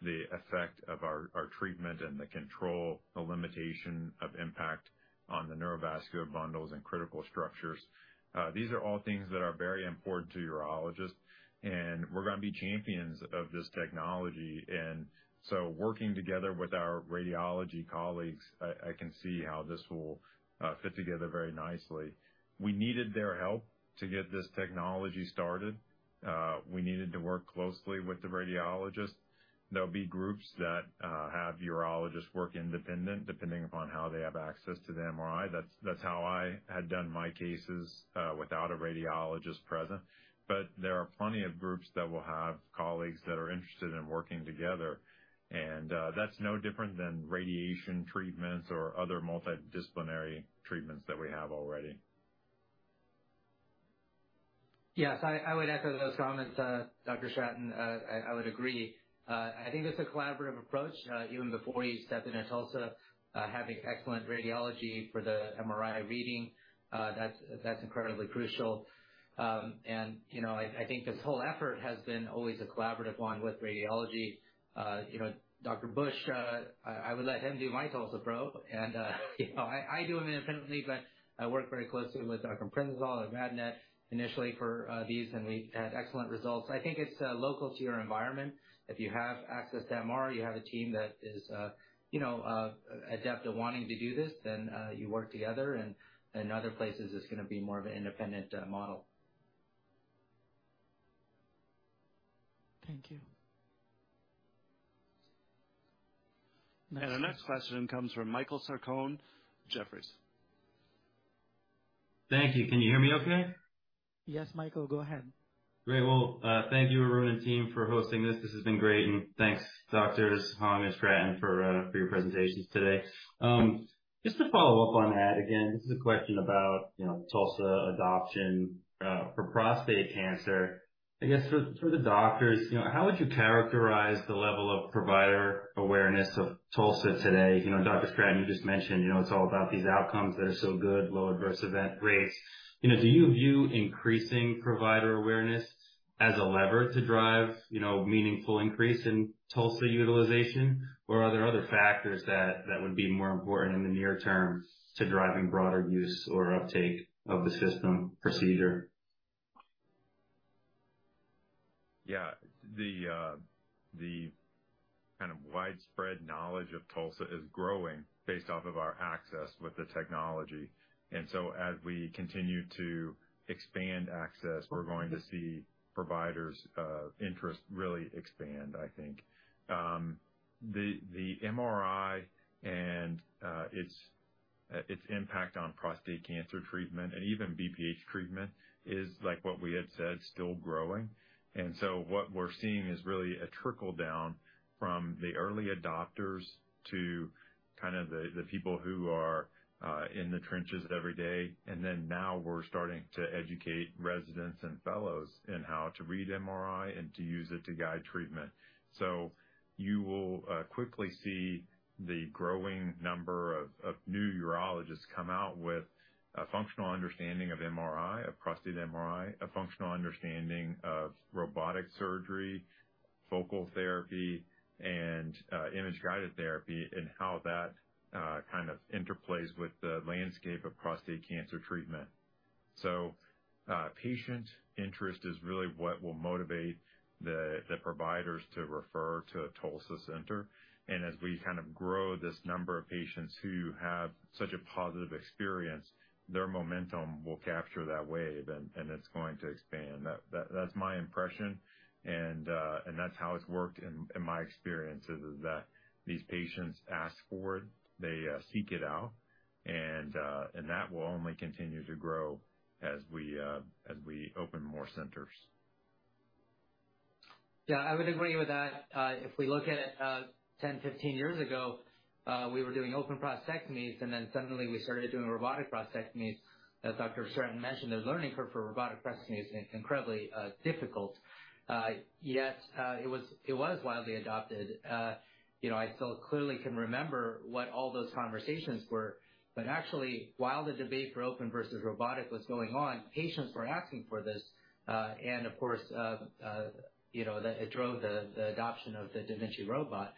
the effect of our treatment, and the control, the limitation of impact on the neurovascular bundles and critical structures. These are all things that are very important to urologists, and we're gonna be champions of this technology. And so working together with our radiology colleagues, I can see how this will fit together very nicely. We needed their help to get this technology started. We needed to work closely with the radiologists. There'll be groups that have urologists work independent, depending upon how they have access to the MRI. That's how I had done my cases without a radiologist present. But there are plenty of groups that will have colleagues that are interested in working together, and that's no different than radiation treatments or other multidisciplinary treatments that we have already. Yes, I would echo those comments, Dr. Stratton. I would agree. I think it's a collaborative approach, even before you step into TULSA, having excellent radiology for the MRI reading, that's incredibly crucial. And, you know, I think this whole effort has been always a collaborative one with radiology. You know, Dr. Busch, I would let him do my TULSA-PRO, and, you know, I do them independently, but I work very closely with Dr. Princenthal at RadNet initially for these, and we've had excellent results. I think it's local to your environment. If you have access to MRI, you have a team that is, you know, adept at wanting to do this, then you work together, and in other places, it's gonna be more of an independent model. Thank you. Our next question comes from Michael Sarcone, Jefferies. Thank you. Can you hear me okay? Yes, Michael, go ahead. Great. Well, thank you, Arun and team, for hosting this. This has been great, and thanks, Doctors Hong and Stratton, for your presentations today. Just to follow up on that, again, this is a question about, you know, TULSA adoption, for prostate cancer. I guess for the doctors, you know, how would you characterize the level of provider awareness of TULSA today? You know, Dr. Stratton, you just mentioned, you know, it's all about these outcomes that are so good, low adverse event rates. You know, do you view increasing provider awareness as a lever to drive, you know, meaningful increase in TULSA utilization? Or are there other factors that would be more important in the near term to driving broader use or uptake of the system procedure? Yeah. The kind of widespread knowledge of TULSA is growing based off of our access with the technology. And so as we continue to expand access, we're going to see providers' interest really expand, I think. The MRI and its impact on prostate cancer treatment and even BPH treatment is, like what we had said, still growing. And so what we're seeing is really a trickle-down from the early adopters to kind of the people who are in the trenches every day. And then now we're starting to educate residents and fellows in how to read MRI and to use it to guide treatment. You will quickly see the growing number of new urologists come out with a functional understanding of MRI, of prostate MRI, a functional understanding of robotic surgery, focal therapy, and image-guided therapy, and how that kind of interplays with the landscape of prostate cancer treatment. Patient interest is really what will motivate the providers to refer to a TULSA Center. As we kind of grow this number of patients who have such a positive experience, their momentum will capture that wave, and it's going to expand. That's my impression, and that's how it's worked in my experience, is that these patients ask for it, they seek it out, and that will only continue to grow as we open more centers. Yeah, I would agree with that. If we look at 10, 15 years ago, we were doing open prostatectomies, and then suddenly we started doing robotic prostatectomies. As Dr. Stratton mentioned, the learning curve for robotic prostatectomy is incredibly difficult. Yet it was widely adopted. You know, I still clearly can remember what all those conversations were. But actually, while the debate for open versus robotic was going on, patients were asking for this. And of course, you know, it drove the adoption of the da Vinci robot.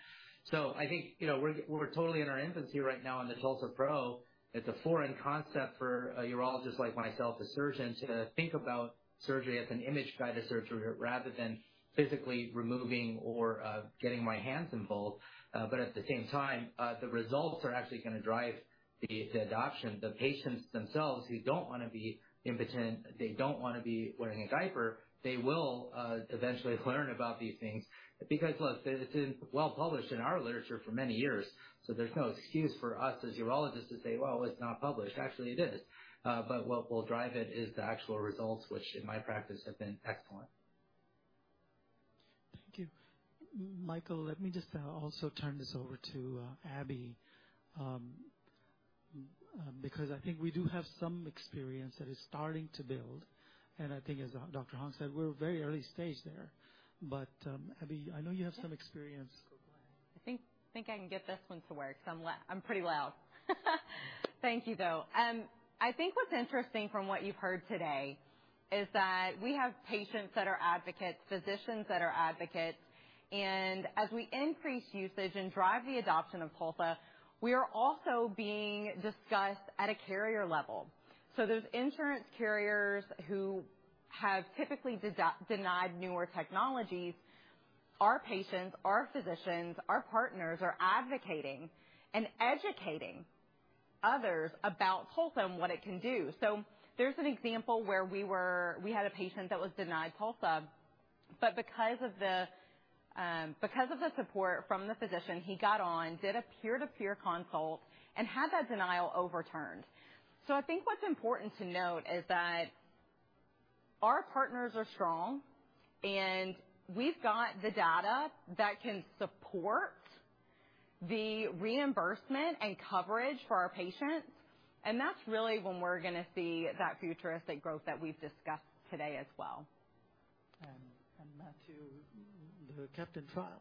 So I think, you know, we're totally in our infancy right now in the TULSA Pro. It's a foreign concept for a urologist like myself, a surgeon, to think about surgery as an image-guided surgery rather than physically removing or getting my hands involved. But at the same time, the results are actually gonna drive the adoption. The patients themselves, who don't want to be impotent, they don't want to be wearing a diaper, they will eventually learn about these things because, look, this is well-published in our literature for many years, so there's no excuse for us as urologists to say, "Well, it's not published." Actually, it is. But what will drive it is the actual results, which, in my practice, have been excellent. Thank you. Michael, let me just also turn this over to Abbey. Because I think we do have some experience that is starting to build, and I think as Dr. Hong said, we're very early stage there. But, Abbey, I know you have some experience. I think, I think I can get this one to work, so I'm pretty loud. Thank you, though. I think what's interesting from what you've heard today is that we have patients that are advocates, physicians that are advocates, and as we increase usage and drive the adoption of TULSA, we are also being discussed at a carrier level. So those insurance carriers who have typically denied newer technologies, our patients, our physicians, our partners are advocating and educating others about TULSA and what it can do. So there's an example where we had a patient that was denied TULSA, but because of the support from the physician, he got on, did a peer-to-peer consult, and had that denial overturned. I think what's important to note is that our partners are strong, and we've got the data that can support the reimbursement and coverage for our patients, and that's really when we're gonna see that futuristic growth that we've discussed today as well. Mathieu, the CAPTAIN trial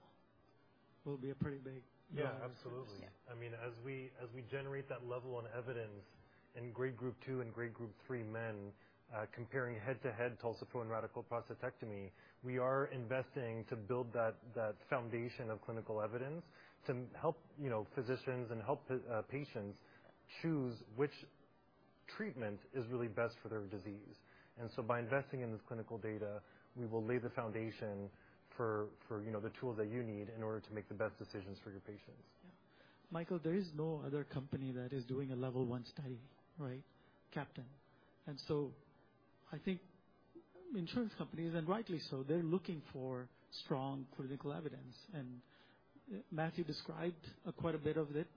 will be a pretty big- Yeah, absolutely. Yeah. I mean, as we generate that level of evidence in grade group two and grade group three men, comparing head-to-head TULSA-PRO and radical prostatectomy, we are investing to build that foundation of clinical evidence to help, you know, physicians and help patients choose which treatment is really best for their disease. And so by investing in this clinical data, we will lay the foundation for, you know, the tools that you need in order to make the best decisions for your patients. Yeah. Michael, there is no other company that is doing a level one study, right? CAPTAIN. And so I think insurance companies, and rightly so, they're looking for strong clinical evidence. And Mathieu described quite a bit of it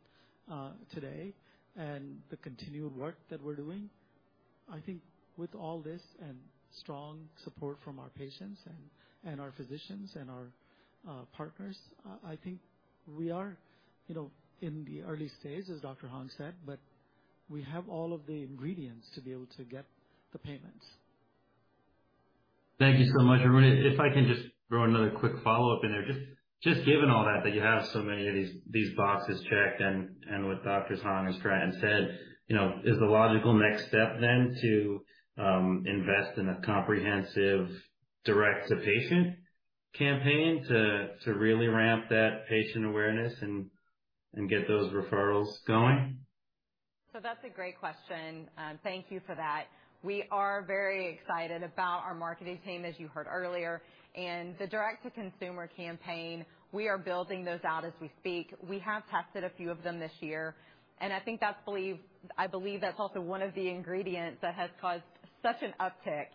today, and the continued work that we're doing. I think with all this and strong support from our patients and our physicians and our partners, I think we are, you know, in the early stages, as Dr. Hong said, but we have all of the ingredients to be able to get the payments. Thank you so much, everyone. If I can just throw another quick follow-up in there. Just given all that you have so many of these boxes checked, and what Doctors Hong and Stratton said, you know, is the logical next step then to invest in a comprehensive direct-to-patient campaign to really ramp that patient awareness and get those referrals going? So that's a great question. Thank you for that. We are very excited about our marketing team, as you heard earlier, and the direct-to-consumer campaign, we are building those out as we speak. We have tested a few of them this year, and I think that's—I believe that's also one of the ingredients that has caused such an uptick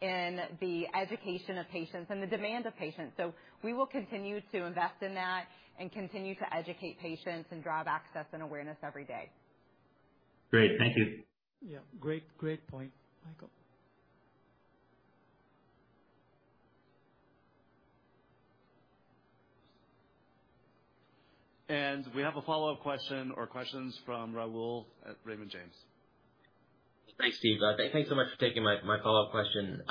in the education of patients and the demand of patients. So we will continue to invest in that and continue to educate patients and drive access and awareness every day. Great. Thank you. Yeah, great, great point.... We have a follow-up question or questions from Rahul at Raymond James. Thanks, Steve. Thanks so much for taking my follow-up question.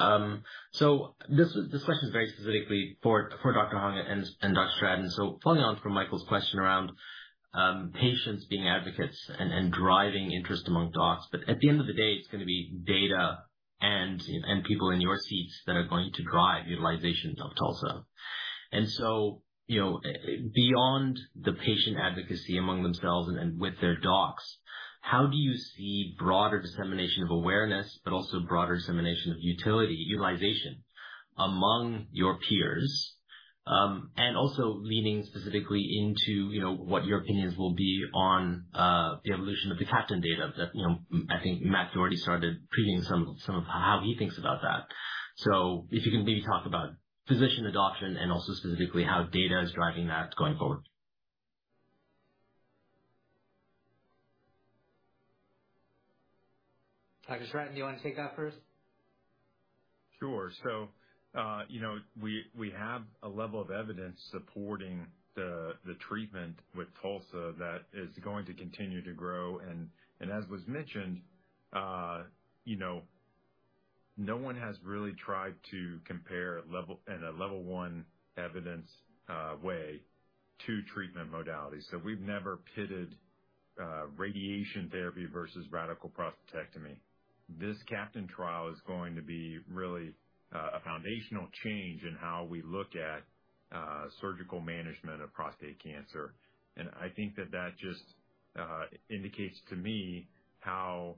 So this question is very specifically for Dr. Hong and Dr. Stratton. So following on from Michael's question around patients being advocates and driving interest among docs, but at the end of the day, it's gonna be data and people in your seats that are going to drive utilization of TULSA. And so, you know, beyond the patient advocacy among themselves and with their docs, how do you see broader dissemination of awareness, but also broader dissemination of utility, utilization among your peers? And also leaning specifically into, you know, what your opinions will be on the evolution of the CAPTAIN data that, you know, I think Matt Doherty started previewing some of how he thinks about that. If you can maybe talk about physician adoption and also specifically how data is driving that going forward? Dr. Stratton, do you want to take that first? Sure. So, you know, we have a level of evidence supporting the treatment with TULSA that is going to continue to grow. And as was mentioned, you know, no one has really tried to compare level in a level one evidence way, two treatment modalities. So we've never pitted radiation therapy versus radical prostatectomy. This CAPTAIN trial is going to be really a foundational change in how we look at surgical management of prostate cancer. And I think that just indicates to me how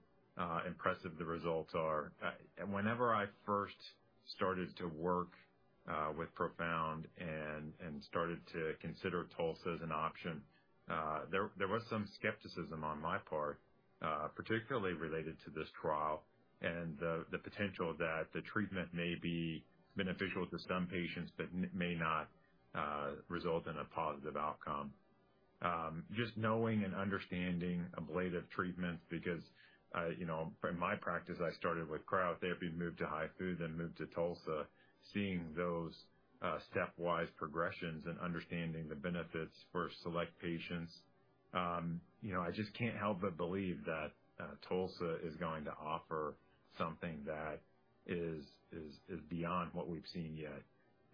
impressive the results are. And whenever I first started to work with Profound and started to consider TULSA as an option, there was some skepticism on my part, particularly related to this trial and the potential that the treatment may be beneficial to some patients, but may not result in a positive outcome. Just knowing and understanding ablative treatments, because, you know, in my practice, I started with cryotherapy, moved to HIFU, then moved to TULSA. Seeing those stepwise progressions and understanding the benefits for select patients, you know, I just can't help but believe that TULSA is going to offer something that is beyond what we've seen yet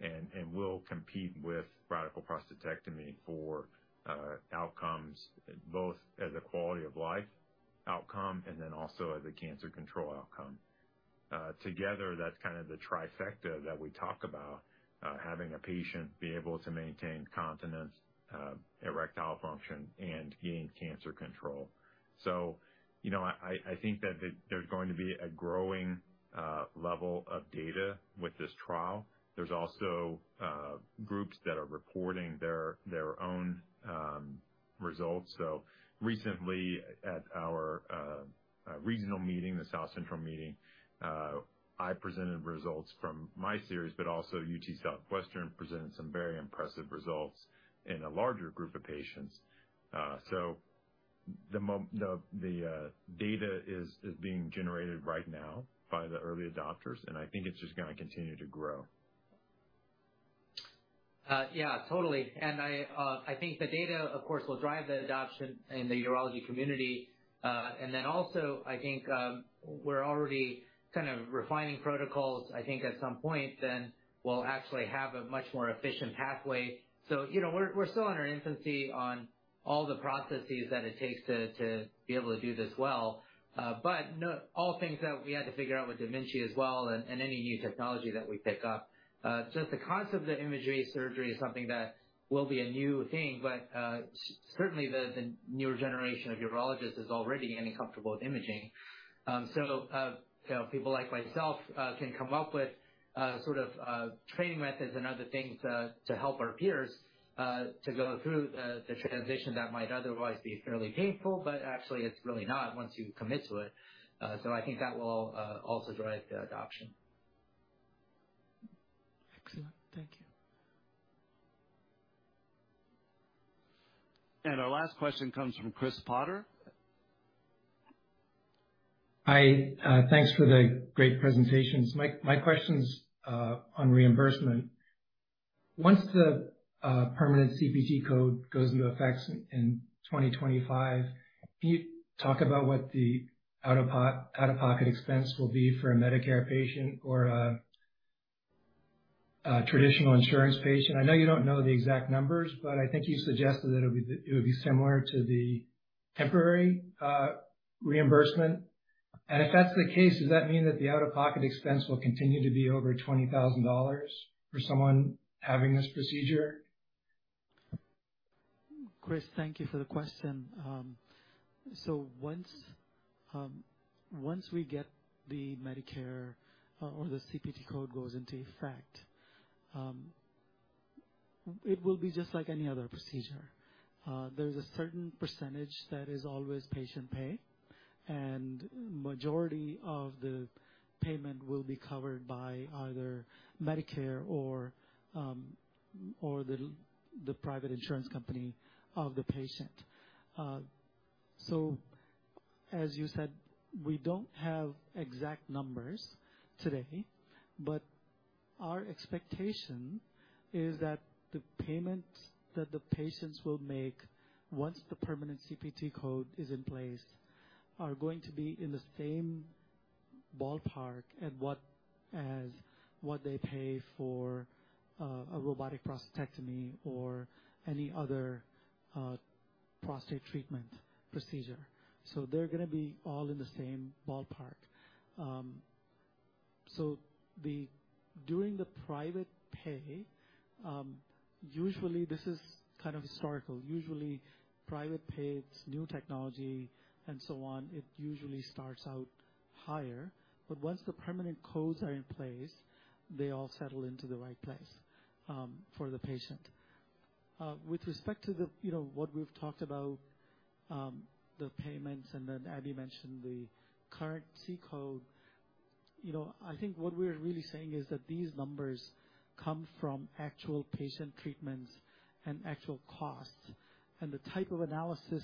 and will compete with radical prostatectomy for outcomes, both as a quality of life outcome and then also as a cancer control outcome. Together, that's kind of the trifecta that we talk about, having a patient be able to maintain continence, erectile function, and gain cancer control. So, you know, I think that there's going to be a growing level of data with this trial. There's also groups that are reporting their own results. So recently, at our regional meeting, the South Central meeting, I presented results from my series, but also UT Southwestern presented some very impressive results in a larger group of patients. So the data is being generated right now by the early adopters, and I think it's just gonna continue to grow. Yeah, totally. And I think the data, of course, will drive the adoption in the urology community. And then also, I think, we're already kind of refining protocols. I think at some point then we'll actually have a much more efficient pathway. So, you know, we're still in our infancy on all the processes that it takes to be able to do this well, but all things that we had to figure out with da Vinci as well and any new technology that we pick up. So the concept of the image-guided surgery is something that will be a new thing, but certainly the newer generation of urologists is already getting comfortable with imaging. So, you know, people like myself can come up with sort of training methods and other things to help our peers to go through the transition that might otherwise be fairly painful, but actually, it's really not once you commit to it. So I think that will also drive the adoption. Excellent. Thank you. Our last question comes from Chris Potter. Hi. Thanks for the great presentations. My question's on reimbursement. Once the permanent CPT code goes into effect in 2025, can you talk about what the out-of-pocket expense will be for a Medicare patient or a traditional insurance patient? I know you don't know the exact numbers, but I think you suggested that it would be similar to the temporary reimbursement. And if that's the case, does that mean that the out-of-pocket expense will continue to be over $20,000 for someone having this procedure? Chris, thank you for the question. So once we get the Medicare or the CPT code goes into effect, it will be just like any other procedure. There's a certain percentage that is always patient pay, and majority of the payment will be covered by either Medicare or the private insurance company of the patient. So, as you said, we don't have exact numbers today, but our expectation is that the payments that the patients will make once the permanent CPT code is in place are going to be in the same ballpark as what they pay for a robotic prostatectomy or any other prostate treatment procedure. So they're gonna be all in the same ballpark. So, during the private pay, usually this is kind of historical. Usually, private pay, it's new technology and so on, it usually starts out higher, but once the permanent codes are in place, they all settle into the right place, for the patient. With respect to the, you know, what we've talked about, the payments and then Abbey mentioned the current C code. You know, I think what we're really saying is that these numbers come from actual patient treatments and actual costs, and the type of analysis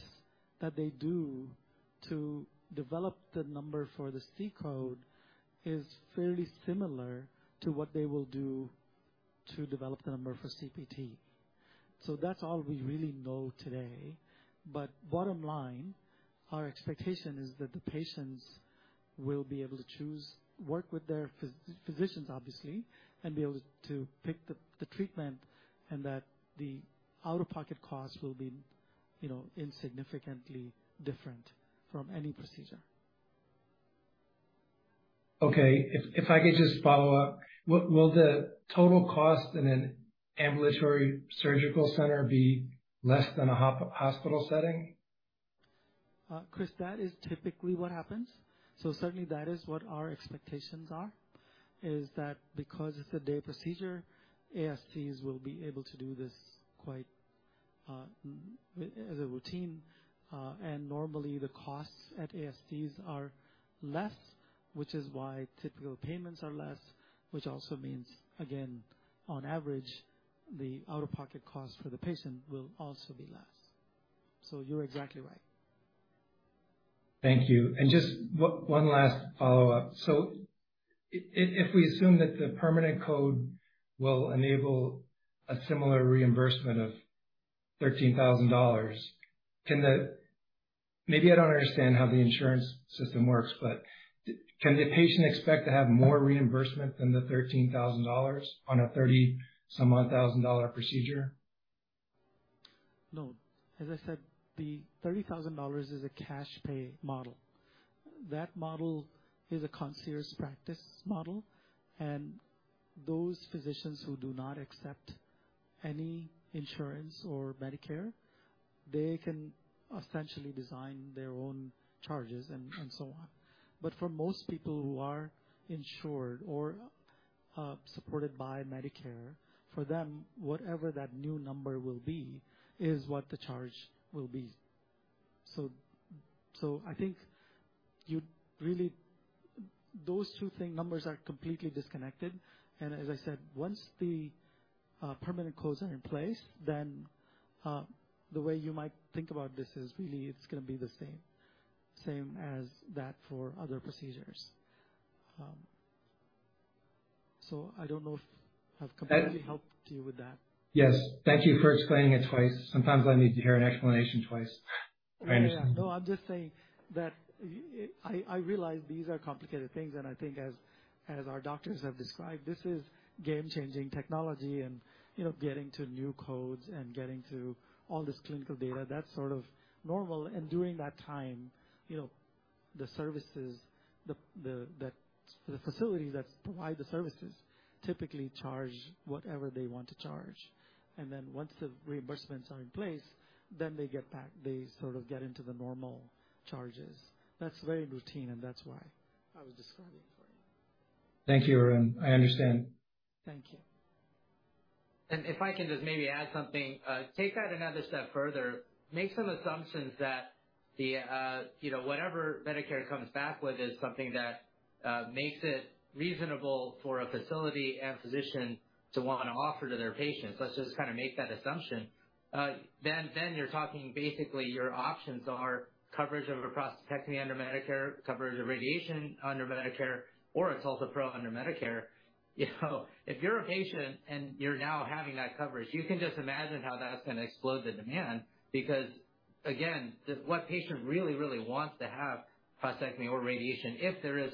that they do to develop the number for the C code is fairly similar to what they will do to develop the number for CPT. So that's all we really know today. But bottom line, our expectation is that the patients will be able to choose, work with their physicians, obviously, and be able to pick the treatment, and that the out-of-pocket costs will be, you know, insignificantly different from any procedure. Okay. If I could just follow up. Will the total cost in an ambulatory surgical center be less than a hospital setting? Chris, that is typically what happens. Certainly that is what our expectations are, is that because it's a day procedure, ASCs will be able to do this quite, as a routine. Normally the costs at ASCs are less, which is why typical payments are less, which also means, again, on average, the out-of-pocket cost for the patient will also be less. You're exactly right. Thank you. Just one last follow-up. If we assume that the permanent code will enable a similar reimbursement of $13,000, can the... Maybe I don't understand how the insurance system works, but can the patient expect to have more reimbursement than the $13,000 on a thirty-some-odd thousand dollar procedure? No. As I said, the $30,000 is a cash pay model. That model is a concierge practice model, and those physicians who do not accept any insurance or Medicare, they can essentially design their own charges and so on. But for most people who are insured or supported by Medicare, for them, whatever that new number will be, is what the charge will be. So, so I think you really... Those two things, numbers are completely disconnected. And as I said, once the permanent codes are in place, then the way you might think about this is really it's gonna be the same, same as that for other procedures. So I don't know if I've completely helped you with that. Yes. Thank you for explaining it twice. Sometimes I need to hear an explanation twice. I understand. No, I'm just saying that I realize these are complicated things, and I think as our doctors have described, this is game-changing technology and, you know, getting to new codes and getting to all this clinical data, that's sort of normal. And during that time, you know, the services, the facilities that provide the services typically charge whatever they want to charge. And then once the reimbursements are in place, then they get back—they sort of get into the normal charges. That's very routine, and that's why I was describing for you. Thank you, Arun. I understand. Thank you. If I can just maybe add something, take that another step further. Make some assumptions that the, you know, whatever Medicare comes back with is something that makes it reasonable for a facility and physician to want to offer to their patients. Let's just kind of make that assumption. Then, then you're talking basically your options are coverage of a prostatectomy under Medicare, coverage of radiation under Medicare, or TULSA-PRO under Medicare. You know if you're a patient and you're now having that coverage, you can just imagine how that's going to explode the demand. Because, again, just what patient really, really wants to have prostatectomy or radiation if there is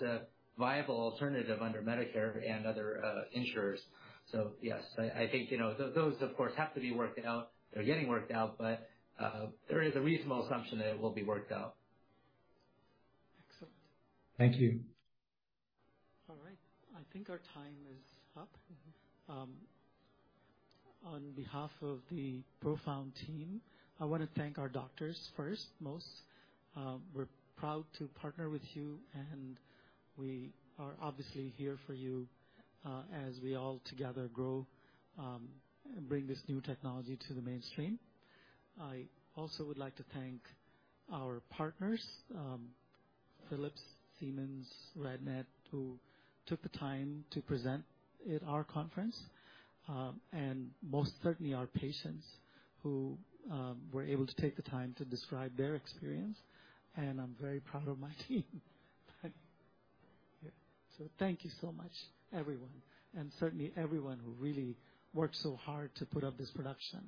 a viable alternative under Medicare and other insurers? So, yes, I, I think, you know, those, of course, have to be worked out. They're getting worked out, but there is a reasonable assumption that it will be worked out. Excellent. Thank you. All right. I think our time is up. On behalf of the Profound team, I want to thank our doctors first, most. We're proud to partner with you, and we are obviously here for you, as we all together grow and bring this new technology to the mainstream. I also would like to thank our partners, Philips, Siemens, RadNet, who took the time to present at our conference, and most certainly our patients, who were able to take the time to describe their experience. I'm very proud of my team. Thank you so much, everyone, and certainly everyone who really worked so hard to put up this production.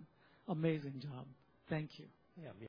Amazing job. Thank you. Yeah.